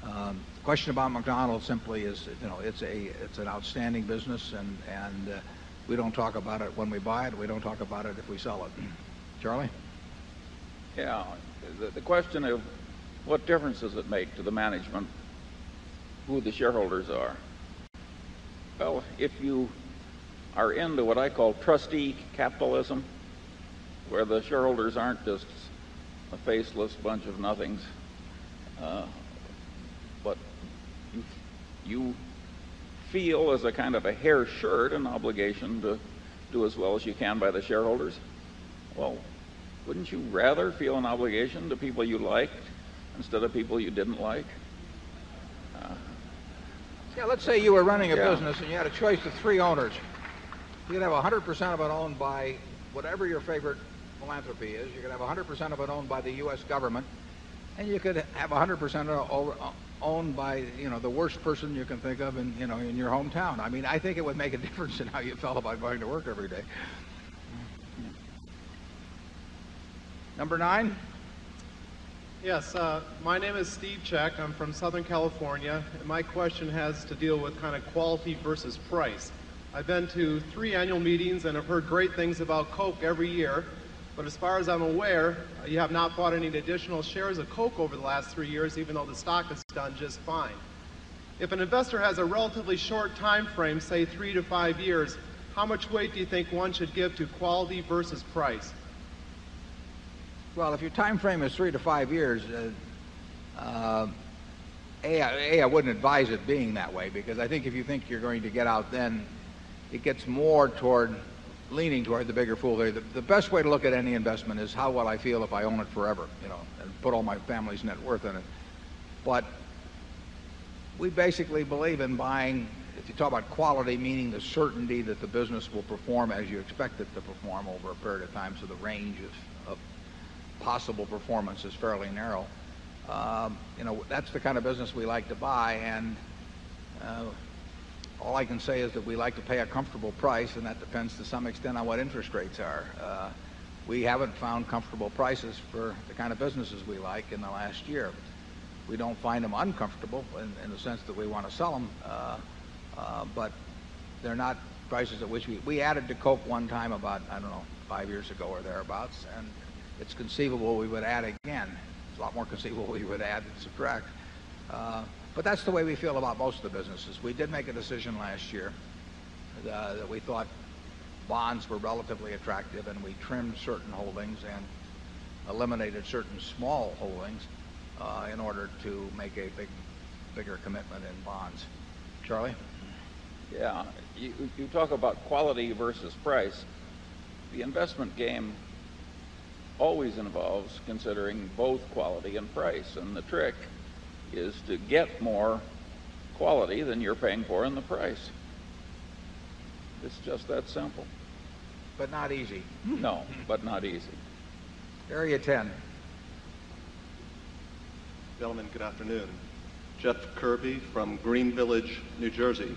The question about McDonald's simply is it's an outstanding business, and we don't talk about it when we buy it. We don't talk about it if we sell it. Charlie? The question of what difference does it make to the management who the shareholders are. Well, if you are into what I call trustee capitalism, where the shareholders aren't just a faceless bunch of nothings, but you feel as a kind of a hair shirt an obligation to do as well as you can by the shareholders? Well, wouldn't you rather feel an obligation to people you liked instead people you didn't like? Yeah. Let's say you were running a business and you had a choice of 3 owners. You could have 100% of it owned by whatever your favorite philanthropy is. You could have 100% of it owned by the U. S. Government. And you could have 100% owned by the worst person you can think of in your hometown. I mean, I think it would make a difference in how you felt about going to work every day. Number 9. Yes. My name is Steve Chek. I'm from Southern California. My question has to deal with kind of quality versus price. I've been to 3 annual meetings and I've heard great things about Coke every year. But as far as I'm aware, you have not bought any additional shares of Coke over the last 3 years even though the stock has done just fine. If an investor has a relatively short time frame, say 3 to 5 years, how much weight do you think one should give to quality versus price? Well, if your time frame is 3 to 5 years, a, a, I wouldn't advise it being that way because I think if you think you're going to get out then, it more toward leaning toward the bigger fool there. The best way to look at any investment is how will I feel if I own it forever and put all my family's net worth in it. But we basically believe in buying if you talk about quality, meaning the certainty that the business will perform as you expect it to perform over a period of time, so the range of possible performance is fairly narrow. That's the kind of business we like to buy. And all I can say is that we like to pay a comfortable price and that depends, to some extent, on what interest rates are. We haven't found comfortable prices for the kind of businesses we like in the last year. We don't find them uncomfortable in the sense that we want to sell them. We added to Coke one time about, I don't know, 5 years ago or thereabouts. And it's conceivable we would add again. It's a lot more conceivable we would add and subtract. But that's the way we feel about most of the businesses. We did make a decision last year that we thought bonds were relatively attractive and we trimmed certain holdings and eliminated certain small holdings in order to make a bigger commitment in bonds. Charlie? You talk about quality versus price. The investment game always involves considering both quality and price. And the trick is to get more quality than you're paying for in the price. It's just that simple. But not easy. No, but not easy. Gentlemen, good afternoon. Jeff Kirby from Green Village, New Jersey.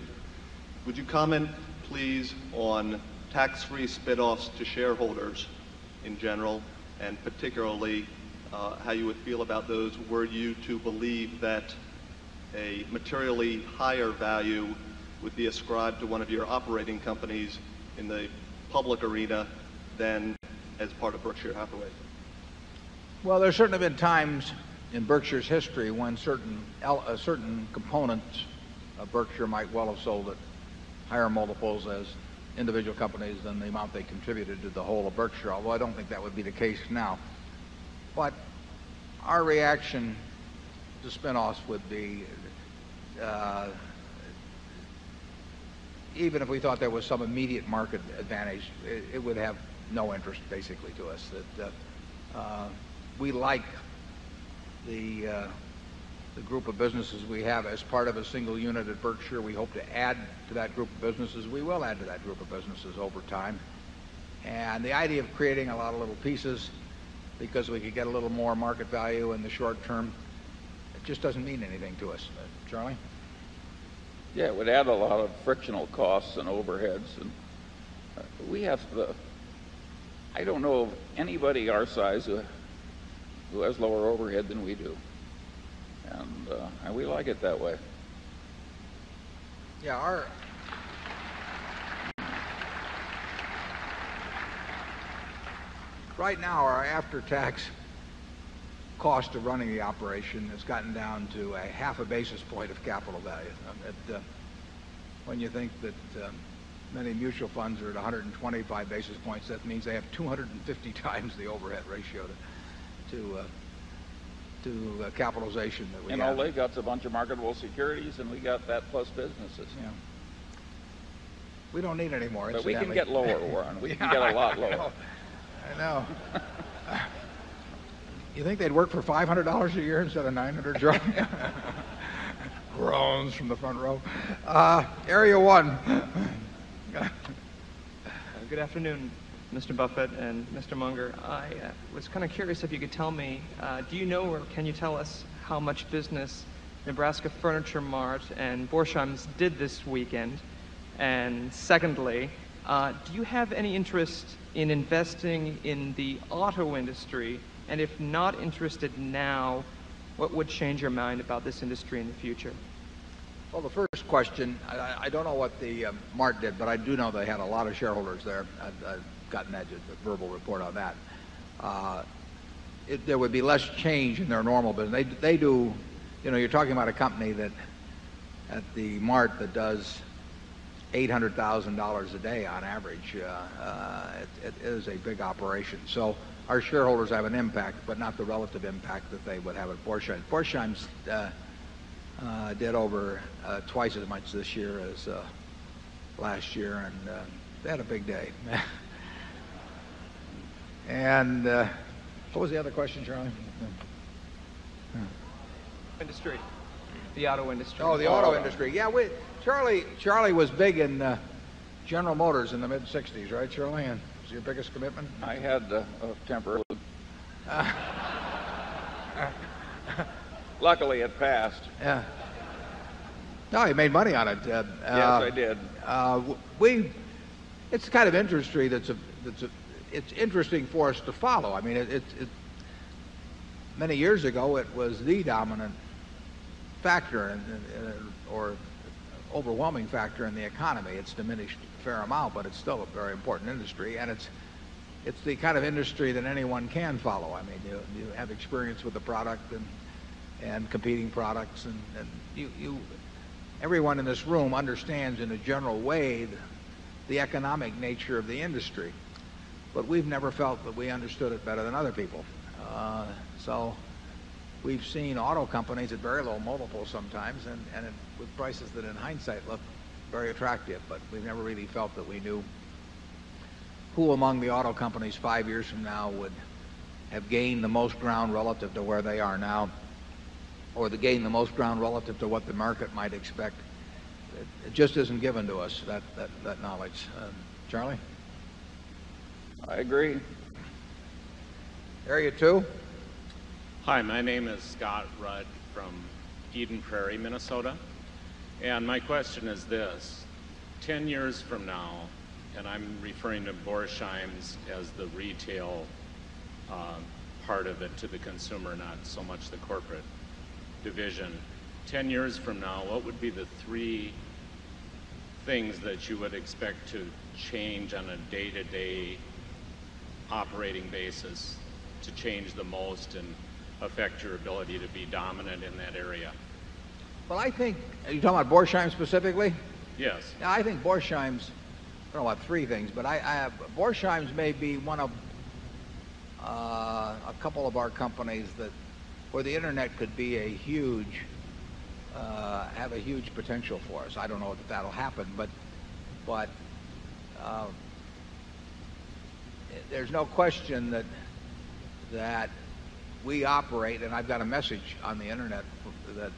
Would you comment, please, on tax free spit offs shareholders in general? And particularly, how you would feel about those were you to believe that a materially higher value would be ascribed to one of your operating companies in the public arena than as part of Berkshire Hathaway? Well, there certainly have been times in Berkshire's history when certain certain components of Berkshire might well have sold at higher multiples as individual companies than the amount they contributed to the whole of Berkshire, although I don't think that would be the case now. But our reaction to spinoffs would be even if we thought there was some immediate market advantage, it would have no interest basically to us. We like the group of businesses we have as part of a single unit at Berkshire. We hope to add to that group of businesses. We will add to that group of businesses over time. And the idea of creating a lot of little pieces because we could get a little more market value in the short term, it just doesn't mean anything to us. Charlie? Yes. It would add a lot of frictional costs and overheads. And we have I don't know of anybody our size who has lower overhead than we do. And we like it that way. Right now, our after tax cost of running the operation has gotten down to a half a basis point of capital value. When you think that many mutual funds are at 125 basis points, that means they have 250 times the overhead ratio to capitalization that we have. And LA got a bunch of marketable securities and we got that plus businesses. We don't need anymore. But we can get lower, Warren. We can get a lot lower. I know. You think they'd work for $500 a year instead of $900 a year? Mr. Munger. I was kind of curious if you could tell me, do you know or can you tell us how much business Nebraska Furniture Mart and Borsheim's did this weekend? And secondly, do you have any interest in investing in the auto industry? And if not interested now, what would change your mind about this industry in the future? Well, the first question, I don't know what the market did, but I do know they had a lot of shareholders there. I've gotten that verbal report on that. There would be less change in their normal business. They do you're talking about a company that at the mart that does $800,000 a day on average. It is a big operation. So our shareholders have an impact, but not the relative impact that they would have at Forshine. Forshine's dead over twice as much this year as last year and they had a big day. And what was the other question, Charlie? Industry. The auto industry. Oh, the auto industry. Yeah. We Charlie was big in General Motors in the mid-60s, right, Charles Hahn? Was it your biggest commitment? I had a temper. Luckily, it passed. Yeah. No, you made money on it, Ted. Yes, I did. We it's kind of industry that's it's interesting for us to follow. I mean, it's many years ago, it was the dominant factor or overwhelming factor in the economy. It's diminished a fair amount, but it's still a very important industry. And it's the kind of industry that anyone can follow. I mean, you have experience with the product and competing products. And you everyone in this room understands in a general way the economic nature of the industry. But we've never felt that we understood it better than other people. So we've seen auto companies at very low multiples sometimes and with prices that, in hindsight, look very attractive. But we've never really felt that we knew who among the auto companies 5 years from now would have gained the most ground relative to where they are now or to gain the most ground relative to what the market might expect? It just isn't given to us, that knowledge. Charlie? I agree. Area 2. Hi. My name is Scott Rudd from Eden Prairie, Minnesota. And my question is this. 10 years from now, and I'm referring to Borsheim's as the retail part of it to the consumer, not so much the corporate division. 10 years from now, what would be the 3 things that you would expect to change on a day to day operating basis to change the most and affect your ability to be dominant in that area? Well, I think are you talking about Borsheim specifically? Yes. I think Borsheim's I don't know about 3 things, but I have Borsheim's may be one of, a couple of our companies that, where the Internet could be a huge, have a huge potential for us. I don't know if that'll happen, but there's no question that we operate, and I've got a message on the Internet, that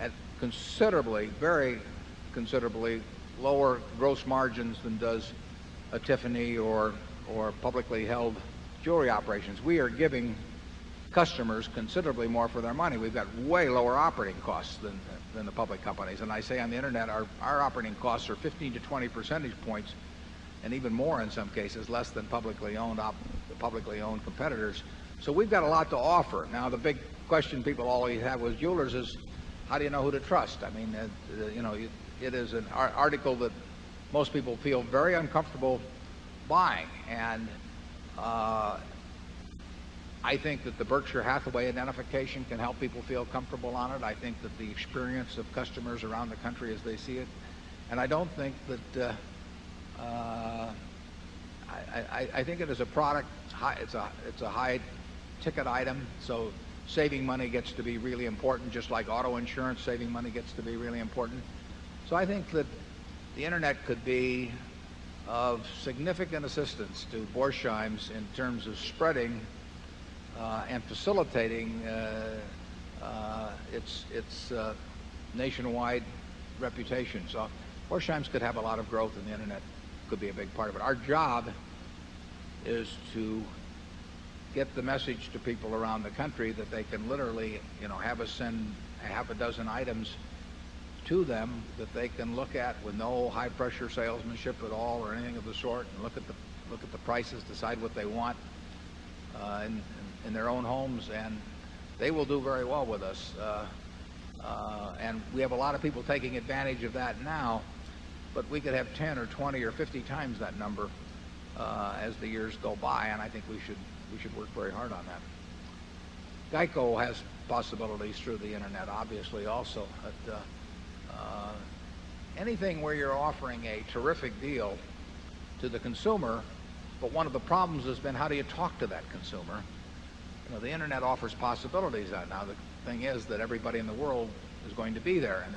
at considerably, very considerably lower gross margins than does a Tiffany or publicly held jewelry operations. We are giving customers considerably more for their money. We've got way lower operating costs than the public companies. And I say on the Internet, our operating costs are costs are 15 to 20 percentage points and even more, in some cases, less than publicly owned competitors. So we've got a lot to offer. Now the big question people always have with jewelers is how do you know who to trust? I mean, it is an article that most people feel very uncomfortable buying. And I think that the Berkshire Hathaway identification can help people feel experience of customers around the country as they see it. And I don't think that I think it is a product. It's a high ticket item. So saving money gets to be really important. Just like auto insurance, saving money gets to be really important. So I think that the Internet could be of significant assistance to Borsheims in terms of spreading, and facilitating, its nationwide reputation. So horse shimes could have a lot of growth and the Internet could be a big part of it. Our job is to get the message to people around the country that they can literally have us send half a dozen items to them that they can look at with no high pressure salesmanship at all or anything of the sort and look at the prices, decide what they want in their own homes. And they will do very well with us. And we have a lot of people taking advantage of that now, but we could have 10 or 20 or 50 times that number as the years go by. And I think we should work very hard on that. GEICO has possibilities through the Internet, obviously, also. But anything where you're offering a terrific deal to the consumer. But one of the problems has been how do you talk to that consumer. The Internet offers possibilities right now. The thing is that everybody in the world is going to be there. And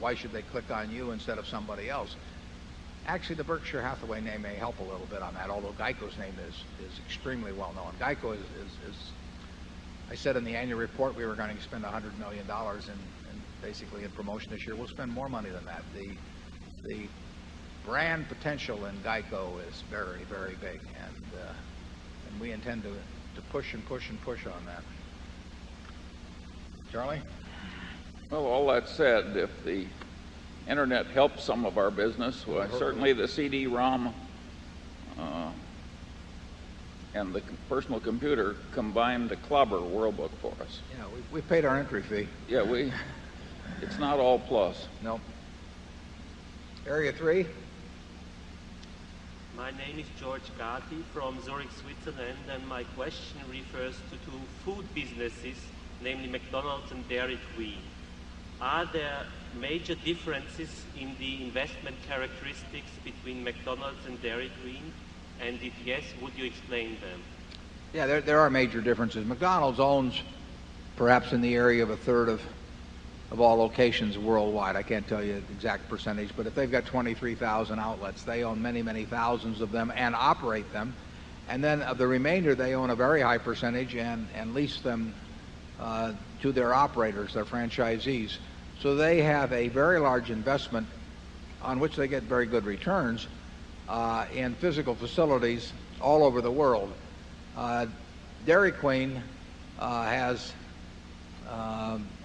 why should they click on you instead of somebody else? Actually, the Berkshire Hathaway name may help a little bit on that, although GEICO's name is extremely well known. GEICO is, I said in the annual report, we were going to spend $100,000,000 basically in promotion this year. We'll spend more money than that. The brand potential in GEICO is very, very big and we intend to push and push and push on that. Charlie? Well, all that said, if the Internet helps some of our business, well, certainly the CD ROM and the personal computer combine the clobber world book for us. Yes, we've paid our entry fee. Yes, we it's not all plus. No. Area 3. My name is Gadi from Zurich, Switzerland, and my question refers to 2 food businesses, namely McDonald's and Dairy Green. Are there major differences in the investment characteristics between McDonald's and Dairy Green? And if yes, would you explain them? Yes, there are major differences. McDonald's owns perhaps in the area of a third of all locations worldwide. I can't tell you the exact percentage. But if they've got 23,000 outlets, they own many, many thousands of them and operate them. And then the remainder, they own a very high percentage and lease them to their operators, their franchisees. So they have a very large investment on which they get very good returns in physical facilities all over the world. Dairy Queen, has,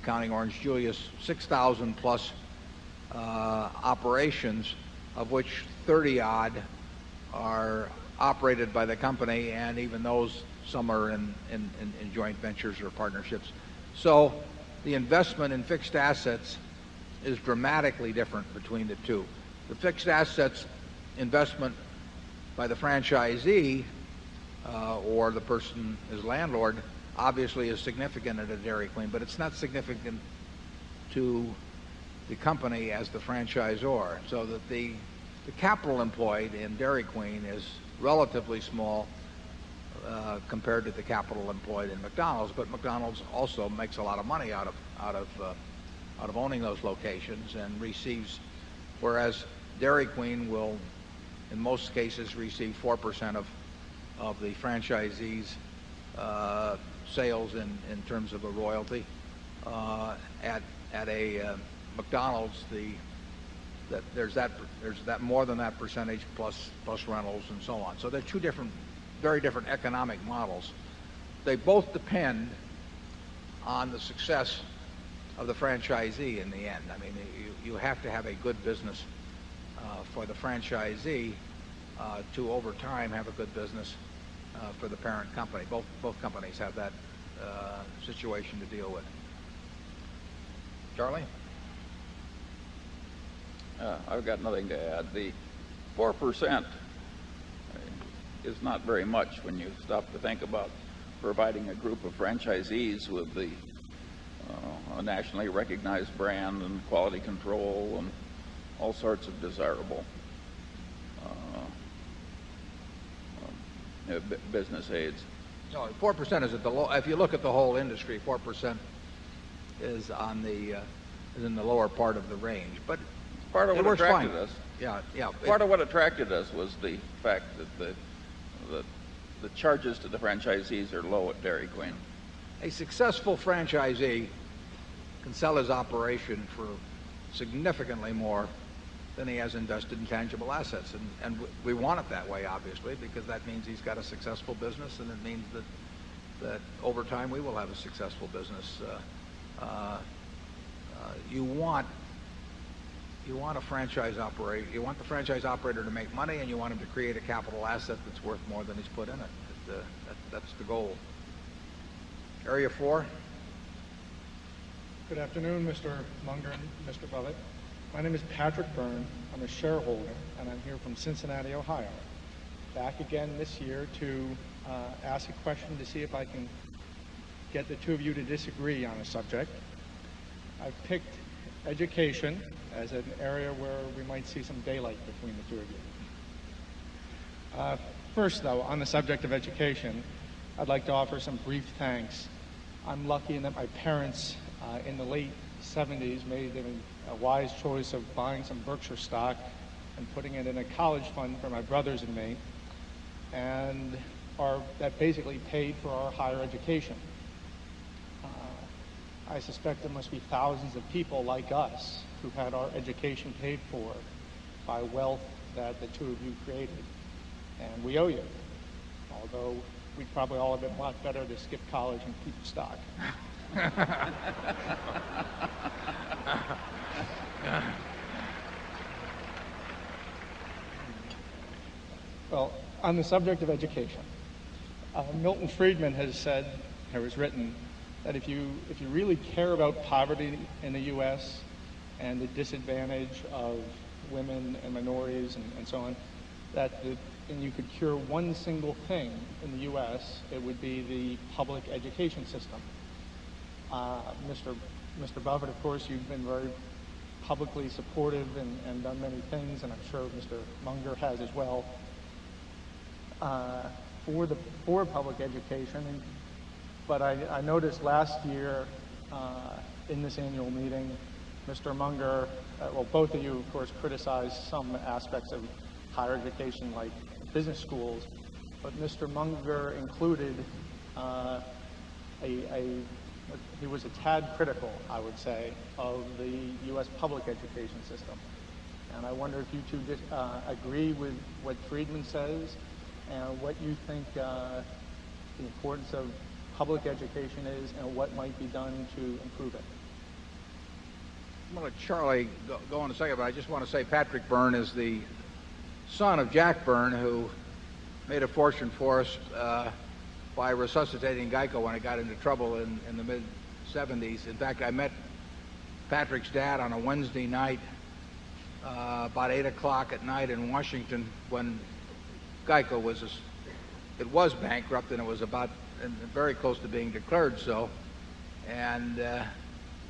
counting orange, Julius, 6,000 plus operations of which 30 odd are operated by the company and even those, some are in joint ventures or partnerships. So the investment in fixed assets is dramatically different between the 2. The fixed assets investment by the franchisee, or the person as landlord obviously is significant at Dairy Queen, but it's not significant to the company as the franchisor. So that the capital employed in Dairy Queen is relatively small compared to the capital employed in McDonald's. But McDonald's also makes a lot of money out of owning those locations and receives whereas Dairy Queen will, in most cases, receive 4% of the franchisees' sales in terms of a royalty. At a McDonald's, there's that more than that percentage plus rentals and so on. So they're 2 different very different economic models. They both depend on the success of the franchisee in the end. I mean, you have to have a good business for the franchisee to, over time, have a good business for the parent company. Both companies have that situation to deal with. Charlie? I've got nothing to add. The 4% is not very much when you stop to think about providing a group of franchisees with the nationally recognized brand and quality control and all sorts of desirable business aids. 4% is at the low if you look at the whole industry, 4 percent is in the lower part of the range. But we're fine. Yes. Part of what attracted us was the fact that the charges to the franchisees are low at Dairy Queen. A successful franchisee can sell his operation for significantly more than he has invested in tangible assets. And we want it that way, obviously, because that means he's got a successful business and it means that over time, we will have a successful business. You want a franchise operator to make money and you want him to create a capital asset that's worth more than he's put in it. That's the goal. Area 4. Good afternoon, Mr. Munger and Mr. Bellett. Name is Patrick Byrne. I'm a shareholder, and I'm here from Cincinnati, Ohio. Back again this year to ask a question to see if I can get the 2 of you to disagree on a subject. I picked education as an area where we might see some daylight between the 2 of you. First, though, on the subject of education, I'd like to offer some brief thanks. I'm lucky in that parents, in the late seventies, made a wise choice of buying some Berkshire stock and putting it in a college fund for my brothers in May. And our that basically paid for our higher education. I suspect there must be thousands of people like us who've had our education paid for by wealth that the 2 of you created. And we owe you. Although, we probably all have been a lot better to skip college and keep stock. Well, on the subject of education, Milton Friedman has said or has written that if you if you really care about poverty in the US and the disadvantage of women and minorities and and so on, that and you could cure one single thing in the US, it would be the public education system. And done many things, and I'm sure mister Munger has as well, for the for public education. But I noticed last year, in this annual meeting, mister Munger, well, both of you, of course, criticized some aspects of higher education like business schools, but Mr. Munger included a it was a tad critical, I would say, of the U. S. Public education system. And I wonder if you 2 agree with what Friedman says and what you think the importance of public education is and what might be done to improve it. I'm going to let Charlie go on a second, but I just want to say Patrick Byrne is the son of Jack Byrne, who made a fortune for us by resuscitating GEICO when he got into trouble in the mid-70s. In fact, I met Patrick's dad on a Wednesday night, about 8 o'clock at night in Washington when GEICO was it was bankrupt and it was about very close to being declared. So And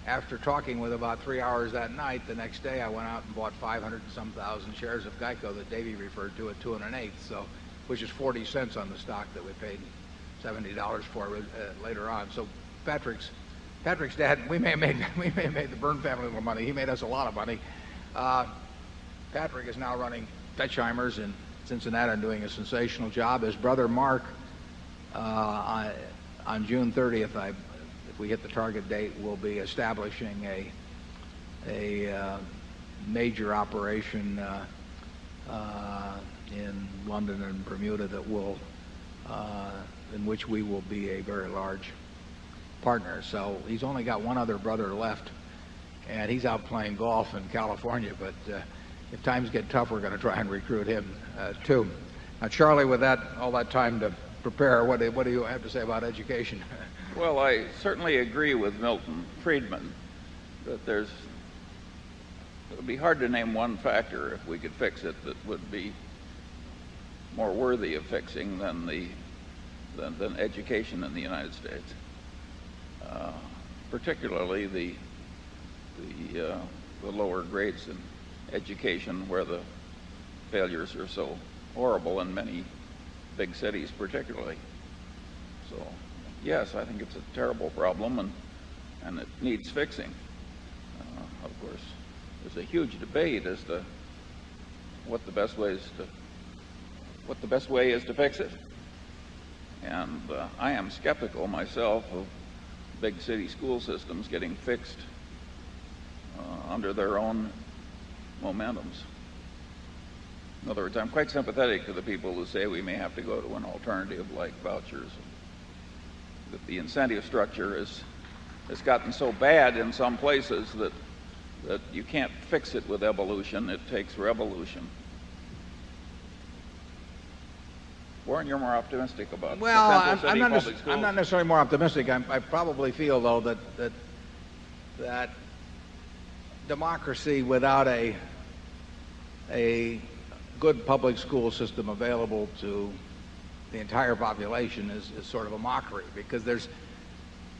after talking with about 3 hours that night, the next day I went out and bought 500 and some 1,000 shares of GEICO that Davy referred to at $208,000,000 which is $0.40 on the stock that we paid $70 for later on. So Patrick's dad, we may have made the Bernd family a little more money. He made us a lot of money. Patrick is now running Dutchheimer's in Cincinnati and doing a sensational job. His brother, Mark, on June 30th, if we hit the target date, we'll be establishing a major operation in London and Bermuda that will in which we will be a very large partner. So he's only got one other brother left and he's out playing golf in California. But if times get tough, we're going to try and recruit him too. Now, Charlie, with that all that time to prepare, what do you have to say about education? Well, I certainly agree with Milton Friedman that it would be hard to name one factor if we could fix it that would be more worthy of fixing than than education in the United States, particularly the the lower grades in education where the failures are so horrible in many big cities particularly. So yes, I think it's a terrible problem and it needs fixing. Of course, there's a huge debate as to what the best way is to fix it and I am skeptical myself of big city school systems getting fixed under their own momentums. In other words, I'm quite sympathetic to the people who say we may have to go to an alternative like vouchers, that the incentive structure has gotten so bad in some places that you can't fix it with evolution. It takes revolution. Warren, you're more optimistic about this. Well, I'm not necessarily more optimistic. I probably feel, though, that democracy without a good public school system available to the entire population is is sort of a mockery because there's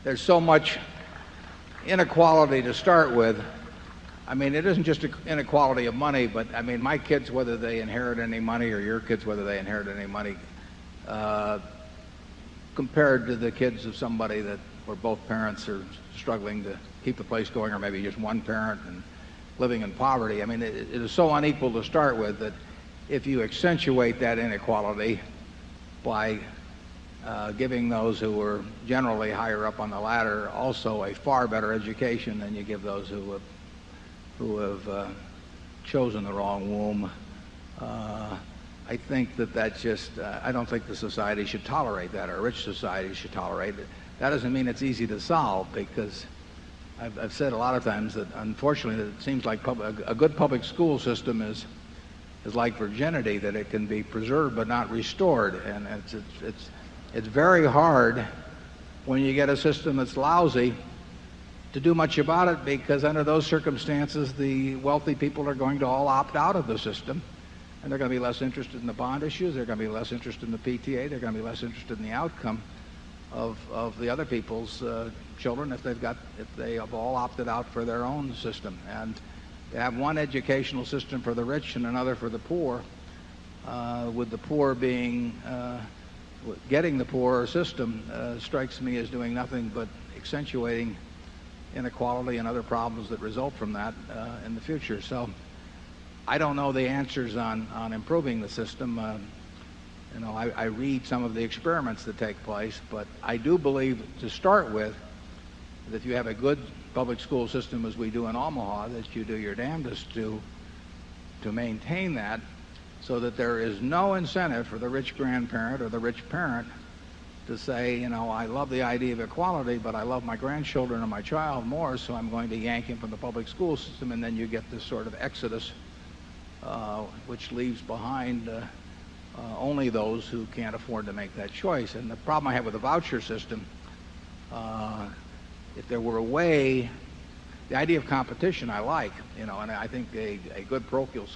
there's so much inequality to start with. I mean, it isn't just inequality of money, but I mean, my kids, whether they inherit any money or your kids, whether they inherit any money, compared to the kids of somebody or both parents are struggling to keep the place going or maybe just one parent living in poverty. I mean, it is so unequal to start with that if you accentuate that inequality by giving those who are generally higher up on the ladder also a far better education than you give those who have chosen the wrong womb. I think that that's just I don't think the society should tolerate that or rich society should tolerate. That doesn't mean it's easy to solve because I've said a lot of times that, unfortunately, it seems like a good public school system is is like virginity that it can be preserved but not restored. And it's it's very hard when you get a system that's lousy to do much about it because under those circumstances, the wealthy people are going to all opt out of the system. And they're going to be less interested in the bond issues. They're going to be less interested in the PTA. They're going to be less interested in the outcome of the other people's children if they have all opted out for their own system. And they have one educational system for the rich and another for the poor, With the poor being getting the poor system strikes me as doing nothing but accentuating inequality and other problems that result from that in the future. So I don't know the answers on improving the system. You I read some of the experiments that take place. But I do believe, to start with, that you have a good public school system as we do in Omaha, that you do your damndest to maintain that so that there is no incentive for the rich grandparent or the rich parent to say, I love the idea of equality, but I love my grandchildren and my child more. So I'm going to yank him from the public school system. And then you get this exodus, which leaves behind only those who can't afford to make that choice. And the problem I have with the voucher system, if there were a way, the idea of competition I like. And I think a good parochial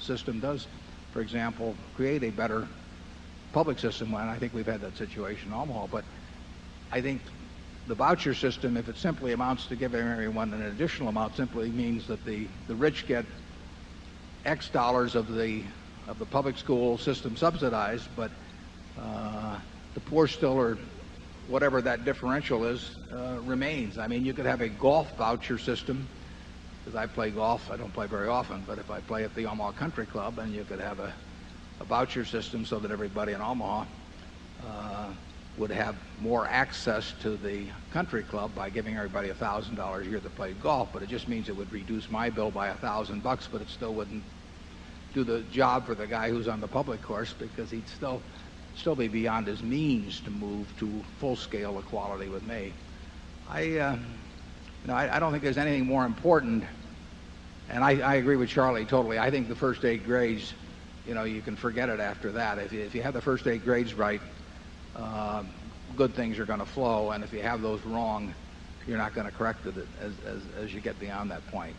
system does, for example, create a better public system when I think we've had that situation in Omaha. But I think the voucher system, if simply amounts to giving everyone an additional amount, simply means that the rich get X dollars of the public school system subsidized. But the poor still or whatever that differential is, remains. I mean, you could have a golf voucher system because I play golf. I don't play very often. But if I play at the Omaha Country Club, then you could have a voucher system so that everybody in Omaha would have more access to the country club by giving everybody $1,000 a year to play golf. But it just means it would reduce my bill by $1,000 but it still wouldn't do the job for the guy who's on the public course because he'd still be beyond his means to move to full scale equality with me. I don't think there's anything more important. And I agree with Charlie totally. I think the first eight grades, you can forget it after that. If you have the first eight grades right, good things are going to flow. And if you have those wrong, you're not going to correct it as you get beyond that point.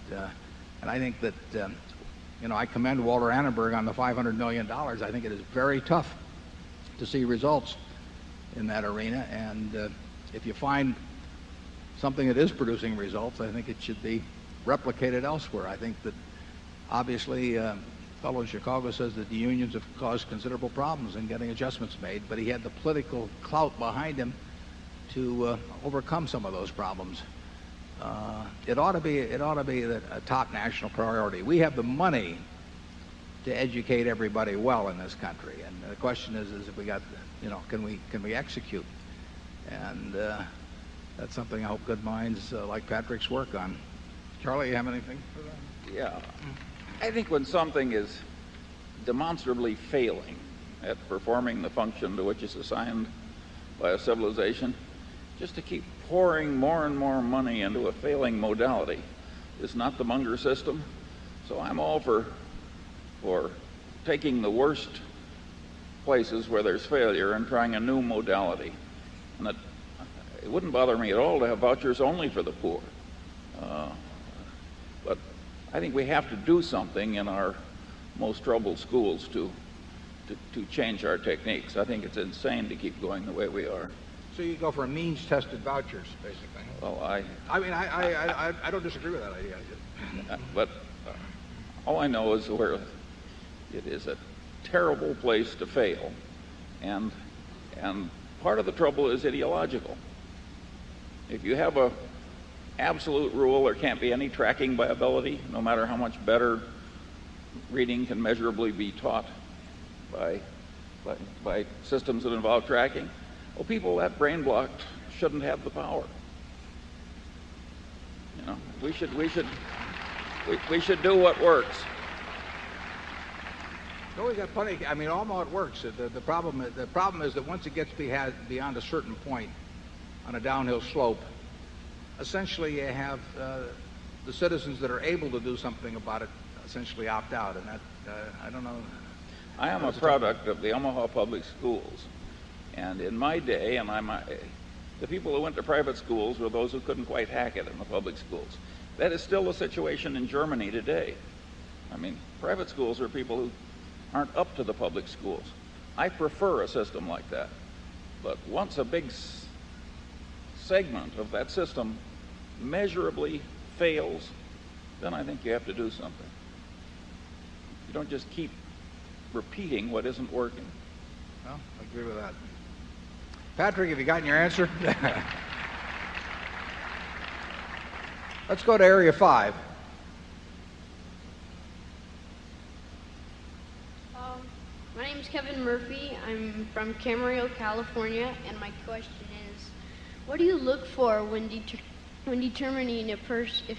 And I commend Walter Annenberg on the $500,000,000 I think it is very tough to see results in that arena. And if you find something that is producing results, I think it should be replicated elsewhere. I think that obviously, a fellow in Chicago says that the unions have caused considerable problems in getting adjustments made, but he had the political clout behind him to overcome some of those problems. It ought to be a top national priority. We have the money to educate everybody well in this country. And the question is, can we execute? And that's something I hope good minds like Patrick's work on. Charlie, you have anything for that? Yeah. I think when something is demonstrably failing at performing the function to which is assigned by a civilization just to keep pouring more and more money into a failing modality. Is not the Munger system. So I'm all for taking the worst places where there's failure and trying a new modality. And it wouldn't bother me at all to have vouchers only for the poor. But I think we have to do something in our most troubled schools to change our techniques. I think it's insane to keep going the way we are. So you go for means tested vouchers, basically. Well, I I mean, I don't disagree with that idea. But all I know is we're it is a terrible place to fail. And part of the trouble is ideological. If you have an absolute rule or can't be any tracking viability, no matter how much better reading can measurably be taught by systems that involve people that brain blocked shouldn't have the power. We should do what works. It's always a funny I mean, all know it works. The problem is that once it gets beyond a certain point on a downhill slope, essentially, you have the citizens that are able to do something about it essentially opt out. And that, I don't know. I am a product of the Omaha public schools. And in my day, the people who went to private schools were those who couldn't quite hack it in the public schools. That is still the situation in Germany today. Private schools are people who aren't up to the public schools. I prefer a system like that. But once a big segment of that system measurably fails, then I think you have to do something. You don't just keep repeating what isn't working. No, I agree with that. Patrick, have you gotten your answer? Let's go to area 5. My name is Kevin Murphy. I'm from Camarillo, California. And my question is, what do you look for when determining if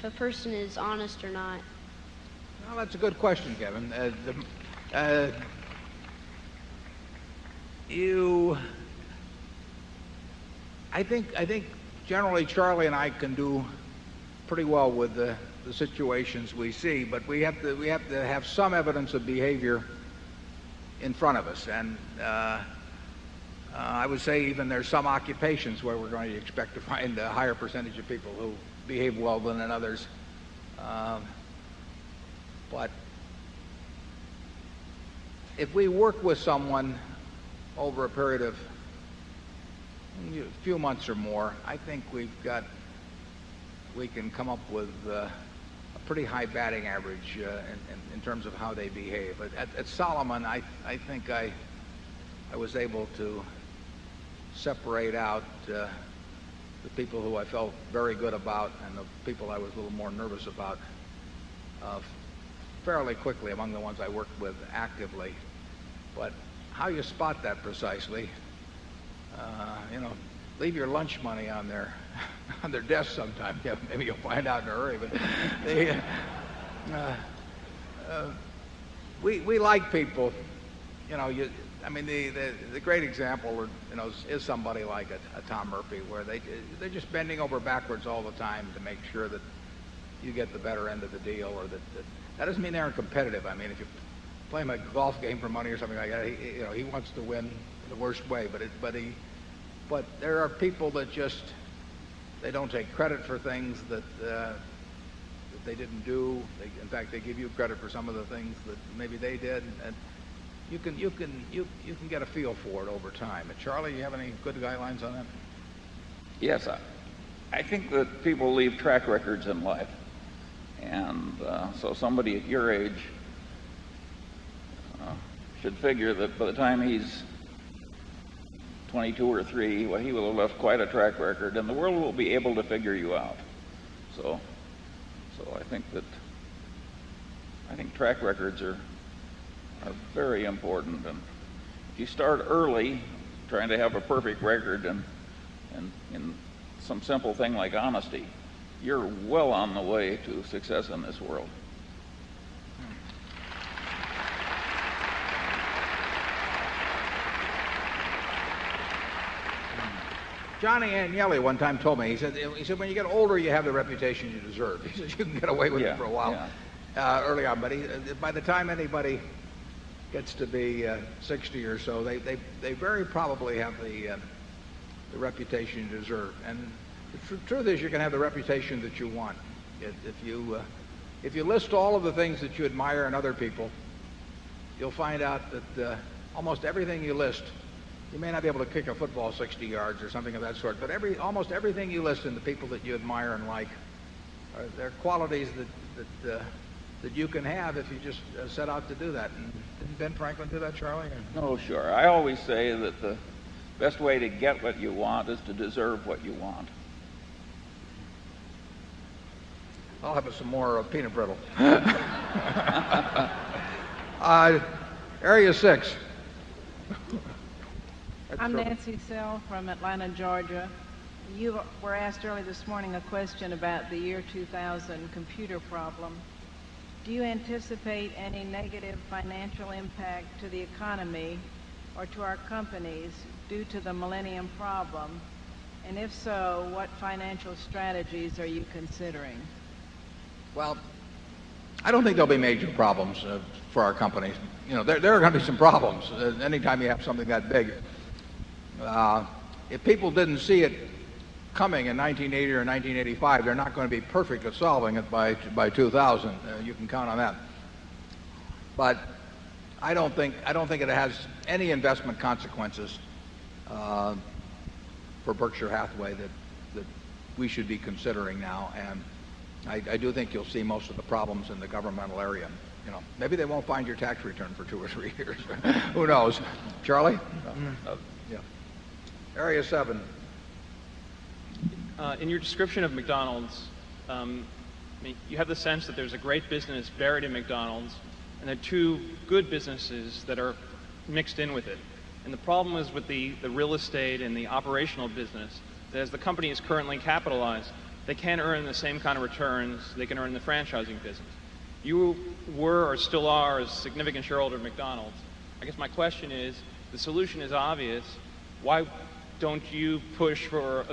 a person is honest or not? Well, that's a good question, Kevin. You I think generally, Charlie and I can do pretty well with the situations we see, but we have to have some evidence of behavior in front of us. And I would say even there are some occupations where we're going to expect to find a higher percentage of people who behave well than others. But if we work with someone over a period of a few months or more, I think we've got we can come up with a pretty high batting average in terms of how they behave. But at Salomon, I think I was able to separate out the people who I felt very good about and the people I was a little more nervous about fairly quickly among the ones I work with actively. But how do you spot that precisely? Leave your lunch money on their desk sometime. Maybe you'll find out in a hurry. We like people. I mean, the great example is somebody like a Tom Murphy where they're just bending over backwards all the time to make sure that you get the better end of the deal or that that doesn't mean they aren't competitive. I mean, if you play him a golf game for money or something like that, he wants to win the worst way. But there are people that just they don't take credit for things that they didn't do. In fact, they give you credit for some of the things that maybe they did. You can get a feel for it over time. Charlie, do you have any good guidelines on that? Yes. I think that people leave track records in life. And so somebody at your age should figure that by the time he's 22 or 3, he will have left quite a track record and the world will be able to figure you out. So I think that I think track records are very important. And if you start early trying to have a perfect record and in some simple thing like honesty, you're well on the way to success in this world. John Agnelli one time told me, he said, when you get older, you have the reputation you deserve. He said, you can get away with it for a while early on. But by the time anybody gets to be 60 or so, they very probably have the reputation you deserve. And the truth is you're going to have the reputation that you If you list all of the things that you admire in other people, you'll find out that almost everything you list, you may not be able to kick a football 60 yards or something of that sort, but every almost everything you list and the people that you admire and like, there are qualities that you can have if you just set out to do that. And didn't Ben Franklin do that, Charlie? No, sure. I always say that the best way to get what you want is to deserve what you want. I'll have us some more of you anticipate any negative financial impact to the economy or to our companies due to the Millennium problem? And if so, what financial strategies are you considering? Well, I don't think there'll be major problems for our company. You know, there are going to be some problems anytime you have something that big. If people didn't see it coming in 1980 or 1985, they're not going to be perfect at solving it by 2,000. You can count on that. But But I don't think it has any investment consequences for Berkshire Hathaway that we should be considering now. And I do think you'll see most of the problems in the governmental area. Maybe they won't find your tax return for 2 or 3 years. Who knows? Charlie? Yeah. Area 7. In your description of McDonald's, you have the sense that there's a great business buried in McDonald's and there are 2 good businesses that are mixed in with it. And the problem is with the real estate and the operational business that as the company is currently capitalized, they can't earn the same kind of returns they can earn in the franchising business. You were or still are a significant shareholder of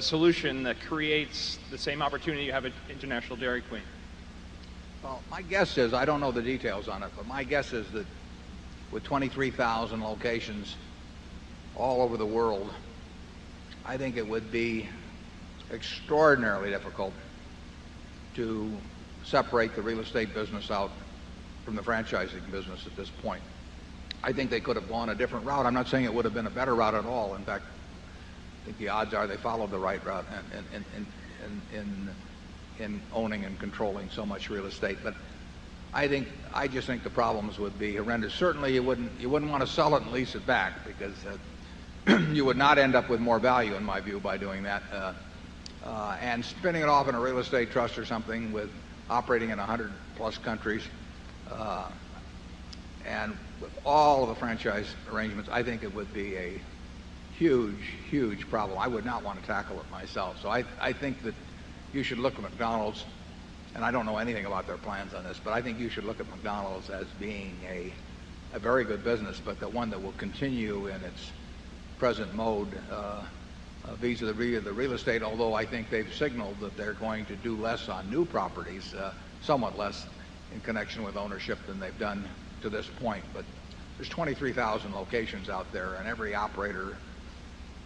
solution that creates the same opportunity you have at International Dairy Queen? Well, my guess is I don't know the details on it but my guess is that with 23,000 locations all over the world, I think it would be extraordinarily difficult to separate the real estate business out from the franchising business at this point. I think they could have gone a different route. I'm not saying it would have been a better route at all. In fact, the odds are they followed the right route in owning and controlling so much real estate. But I think I just the problems would be horrendous. Certainly, you wouldn't want to sell it and lease it back because you would not end up with more value, in my view, by doing that. And spinning it off in a real estate trust or something with operating in 100 plus countries and with all of the franchise arrangements, I think it would be a huge, huge problem. I would not want to tackle it myself. So I think that you should look at McDonald's and I don't know anything about their plans on this but I think you should look at McDonald's as being a very good business but the one that will continue in its present mode vis a vis the real estate. Although I think they've signaled that they're going to do less on new properties, somewhat less in connection with ownership than they've done to this point. But there's 23,000 locations out there and every operator,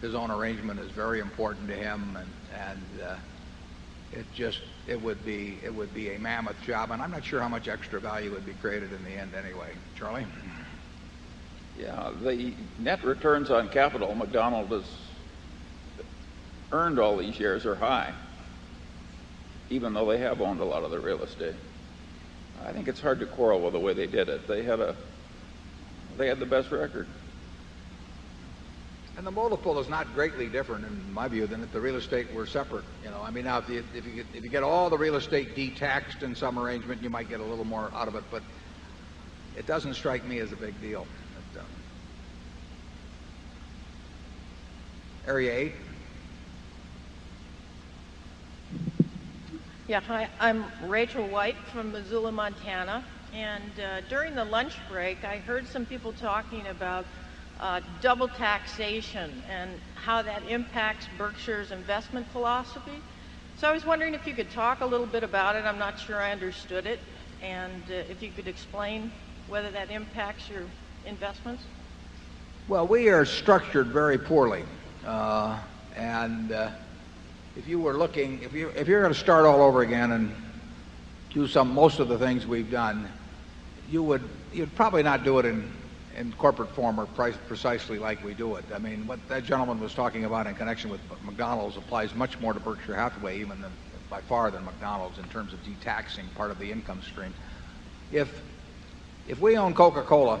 his own arrangement is very important to him. And it just it would be a mammoth job. And I'm not sure how much extra value would be created in the end anyway. Charlie? Yeah. The net returns on capital McDonald has earned all these years are high even though they have owned a lot of their real estate. I think it's hard to quarrel with the way they did it. They had the best record. And the multiple is not greatly different, in my view, than if the real estate were separate, you know. I mean, now if you get all the real estate de taxed in some arrangement, you might get a little more out of it. But it doesn't strike me as a big deal. Area 8. Yeah. Hi. I'm Rachel White from Missoula, Montana. And during the lunch break, I heard some people talking about double taxation and how that impacts whether that impacts your investments? Well, we are structured very poorly. And if you were looking if you're going to start all over again and do some most of the things we've done, you would you'd probably not do it in corporate form or precisely like we do it. I mean, what that gentleman was talking about in connection with McDonald's applies much more to Berkshire Hathaway even than by far than McDonald's in terms of de taxing part of the income stream. If we own Coca Cola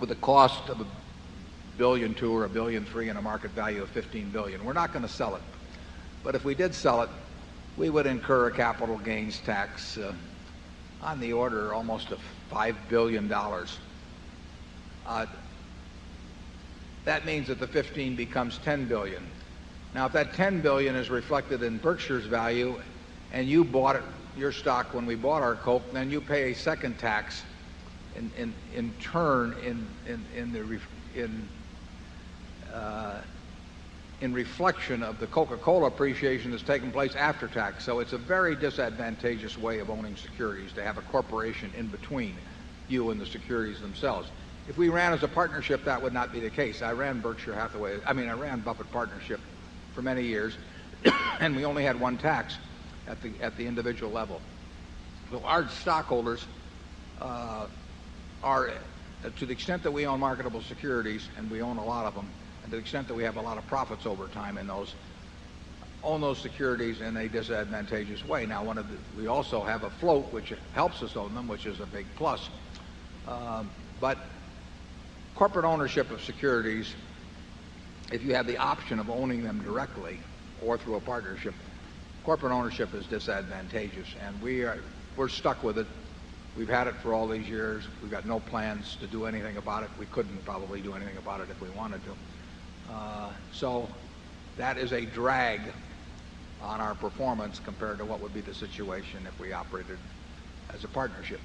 with a cost of a $1,200,000,000 or 1 $1,300,000,000 and a market value of $15,000,000,000 we're not going to sell it. But if we did sell it, we would incur a capital gains tax on the order of almost $5,000,000,000 That means that the $15,000,000,000 Now if that $10,000,000,000 is reflected in Berkshire's value and you bought your stock when we bought our Coke, then you pay a second tax in turn in reflection of the a very disadvantageous way of owning securities to have a corporation in between you and the securities themselves. If we ran as a partnership, that would not be the case. I ran Berkshire Hathaway. I mean, I ran Buffett Partnership for many years and we only had one tax at the individual level. So our stockholders are to the extent that we own marketable securities and we own a lot of them and to the extent that we have a lot of profits over time in those own those securities in a disadvantageous way. Now one of the we also have a float which helps us own them, which is a big plus. But corporate ownership of securities, if you have the option of owning them directly or through partnership, corporate ownership is disadvantageous. And we're stuck with it. We've had it for all these years. We've got no plans to do anything about it. We couldn't probably do anything about it if we wanted to. So that is a drag on our performance compared to what would be the situation if we operated as a partnership.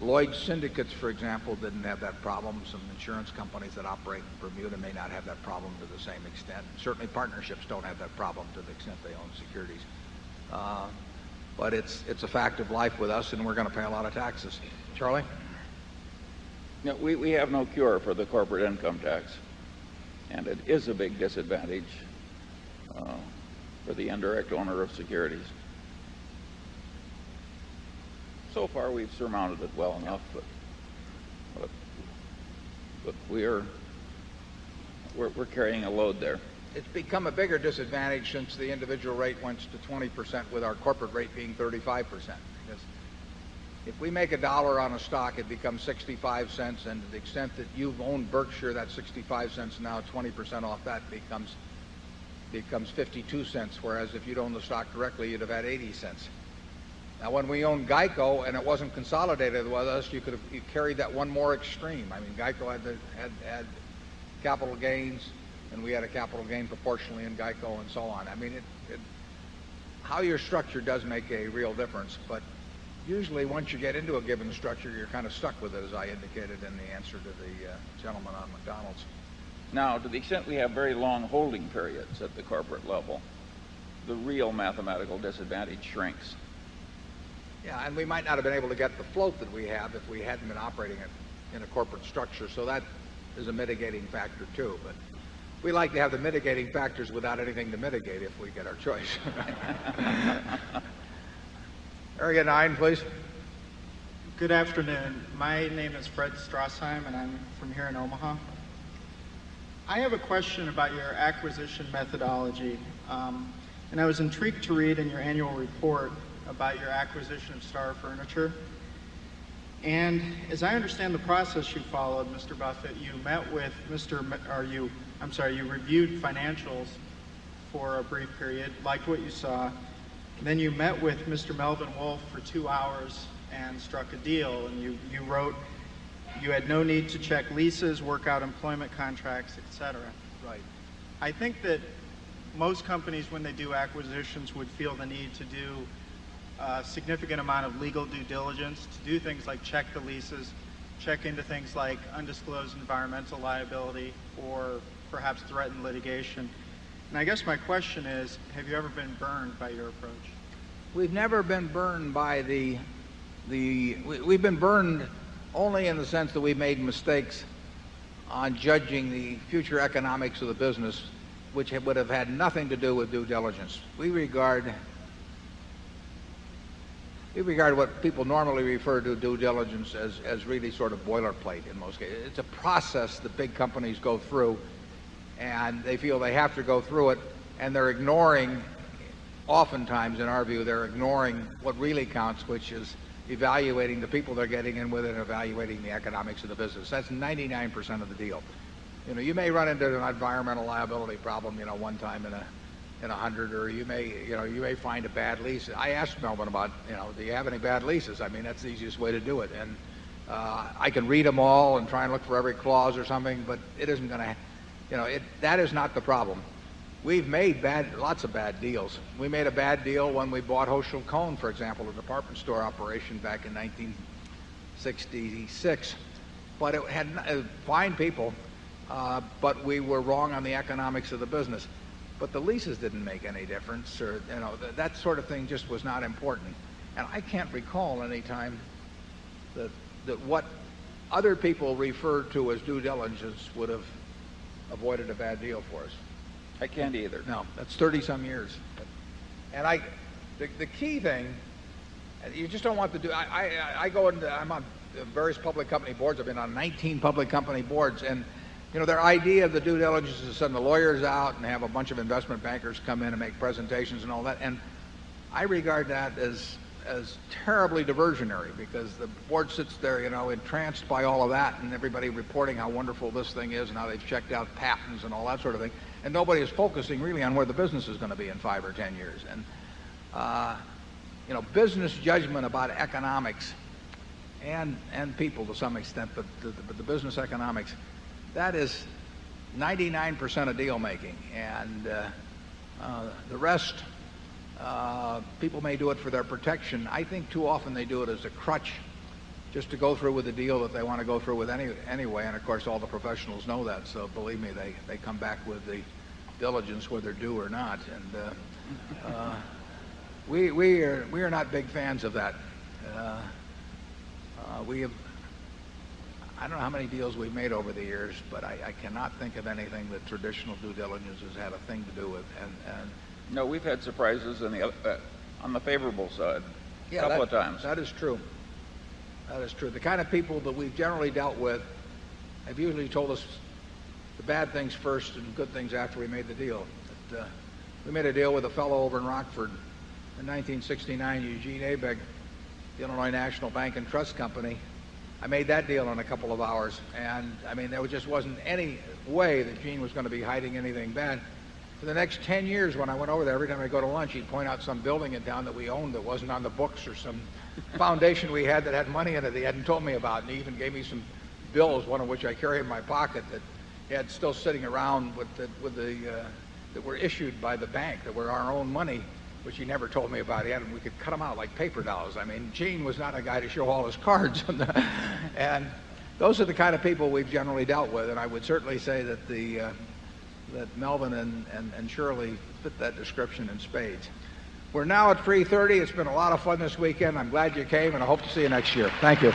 And Lloyd's syndicates, for example, didn't have that problem. Some insurance companies that operate in Bermuda may not have that problem to the same extent. Certainly, partnerships don't have that problem to the extent they own securities. But it's a fact of life with us and we're going to pay a lot of taxes. Charlie? We have no cure for the corporate income tax. And it is a big disadvantage for the indirect owner of securities. So far, we've surmounted it well enough, But we're carrying a load there. It's become a bigger disadvantage since the individual rate went to 20 percent with our corporate rate being 35 percent. If we make $1 on a stock, it becomes $0.65 And to the extent that you've owned Berkshire, that's $0.65 now 20% off that becomes $0.52 whereas if you'd own the stock directly, you'd have had $0.80 dollars Now when we owned GEICO and it wasn't consolidated with us, you could have carried that one more extreme. I mean, GEICO had capital gains and we had a capital gain proportionally in GEICO and so on. I mean, how you're structured does make a real difference. But usually, once you get into a given structure, you're kind of stuck with it, as I indicated in the answer to the gentleman on McDonald's. Now to the extent we have very long holding periods at the corporate level, the real mathematical disadvantage shrinks. Yes. And we might not have been able to get the float that we have if we hadn't been operating it in a corporate structure. So that is a mitigating factor, too. But we like to have the mitigating factors without anything to mitigate if we get our choice. Area 9, please. Good afternoon. My name is Fred Strassheim and I'm from here in Omaha. I have a question about your acquisition methodology. And I was intrigued to read in your annual report or you I'm sorry, you reviewed financials for a brief period, like what you saw. And then you met with Mr. Melvin Wolf for 2 hours and struck a deal. And you you wrote, you had no need to check leases, work out employment contracts, etcetera. Right. I think that most companies, when they do acquisitions, would feel the need to do, significant amount of legal due diligence to do things like check the leases, check into things like undisclosed environmental liability or perhaps threatened litigation. And I guess my question is, have you ever been burned by your approach? We've never been burned by the we've been burned only in the sense that we've made mistakes on judging the future economics of the business, which would have had nothing to do with due diligence. We regard what people normally refer to due diligence as really sort of boilerplate in most cases. It's a process the big companies go through and they feel they have to go through it and they're ignoring, oftentimes, in our view, they're ignoring what really counts, which is evaluating the people they're getting in with and evaluating the economics of the business. That's 99% of the deal. You may run into an environmental liability problem one time in 100 or you may find a bad lease. I asked Melvin about, do you have any bad leases? I mean, that's the easiest way to do it. And I can read them all and try and look for every clause or something, but it isn't going to that is not the problem. We've made lots of bad deals. We made a bad deal when we bought Hochul Cone, for example, a department store operation back in 19 66. But it had fine people, but we were wrong on the economics of the business. But leases didn't make any difference. That sort of thing just was not important. And I can't recall any time that what other people referred to as due diligence would have avoided a bad deal for us. I can't either. No. That's 30 some years. And I the key thing, you just don't want to do I go into I'm on various public company boards. I've been on 19 public company boards And, you know, their idea of the due diligence is to send the lawyers out and have a bunch of investment bankers come in and make presentations and all that. And I regard that as terribly diversionary because the Board sits there, you know, entranced by all of that and everybody reporting how wonderful this thing is and how they've checked out patents and all that sort of thing. And nobody is focusing really on where the business is going to be in 5 or 10 years. And business judgment about economics and people to some extent, but the business economics, that is 99% of deal making. And the rest, people may do it for their protection. I think too often they do it as a crutch just to go through with a deal that they want to go through with anyway. And of course, all the professionals know that. So believe me, they come back with the diligence whether due or not. And we are not big fans of that. We have I don't know how many deals we've made over the years but I cannot think of anything that traditional due diligence has had a thing to do with. And No. We've had surprises on the favorable side a couple of times. That is true. That is true. The kind of people that we've generally dealt with have usually told us the bad things first and the good things after we made the deal. We made a deal with a fellow over in Rockford in 1969, Eugene Abig, the Illinois National Bank and Trust Company. I made that deal in a couple of hours. And I mean, there was just wasn't any way that Gene was going to be hiding anything then. For the next 10 years, when I went over there, every time I go to lunch, he'd point out some building down that we owned that wasn't on the books or some foundation we had that had money in it that he hadn't told me about. And he even gave me some bills, one of which I carry in my pocket, that he had still sitting around with the, that were issued by the bank that were our own money, which he never told me about yet. And we could cut them out like paper dollars. I mean, Gene was not a guy to show all his cards. And those are the kind of people we've generally dealt with. And I would certainly say that Melvin and Shirley put that description in spades. We're now at 3:30. It's been a lot of fun this weekend. I'm glad you came and I hope to see you next year. Thank you.